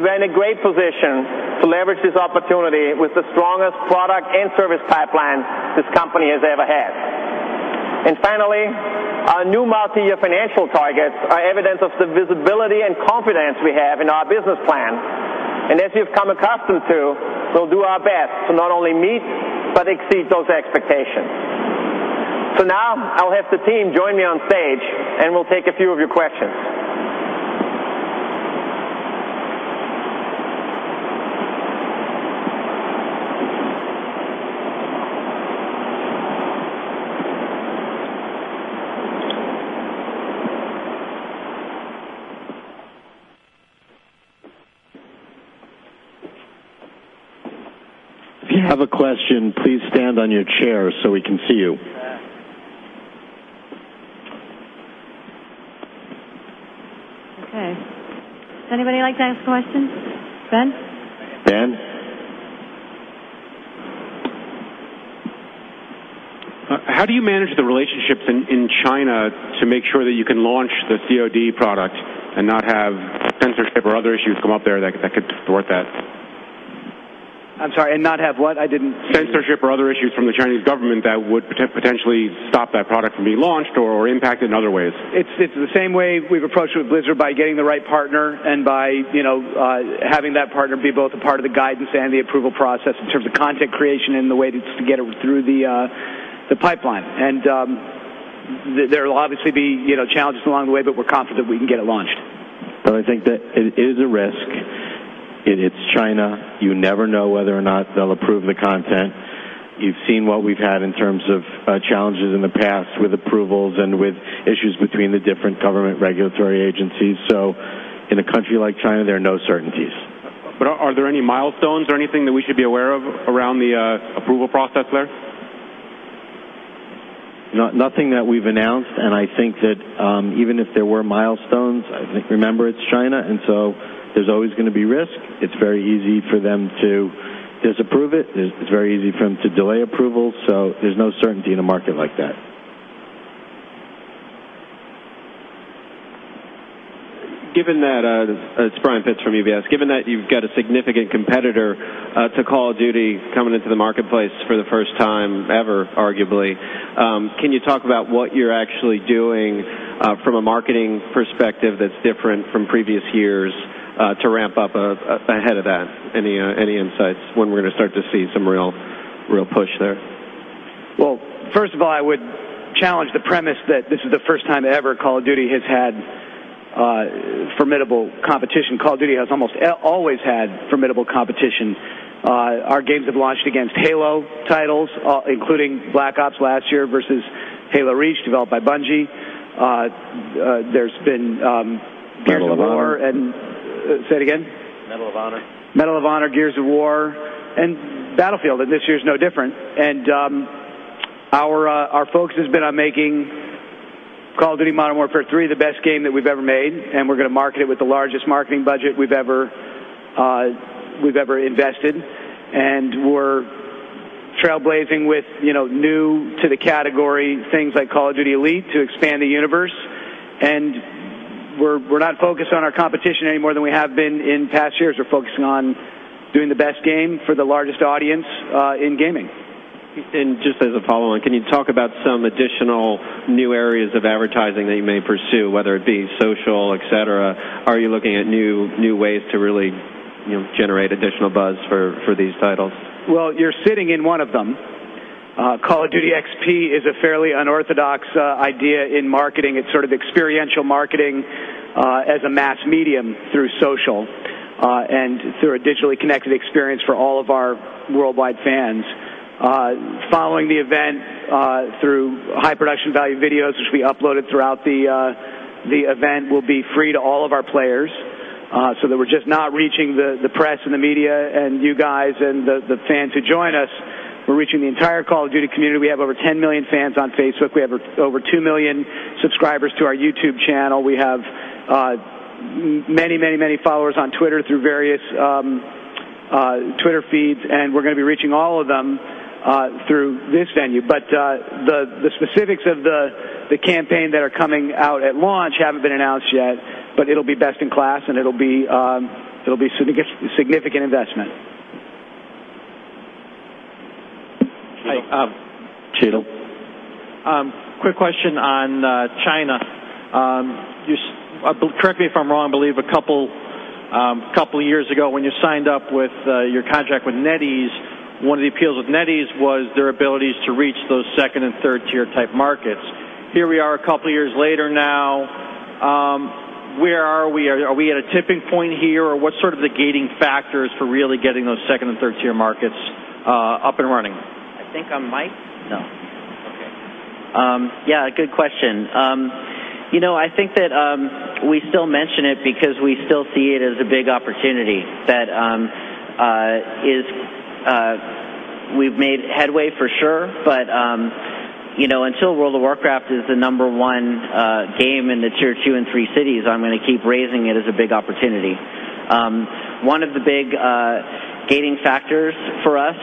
We're in a great position to leverage this opportunity with the strongest product and service pipeline this company has ever had. Finally, our new multi-year financial targets are evidence of the visibility and confidence we have in our business plan. As you've come accustomed to, we'll do our best to not only meet, but exceed those expectations. Now I'll have the team join me on stage and we'll take a few of your questions. If you have a question, please stand on your chair so we can see you. Okay. Does anybody like to ask questions? Ben? Ben? How do you manage the relationships in China to make sure that you can launch the COD product and not have censorship or other issues come up there that could thwart that? I'm sorry, not have what? I didn't hear. Censorship or other issues from the Chinese government that would potentially stop that product from being launched or impacted in other ways. It's the same way we've approached it with Blizzard by getting the right partner and by having that partner be both a part of the guidance and the approval process in terms of content creation and the way to get it through the pipeline. There will obviously be challenges along the way, but we're confident we can get it launched. I think that it is a risk. It's China. You never know whether or not they'll approve the content. You've seen what we've had in terms of challenges in the past with approvals and with issues between the different government regulatory agencies. In a country like China, there are no certainties. Are there any milestones or anything that we should be aware of around the approval process there? Nothing that we've announced. I think that even if there were milestones, I think remember it's China. There's always going to be risk. It's very easy for them to disapprove it. It's very easy for them to delay approvals. There's no certainty in a market like that. Given that it's Brian Fitz from UBS, given that you've got a significant competitor to Call of Duty coming into the marketplace for the first time ever, arguably, can you talk about what you're actually doing from a marketing perspective that's different from previous years to ramp up ahead of that? Any insights when we're going to start to see some real push there? First of all, I would challenge the premise that this is the first time ever Call of Duty has had formidable competition. Call of Duty has almost always had formidable competition. Our games have launched against Halo titles, including Black Ops last year versus Halo: Reach developed by Bungie. There's been Gears of War and say it again? Call of Duty. Medal of Honor, Gears of War, and Battlefield. This year is no different. Our focus has been on making Call of Duty: Modern Warfare III the best game that we've ever made. We're going to market it with the largest marketing budget we've ever invested. We're trailblazing with new to the category things like Call of Duty: Elite to expand the universe. We're not focused on our competition any more than we have been in past years. We're focusing on doing the best game for the largest audience in gaming. As a follow-up, can you talk about some additional new areas of advertising that you may pursue, whether it be social, et cetera? Are you looking at new ways to really generate additional buzz for these titles? You are sitting in one of them. Call of Duty XP is a fairly unorthodox idea in marketing. It's sort of experiential marketing as a mass medium through social and through a digitally connected experience for all of our worldwide fans. Following the event through high production value videos, which we uploaded throughout the event, will be free to all of our players so that we're just not reaching the press and the media and you guys and the fans who join us. We're reaching the entire Call of Duty community. We have over 10 million fans on Facebook. We have over 2 million subscribers to our YouTube channel. We have many, many, many followers on Twitter through various Twitter feeds. We are going to be reaching all of them through this venue. The specifics of the campaign that are coming out at launch haven't been announced yet, but it'll be best in class and it'll be a significant investment. Quick question on China. Correct me if I'm wrong, I believe a couple of years ago when you signed up with your contract with NetEase, one of the appeals with NetEase was their abilities to reach those second and third-tier type markets. Here we are a couple of years later now. Where are we? Are we at a tipping point here or what's sort of the gating factors for really getting those second and third-tier markets up and running? I think I might, no. Okay. Yeah, good question. I think that we still mention it because we still see it as a big opportunity that we've made headway for sure. However, until World of Warcraft is the number one game in the tier two and three cities, I'm going to keep raising it as a big opportunity. One of the big gating factors for us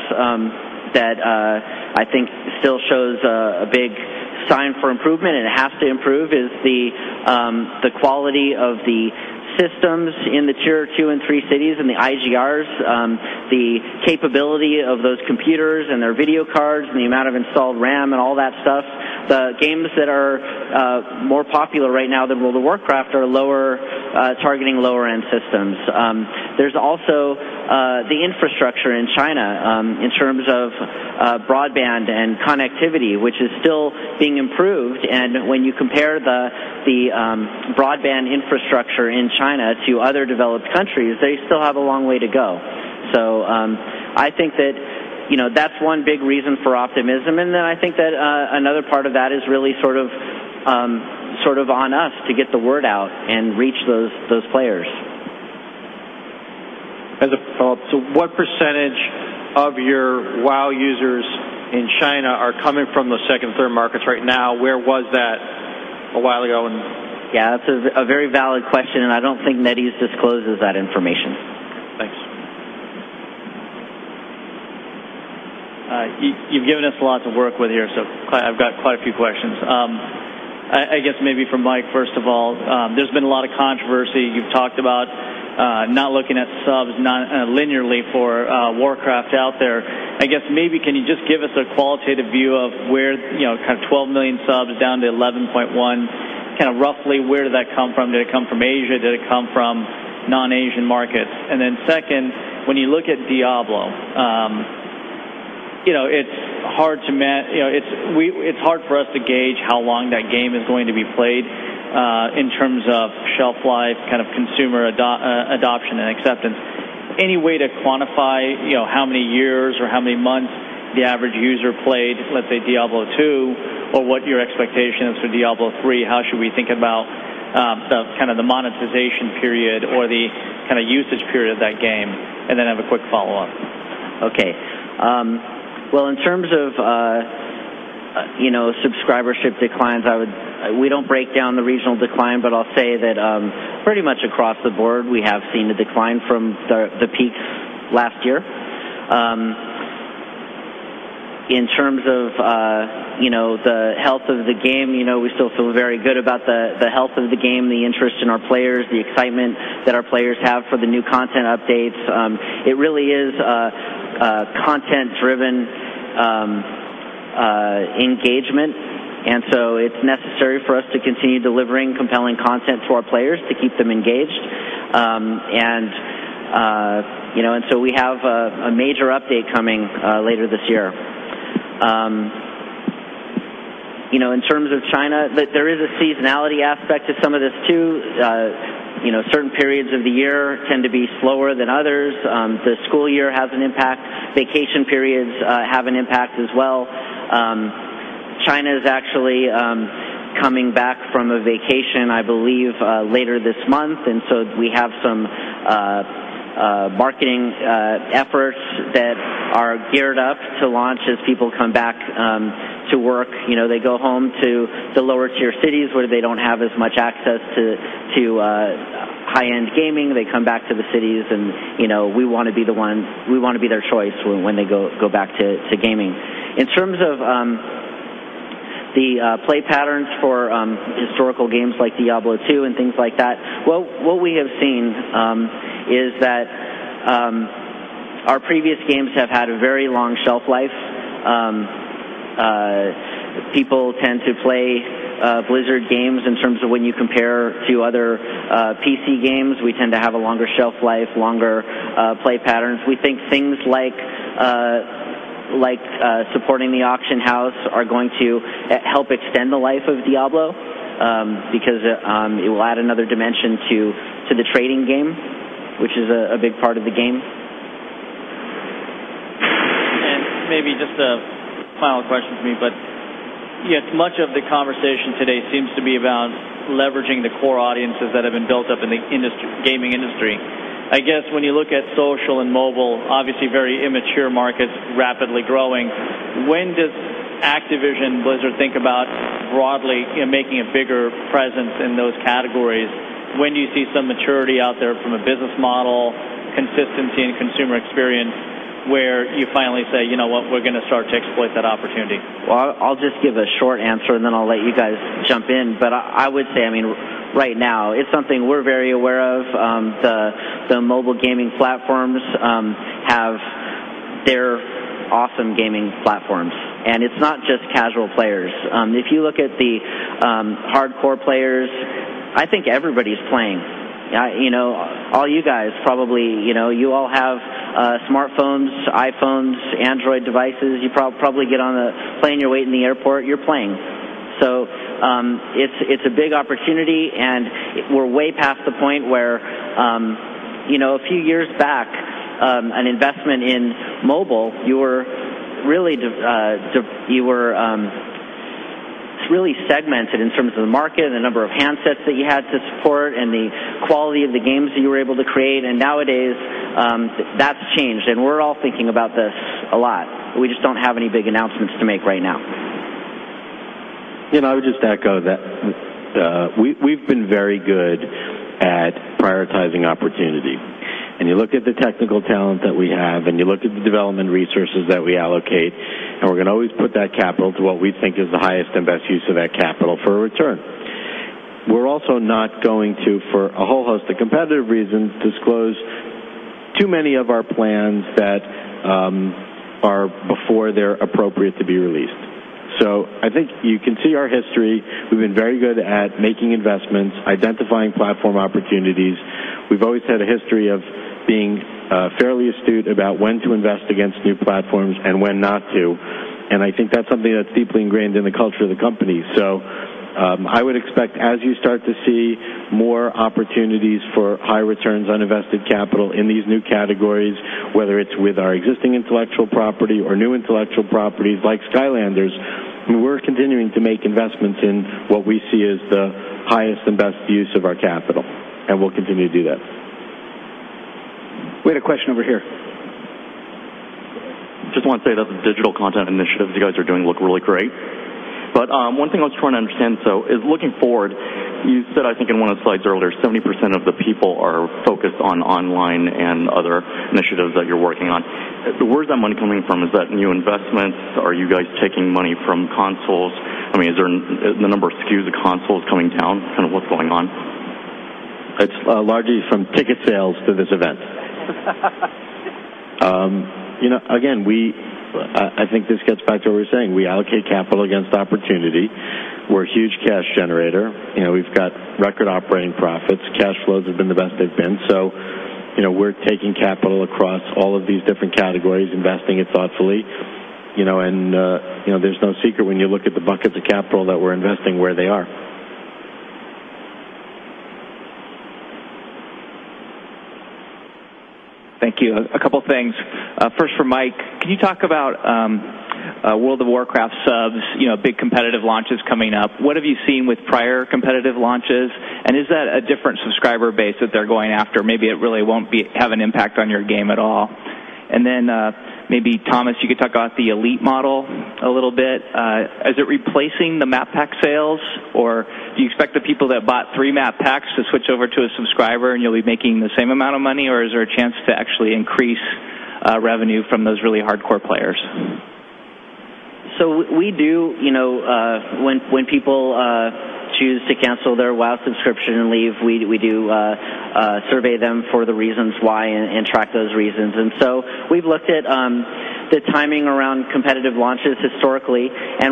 that I think still shows a big sign for improvement and has to improve is the quality of the systems in the tier two and three cities and the IGRs, the capability of those computers and their video cards and the amount of installed RAM and all that stuff. The games that are more popular right now than World of Warcraft are targeting lower-end systems. There is also the infrastructure in China in terms of broadband and connectivity, which is still being improved. When you compare the broadband infrastructure in China to other developed countries, they still have a long way to go. I think that is one big reason for optimism. I think that another part of that is really sort of on us to get the word out and reach those players. As a follow-up, what percentage of your WoW users in China are coming from those second and third markets right now? Where was that a while ago? Yeah, that's a very valid question. I don't think NetEase discloses that information. Thanks. You've given us a lot to work with here. I've got quite a few questions. I guess maybe for Mike, first of all, there's been a lot of controversy. You've talked about not looking at subs linearly for Warcraft out there. I guess maybe can you just give us a qualitative view of where, you know, kind of 12 million subs down to 11.1 million, kind of roughly where did that come from? Did it come from Asia? Did it come from non-Asian markets? When you look at Diablo, you know, it's hard for us to gauge how long that game is going to be played in terms of shelf life, kind of consumer adoption and acceptance. Any way to quantify, you know, how many years or how many months the average user played, let's say Diablo II, or what your expectation is for Diablo III? How should we think about kind of the monetization period or the kind of usage period of that game? I have a quick follow-up. In terms of subscribership declines, we don't break down the regional decline, but I'll say that pretty much across the board, we have seen a decline from the peak last year. In terms of the health of the game, we still feel very good about the health of the game, the interest in our players, the excitement that our players have for the new content updates. It really is content-driven engagement. It is necessary for us to continue delivering compelling content for our players to keep them engaged. We have a major update coming later this year. In terms of China, there is a seasonality aspect to some of this too. Certain periods of the year tend to be slower than others. The school year has an impact. Vacation periods have an impact as well. China is actually coming back from a vacation, I believe, later this month. We have some marketing efforts that are geared up to launch as people come back to work. They go home to the lower-tier cities where they don't have as much access to high-end gaming. They come back to the cities and we want to be the one, we want to be their choice when they go back to gaming. In terms of the play patterns for historical games like Diablo II and things like that, what we have seen is that our previous games have had a very long shelf life. People tend to play Blizzard games in terms of when you compare to other PC games. We tend to have a longer shelf life, longer play patterns. We think things like supporting the auction house are going to help extend the life of Diablo because it will add another dimension to the trading game, which is a big part of the game. Maybe just a final question for me, much of the conversation today seems to be about leveraging the core audiences that have been built up in the gaming industry. I guess when you look at social and mobile, obviously very immature markets, rapidly growing, when does Activision Blizzard think about broadly making a bigger presence in those categories? When do you see some maturity out there from a business model, consistency in consumer experience where you finally say, you know what, we're going to start to exploit that opportunity? I will just give a short answer and then I will let you guys jump in. I would say, right now it's something we're very aware of. The mobile gaming platforms have their awesome gaming platforms. It's not just casual players. If you look at the hardcore players, I think everybody's playing. You know, all you guys probably, you know, you all have smartphones, iPhones, Android devices. You probably get on a plane, you're waiting in the airport, you're playing. It's a big opportunity. We're way past the point where, a few years back, an investment in mobile, you were really segmented in terms of the market and the number of handsets that you had to support and the quality of the games that you were able to create. Nowadays that's changed. We're all thinking about this a lot. We just don't have any big announcements to make right now. You know, I would just echo that we've been very good at prioritizing opportunity. You look at the technical talent that we have and you look at the development resources that we allocate, and we're going to always put that capital to what we think is the highest and best use of that capital for a return. We're also not going to, for a whole host of competitive reasons, disclose too many of our plans before they're appropriate to be released. I think you can see our history. We've been very good at making investments, identifying platform opportunities. We've always had a history of being fairly astute about when to invest against new platforms and when not to. I think that's something that's deeply ingrained in the culture of the company. I would expect as you start to see more opportunities for high returns on invested capital in these new categories, whether it's with our existing intellectual property or new intellectual property like Skylanders, we're continuing to make investments in what we see as the highest and best use of our capital. We'll continue to do that. We had a question over here. Just want to say that the digital content initiatives you guys are doing look really great. One thing I was trying to understand, looking forward, you said I think in one of the slides earlier, 70% of the people are focused on online and other initiatives that you're working on. Where I'm coming from is that new investments, are you guys taking money from consoles? Is the number of SKUs of consoles coming down? What's going on? It's largely from ticket sales to this event. I think this gets back to what we're saying. We allocate capital against opportunity. We're a huge cash generator. We've got record operating profits. Cash flows have been the best they've been. We're taking capital across all of these different categories, investing it thoughtfully. There's no secret when you look at the buckets of capital that we're investing where they are. Thank you. A couple of things. First, for Mike, can you talk about World of Warcraft subs? You know, big competitive launches coming up. What have you seen with prior competitive launches? Is that a different subscriber base that they're going after? Maybe it really won't have an impact on your game at all. Maybe, Thomas, you could talk about the Elite model a little bit. Is it replacing the map pack sales, or do you expect the people that bought three map packs to switch over to a subscriber and you'll be making the same amount of money, or is there a chance to actually increase revenue from those really hardcore players? We do, you know, when people choose to cancel their World of Warcraft subscription and leave, we survey them for the reasons why and track those reasons. We have looked at the timing around competitive launches historically.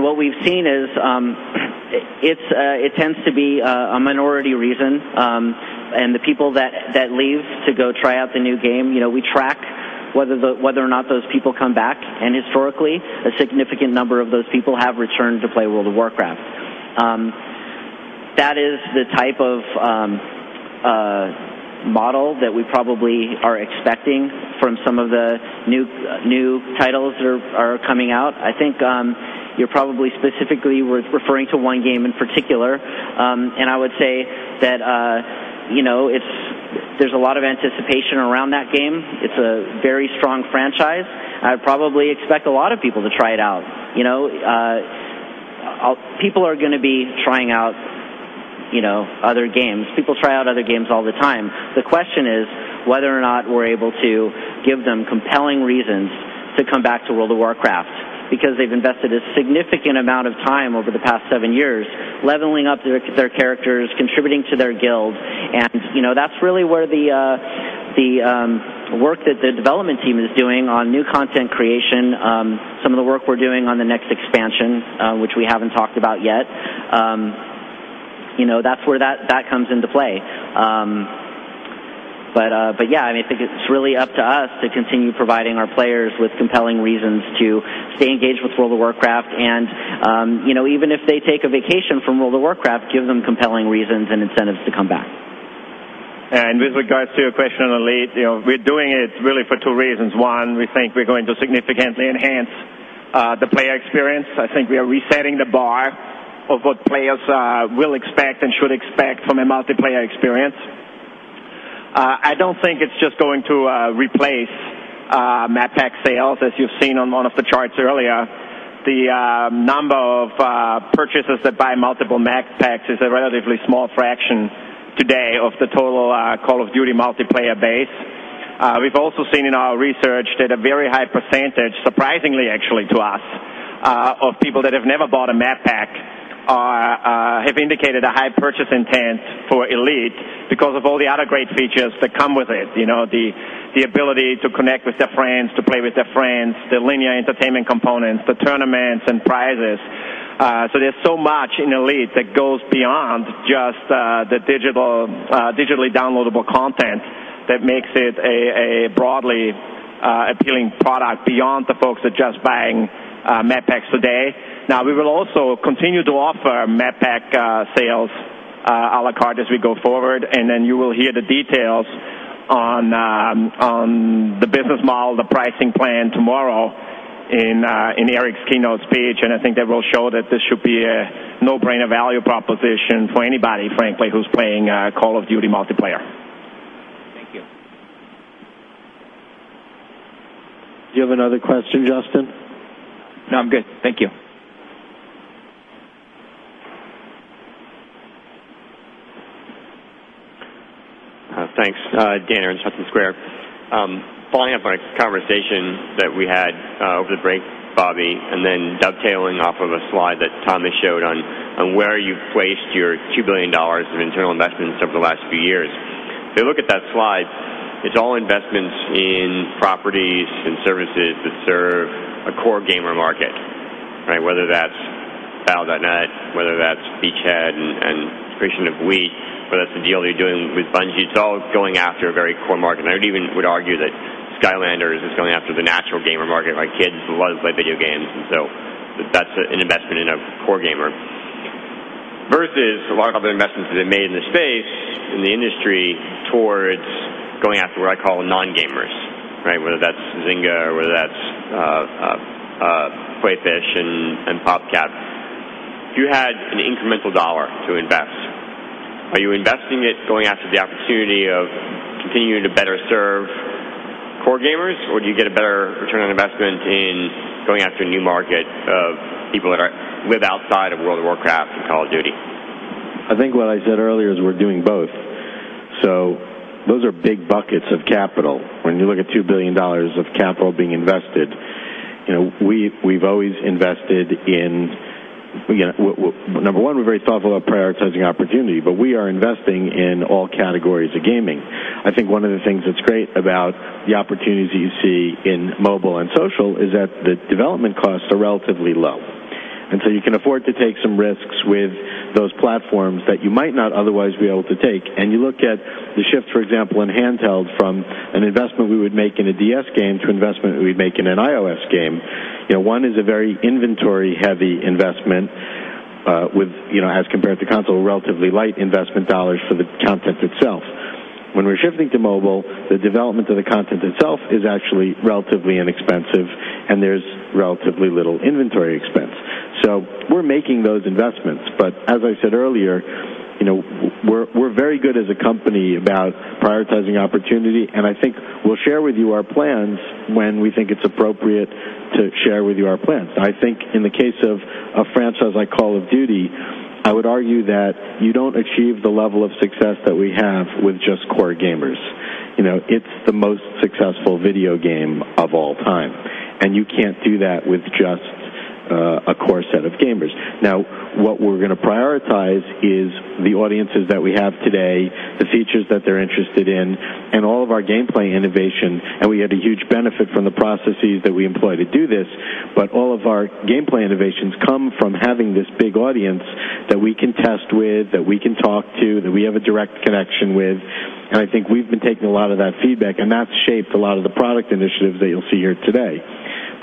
What we have seen is it tends to be a minority reason. The people that leave to go try out the new game, you know, we track whether or not those people come back. Historically, a significant number of those people have returned to play World of Warcraft. That is the type of model that we probably are expecting from some of the new titles that are coming out. I think you're probably specifically referring to one game in particular. I would say that, you know, there's a lot of anticipation around that game. It's a very strong franchise. I would probably expect a lot of people to try it out. You know, people are going to be trying out, you know, other games. People try out other games all the time. The question is whether or not we're able to give them compelling reasons to come back to World of Warcraft because they've invested a significant amount of time over the past seven years leveling up their characters, contributing to their guild. You know, that's really where the work that the development team is doing on new content creation, some of the work we're doing on the next expansions, which we haven't talked about yet, that's where that comes into play. I think it's really up to us to continue providing our players with compelling reasons to stay engaged with World of Warcraft. Even if they take a vacation from World of Warcraft, give them compelling reasons and incentives to come back. With regards to your question on Elite, we're doing it really for two reasons. One, we think we're going to significantly enhance the player experience. I think we are resetting the bar of what players will expect and should expect from a multiplayer experience. I don't think it's just going to replace map pack sales, as you've seen on one of the charts earlier. The number of purchases that buy multiple map packs is a relatively small fraction today of the total Call of Duty multiplayer base. We've also seen in our research that a very high %, surprisingly actually to us, of people that have never bought a map pack have indicated a high purchase intent for Elite because of all the other great features that come with it. The ability to connect with their friends, to play with their friends, the linear entertainment components, the tournaments and prizes. There is so much in Elite that goes beyond just the digitally downloadable content that makes it a broadly appealing product beyond the folks that are just buying map packs today. We will also continue to offer map pack sales à la carte as we go forward. You will hear the details on the business model, the pricing plan tomorrow in Eric's keynote speech. I think that will show that this should be a no-brainer value proposition for anybody, frankly, who's playing Call of Duty multiplayer. Thank you. Do you have another question, Justin? No, I'm good. Thank you. Thanks, Dan and Justin Square. Following up on a conversation that we had over the break, Bobby, and then dovetailing off of a slide that Thomas showed on where you placed your $2 billion of internal investments over the last few years. If you look at that slide, it's all investments in properties and services that serve a core gamer market, right? Whether that's Battle.net, whether that's Beachhead and Creation of We, whether that's the deal you're doing with Bungie, it's all going after a very core market. I would even argue that Skylanders is going after the natural gamer market, like kids love to play video games, and so that's an investment in a core gamer. Versus a lot of other investments that have been made in the space, in the industry, towards going after what I call non-gamers, right? Whether that's Zynga, whether that's Playfish and PopCap. If you had an incremental dollar to invest, are you investing it going after the opportunity of continuing to better serve core gamers, or do you get a better return on investment in going after a new market of people that live outside of World of Warcraft and Call of Duty? I think what I said earlier is we're doing both. Those are big buckets of capital. When you look at $2 billion of capital being invested, you know, we've always invested in, number one, we're very thoughtful about prioritizing opportunity, but we are investing in all categories of gaming. I think one of the things that's great about the opportunities that you see in mobile and social is that the development costs are relatively low, and you can afford to take some risks with those platforms that you might not otherwise be able to take. You look at the shift, for example, in handheld from an investment we would make in a DS game to an investment we would make in an iOS game. One is a very inventory-heavy investment, as compared to console, relatively light investment dollars for the content itself. When we're shifting to mobile, the development of the content itself is actually relatively inexpensive and there's relatively little inventory expense. We're making those investments. As I said earlier, we're very good as a company about prioritizing opportunity. I think we'll share with you our plans when we think it's appropriate to share with you our plans. I think in the case of a franchise like Call of Duty, I would argue that you don't achieve the level of success that we have with just core gamers. It's the most successful video game of all time, and you can't do that with just a core set of gamers. What we're going to prioritize is the audiences that we have today, the features that they're interested in, and all of our gameplay innovation. We had a huge benefit from the processes that we employ to do this. All of our gameplay innovations come from having this big audience that we can test with, that we can talk to, that we have a direct connection with. I think we've been taking a lot of that feedback, and that's shaped a lot of the product initiatives that you'll see here today.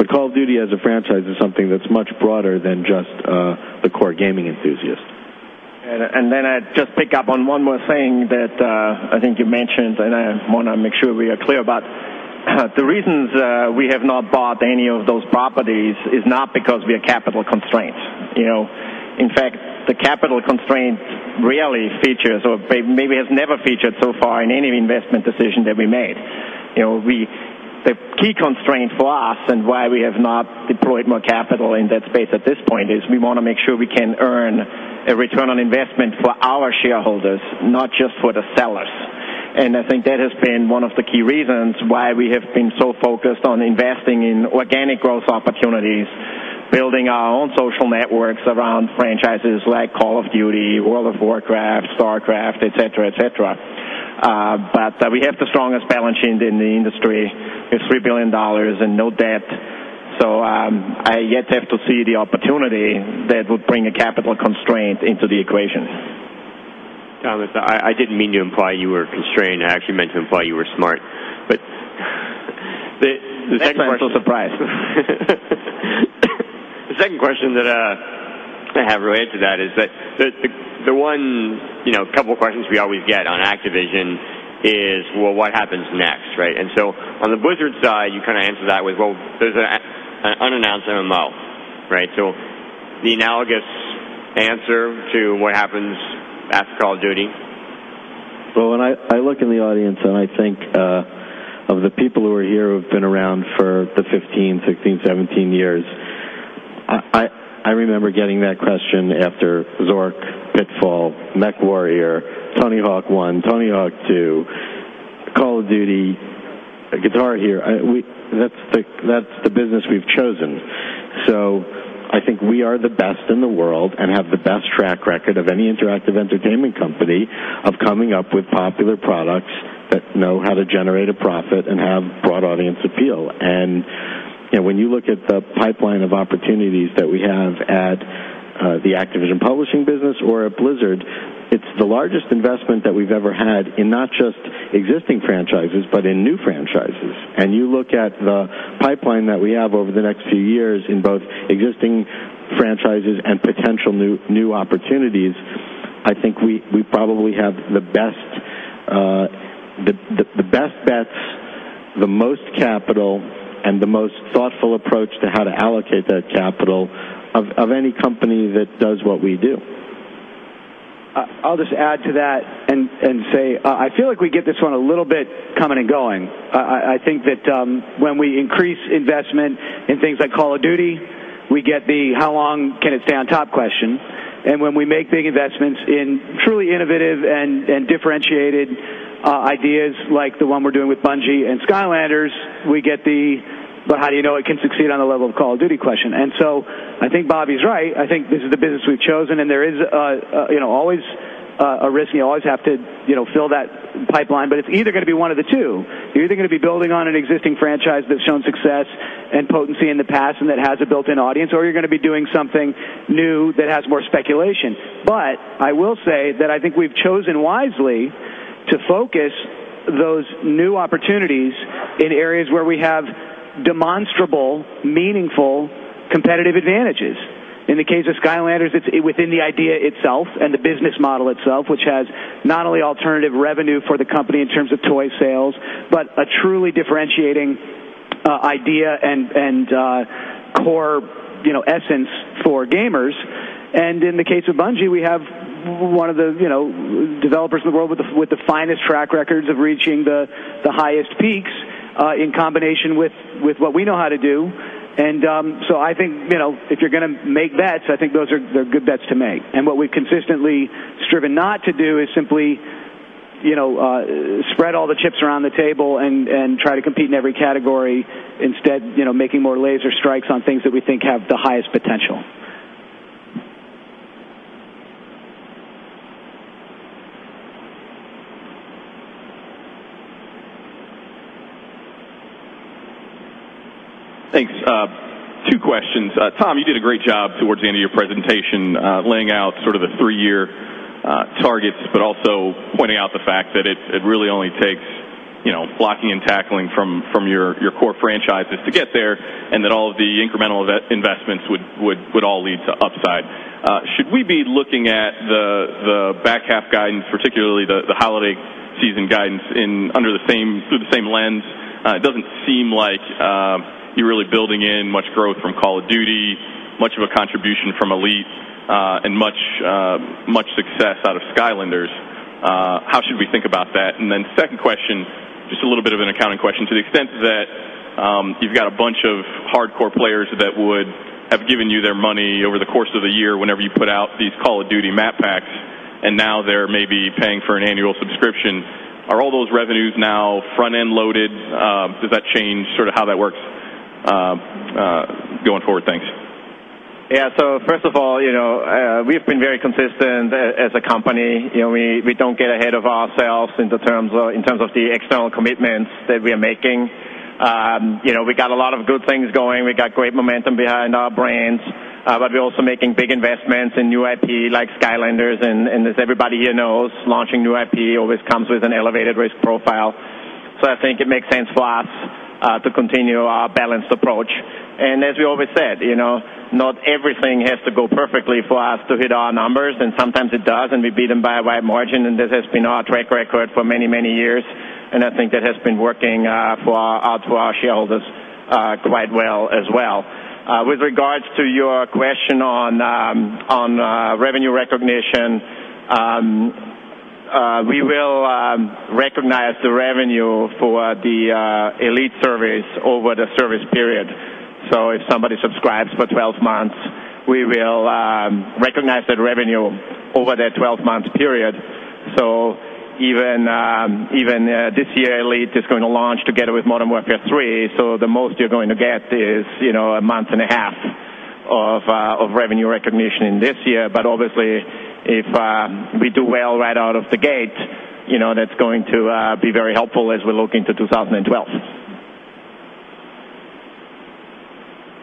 Call of Duty as a franchise is something that's much broader than just the core gaming enthusiast. I would just pick up on one more thing that I think you mentioned. I want to make sure we are clear about the reasons we have not bought any of those properties. It is not because we are capital constrained. In fact, the capital constraint really features or maybe has never featured so far in any investment decision that we made. The key constraint for us and why we have not deployed more capital in that space at this point is we want to make sure we can earn a return on investment for our shareholders, not just for the sellers. I think that has been one of the key reasons why we have been so focused on investing in organic growth opportunities, building our own social networks around franchises like Call of Duty, World of Warcraft, StarCraft, et cetera. We have the strongest balance sheet in the industry. There is $3 billion and no debt. I have yet to see the opportunity that would bring a capital constraint into the equation. I didn't mean to imply you were constrained. I actually meant to imply you were smart. The second question... I'm a little surprised. The second question that I have related to that is that the one, you know, a couple of questions we always get on Activision Blizzard is, what happens next, right? On the Blizzard side, you kind of answer that with, there's an unannounced MMO, right? The analogous answer to what happens after Call of Duty? When I look in the audience and I think of the people who are here who have been around for the 15, 16, 17 years, I remember getting that question after Zork, Pitfall, MechWarrior, Tony Hawk's Pro Skater 1, Tony Hawk's Pro Skater 2, Call of Duty, Guitar Hero. That's the business we've chosen. I think we are the best in the world and have the best track record of any interactive entertainment company of coming up with popular products that know how to generate a profit and have broad audience appeal. You know, when you look at the pipeline of opportunities that we have at the Activision Publishing business or at Blizzard Entertainment, it's the largest investment that we've ever had in not just existing franchises, but in new franchises. You look at the pipeline that we have over the next few years in both existing franchises and potential new opportunities, I think we probably have the best bets, the most capital, and the most thoughtful approach to how to allocate that capital of any company that does what we do. I'll just add to that and say, I feel like we get this one a little bit coming and going. I think that when we increase investment in things like Call of Duty, we get the how long can it stay on top question. When we make big investments in truly innovative and differentiated ideas like the one we're doing with Bungie and Skylanders, we get the, but how do you know it can succeed on the level of Call of Duty question? I think Bobby's right. I think this is the business we've chosen. There is always a risk. You always have to fill that pipeline. It's either going to be one of the two. You're either going to be building on an existing franchise that's shown success and potency in the past and that has a built-in audience, or you're going to be doing something new that has more speculation. I will say that I think we've chosen wisely to focus those new opportunities in areas where we have demonstrable, meaningful competitive advantages. In the case of Skylanders, it's within the idea itself and the business model itself, which has not only alternative revenue for the company in terms of toy sales, but a truly differentiating idea and core essence for gamers. In the case of Bungie, we have one of the developers in the world with the finest track records of reaching the highest peaks in combination with what we know how to do. I think if you're going to make bets, I think those are good bets to make. What we've consistently striven not to do is simply spread all the chips around the table and try to compete in every category, instead making more laser strikes on things that we think have the highest potential. Thanks. Two questions. Thom, you did a great job towards the end of your presentation laying out sort of the three-year targets, but also pointing out the fact that it really only takes, you know, blocking and tackling from your core franchises to get there, and that all of the incremental investments would all lead to upside. Should we be looking at the back-cap guidance, particularly the holiday season guidance, under the same lens? It doesn't seem like you're really building in much growth from Call of Duty, much of a contribution from Elite, and much success out of Skylanders: Spyro’s Adventure. How should we think about that? Second question, just a little bit of an accounting question, to the extent that you've got a bunch of hardcore players that would have given you their money over the course of a year whenever you put out these Call of Duty map packs, and now they're maybe paying for an annual subscription. Are all those revenues now front-end loaded? Does that change sort of how that works going forward? Thanks. Yeah, so first of all, you know, we've been very consistent as a company. You know, we don't get ahead of ourselves in terms of the external commitments that we are making. We got a lot of good things going. We got great momentum behind our brands. We're also making big investments in new IP like Skylanders. As everybody here knows, launching new IP always comes with an elevated risk profile. I think it makes sense for us to continue our balanced approach. As we always said, not everything has to go perfectly for us to hit our numbers. Sometimes it does, and we beat them by a wide margin. This has been our track record for many, many years. I think that has been working for our shareholders quite well as well. With regards to your question on revenue recognition, we will recognize the revenue for the Elite service over the service period. If somebody subscribes for 12 months, we will recognize that revenue over that 12-month period. Even this year, Elite is going to launch together with Modern Warfare III. The most you're going to get is, you know, a month and a half of revenue recognition in this year. Obviously, if we do well right out of the gate, that's going to be very helpful as we look into 2012.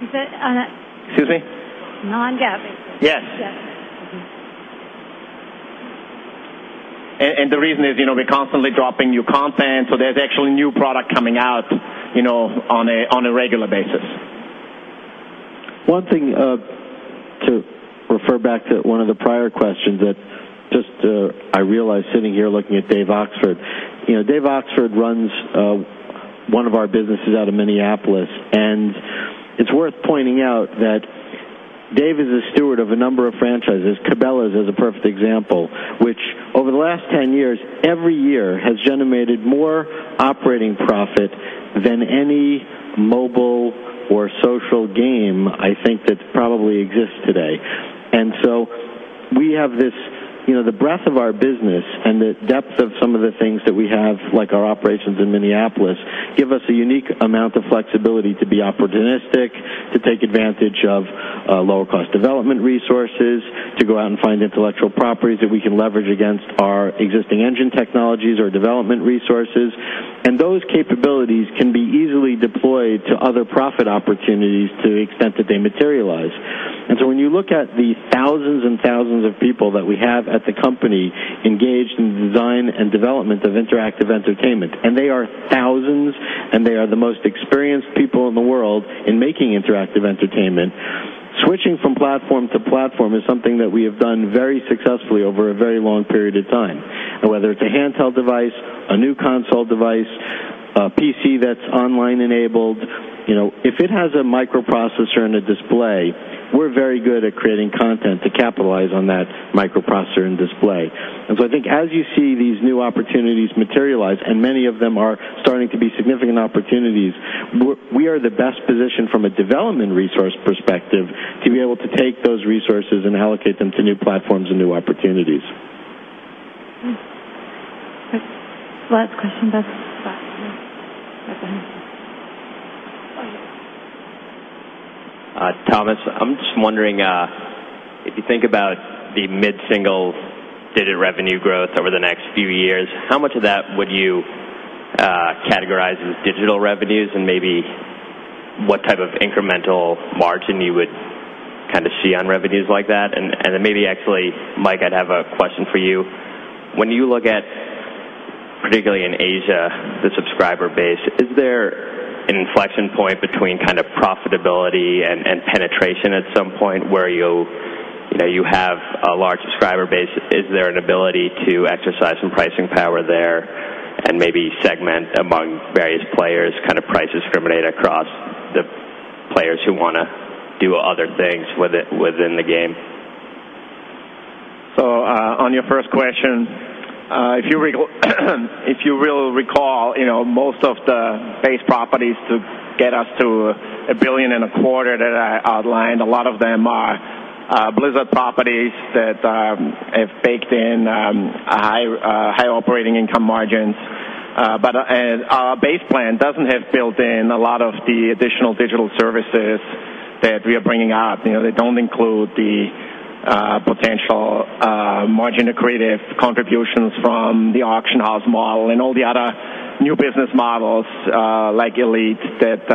You said, excuse me, non-GAAP. Yes. Yes. The reason is, you know, we're constantly dropping new content, so there's actually new product coming out, you know, on a regular basis. One thing to refer back to one of the prior questions that I just realized sitting here looking at Dave Oxford. You know, Dave Oxford runs one of our businesses out of Minneapolis. It's worth pointing out that Dave is a steward of a number of franchises. Cabela's is a perfect example, which over the last 10 years, every year has generated more operating profit than any mobile or social game I think that probably exists today. We have this, you know, the breadth of our business and the depth of some of the things that we have, like our operations in Minneapolis, give us a unique amount of flexibility to be opportunistic, to take advantage of lower cost development resources, to go out and find intellectual properties that we can leverage against our existing engine technologies or development resources. Those capabilities can be easily deployed to other profit opportunities to the extent that they materialize. When you look at the thousands and thousands of people that we have at the company engaged in the design and development of interactive entertainment, and they are thousands, and they are the most experienced people in the world in making interactive entertainment, switching from platform to platform is something that we have done very successfully over a very long period of time. Whether it's a handheld device, a new console device, a PC that's online enabled, you know, if it has a microprocessor and a display, we're very good at creating content to capitalize on that microprocessor and display. I think as you see these new opportunities materialize, and many of them are starting to be significant opportunities, we are the best positioned from a development resource perspective to be able to take those resources and allocate them to new platforms and new opportunities. Thomas, I'm just wondering, if you think about the mid-single digit revenue growth over the next few years, how much of that would you categorize as digital revenues, and maybe what type of incremental margin you would kind of see on revenues like that? Maybe actually, Mike, I'd have a question for you. When you look at, particularly in Asia, the subscriber base, is there an inflection point between profitability and penetration at some point where you have a large subscriber base? Is there an ability to exercise some pricing power there and maybe segment among various players, kind of price discriminate across the players who want to do other things within the game? On your first question, if you will recall, most of the base properties to get us to $1.25 billion that I outlined, a lot of them are Blizzard properties that have baked in high operating income margins. Our base plan doesn't have built in a lot of the additional digital services that we are bringing up. They don't include the potential margin accretive contributions from the auction house model and all the other new business models like Elite that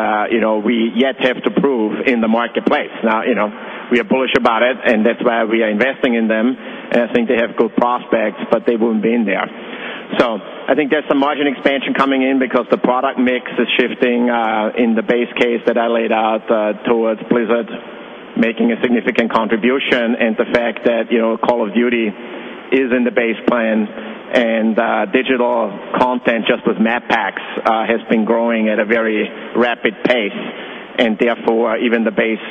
we yet have to prove in the marketplace. We are bullish about it, and that's why we are investing in them. I think they have good prospects, but they wouldn't be in there. I think there's some margin expansion coming in because the product mix is shifting in the base case that I laid out towards Blizzard making a significant contribution and the fact that Call of Duty is in the base plan and digital content just with map packs has been growing at a very rapid pace. Therefore, even the base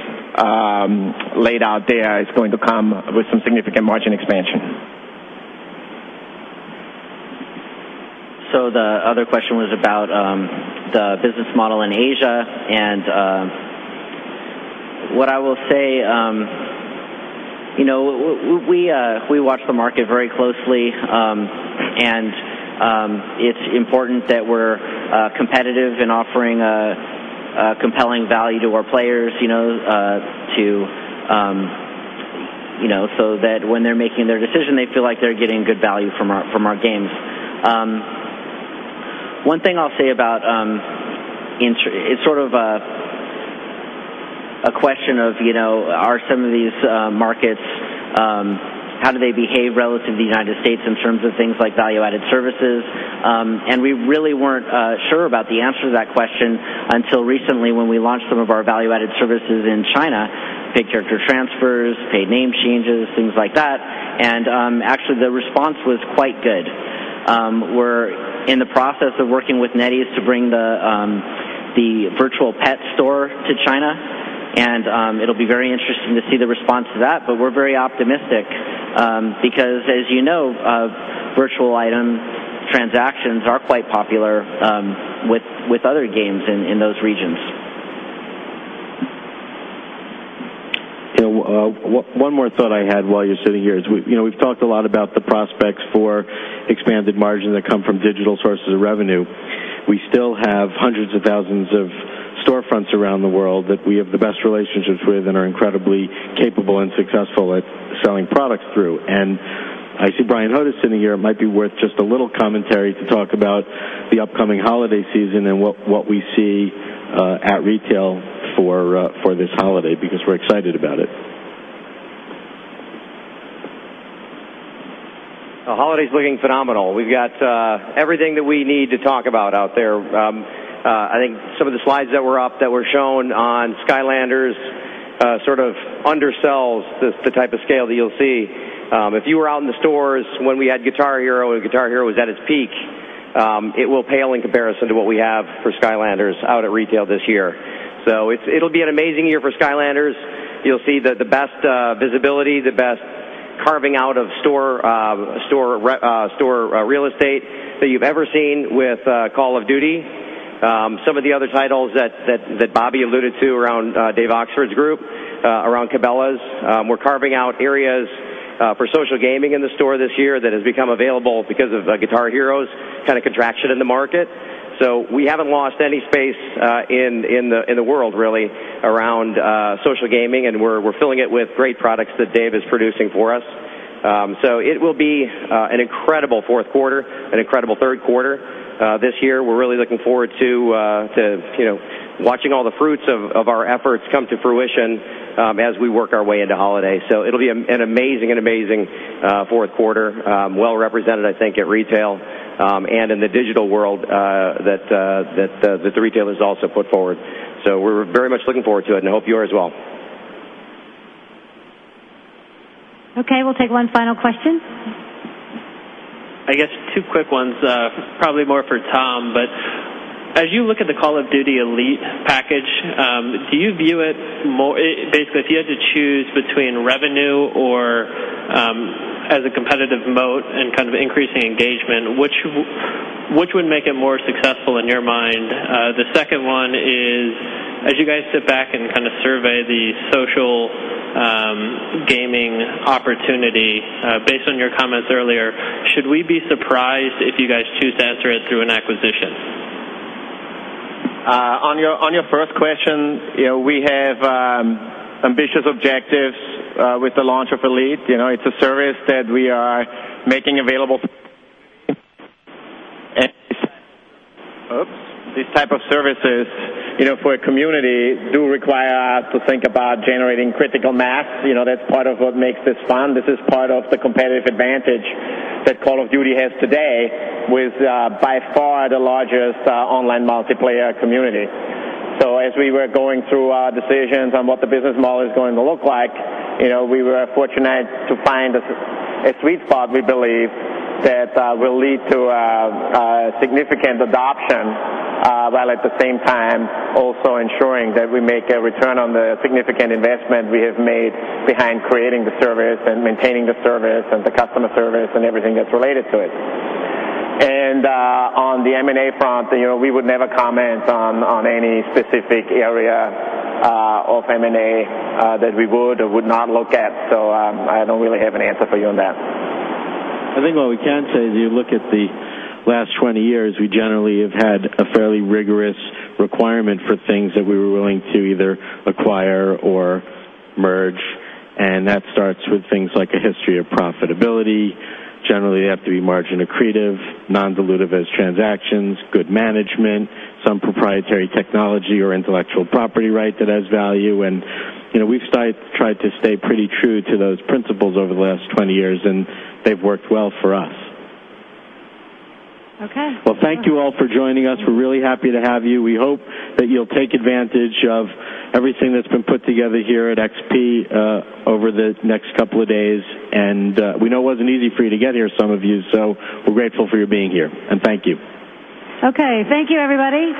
laid out there is going to come with some significant margin expansion. The other question was about the business model in Asia. What I will say, you know, we watch the market very closely. It's important that we're competitive in offering a compelling value to our players, you know, so that when they're making their decision, they feel like they're getting good value from our games. One thing I'll say about, it's sort of a question of, you know, are some of these markets, how do they behave relative to the United States in terms of things like value-added services? We really weren't sure about the answer to that question until recently when we launched some of our value-added services in China, big character transfers, paid name changes, things like that. Actually, the response was quite good. We're in the process of working with NetEase to bring the virtual pet store to China. It'll be very interesting to see the response to that. We're very optimistic because, as you know, virtual item transactions are quite popular with other games in those regions. You know, one more thought I had while you're sitting here is, you know, we've talked a lot about the prospects for expanded margins that come from digital sources of revenue. We still have hundreds of thousands of storefronts around the world that we have the best relationships with and are incredibly capable and successful at selling products through. I see Brian Hodous sitting here. It might be worth just a little commentary to talk about the upcoming holiday season and what we see at retail for this holiday because we're excited about it. The holiday is looking phenomenal. We've got everything that we need to talk about out there. I think some of the slides that were up that were shown on Skylanders sort of undersells the type of scale that you'll see. If you were out in the stores when we had Guitar Hero and Guitar Hero was at its peak, it will pale in comparison to what we have for Skylanders out at retail this year. It will be an amazing year for Skylanders. You'll see the best visibility, the best carving out of store real estate that you've ever seen with Call of Duty. Some of the other titles that Bobby alluded to around Dave Oxford's group, around Cabela's, we're carving out areas for social gaming in the store this year that has become available because of Guitar Hero's kind of contraction in the market. We haven't lost any space in the world really around social gaming. We're filling it with great products that Dave is producing for us. It will be an incredible fourth quarter, an incredible third quarter this year. We're really looking forward to watching all the fruits of our efforts come to fruition as we work our way into holiday. It will be an amazing, an amazing fourth quarter, well represented, I think, at retail and in the digital world that the retailers also put forward. We're very much looking forward to it and hope you are as well. Okay, we'll take one final question. I guess two quick ones, probably more for Thom. As you look at the Call of Duty: Elite package, do you view it basically, if you had to choose between revenue or as a competitive moat and kind of increasing engagement, which would make it more successful in your mind? The second one is, as you guys sit back and kind of survey the social gaming opportunity, based on your comments earlier, should we be surprised if you guys choose to answer it through an acquisition? On your first question, we have ambitious objectives with the launch of Elite. It's a service that we are making available. These types of services for a community do require us to think about generating critical mass. That's part of what makes this fun. This is part of the competitive advantage that Call of Duty has today with by far the largest online multiplayer community. As we were going through our decisions on what the business model is going to look like, we were fortunate to find a sweet spot, we believe, that will lead to significant adoption, while at the same time also ensuring that we make a return on the significant investment we have made behind creating the service and maintaining the service and the customer service and everything that's related to it. On the M&A front, we would never comment on any specific area of M&A that we would or would not look at. I don't really have an answer for you on that. I think what we can say is you look at the last 20 years, we generally have had a fairly rigorous requirement for things that we were willing to either acquire or merge. That starts with things like a history of profitability. Generally, they have to be margin accretive, non-dilutive transactions, good management, some proprietary technology or intellectual property right that has value. We've tried to stay pretty true to those principles over the last 20 years, and they've worked well for us. Okay. Thank you all for joining us. We're really happy to have you. We hope that you'll take advantage of everything that's been put together here at XP over the next couple of days. We know it wasn't easy for you to get here, some of you, so we're grateful for you being here. Thank you. Okay, thank you everybody.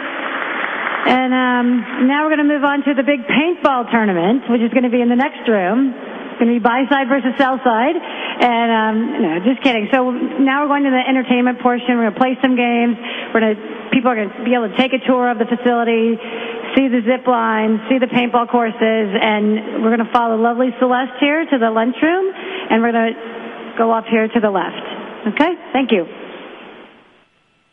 Now we're going to move on to the big paintball tournament, which is going to be in the next room. It's going to be Buy Side versus Sell Side. No, just kidding. Now we're going to the entertainment portion. We're going to play some games. People are going to be able to take a tour of the facility, see the zip line, see the paintball courses, and we're going to follow lovely Celeste here to the lunchroom. We're going to go up here to the left. Okay, thank you.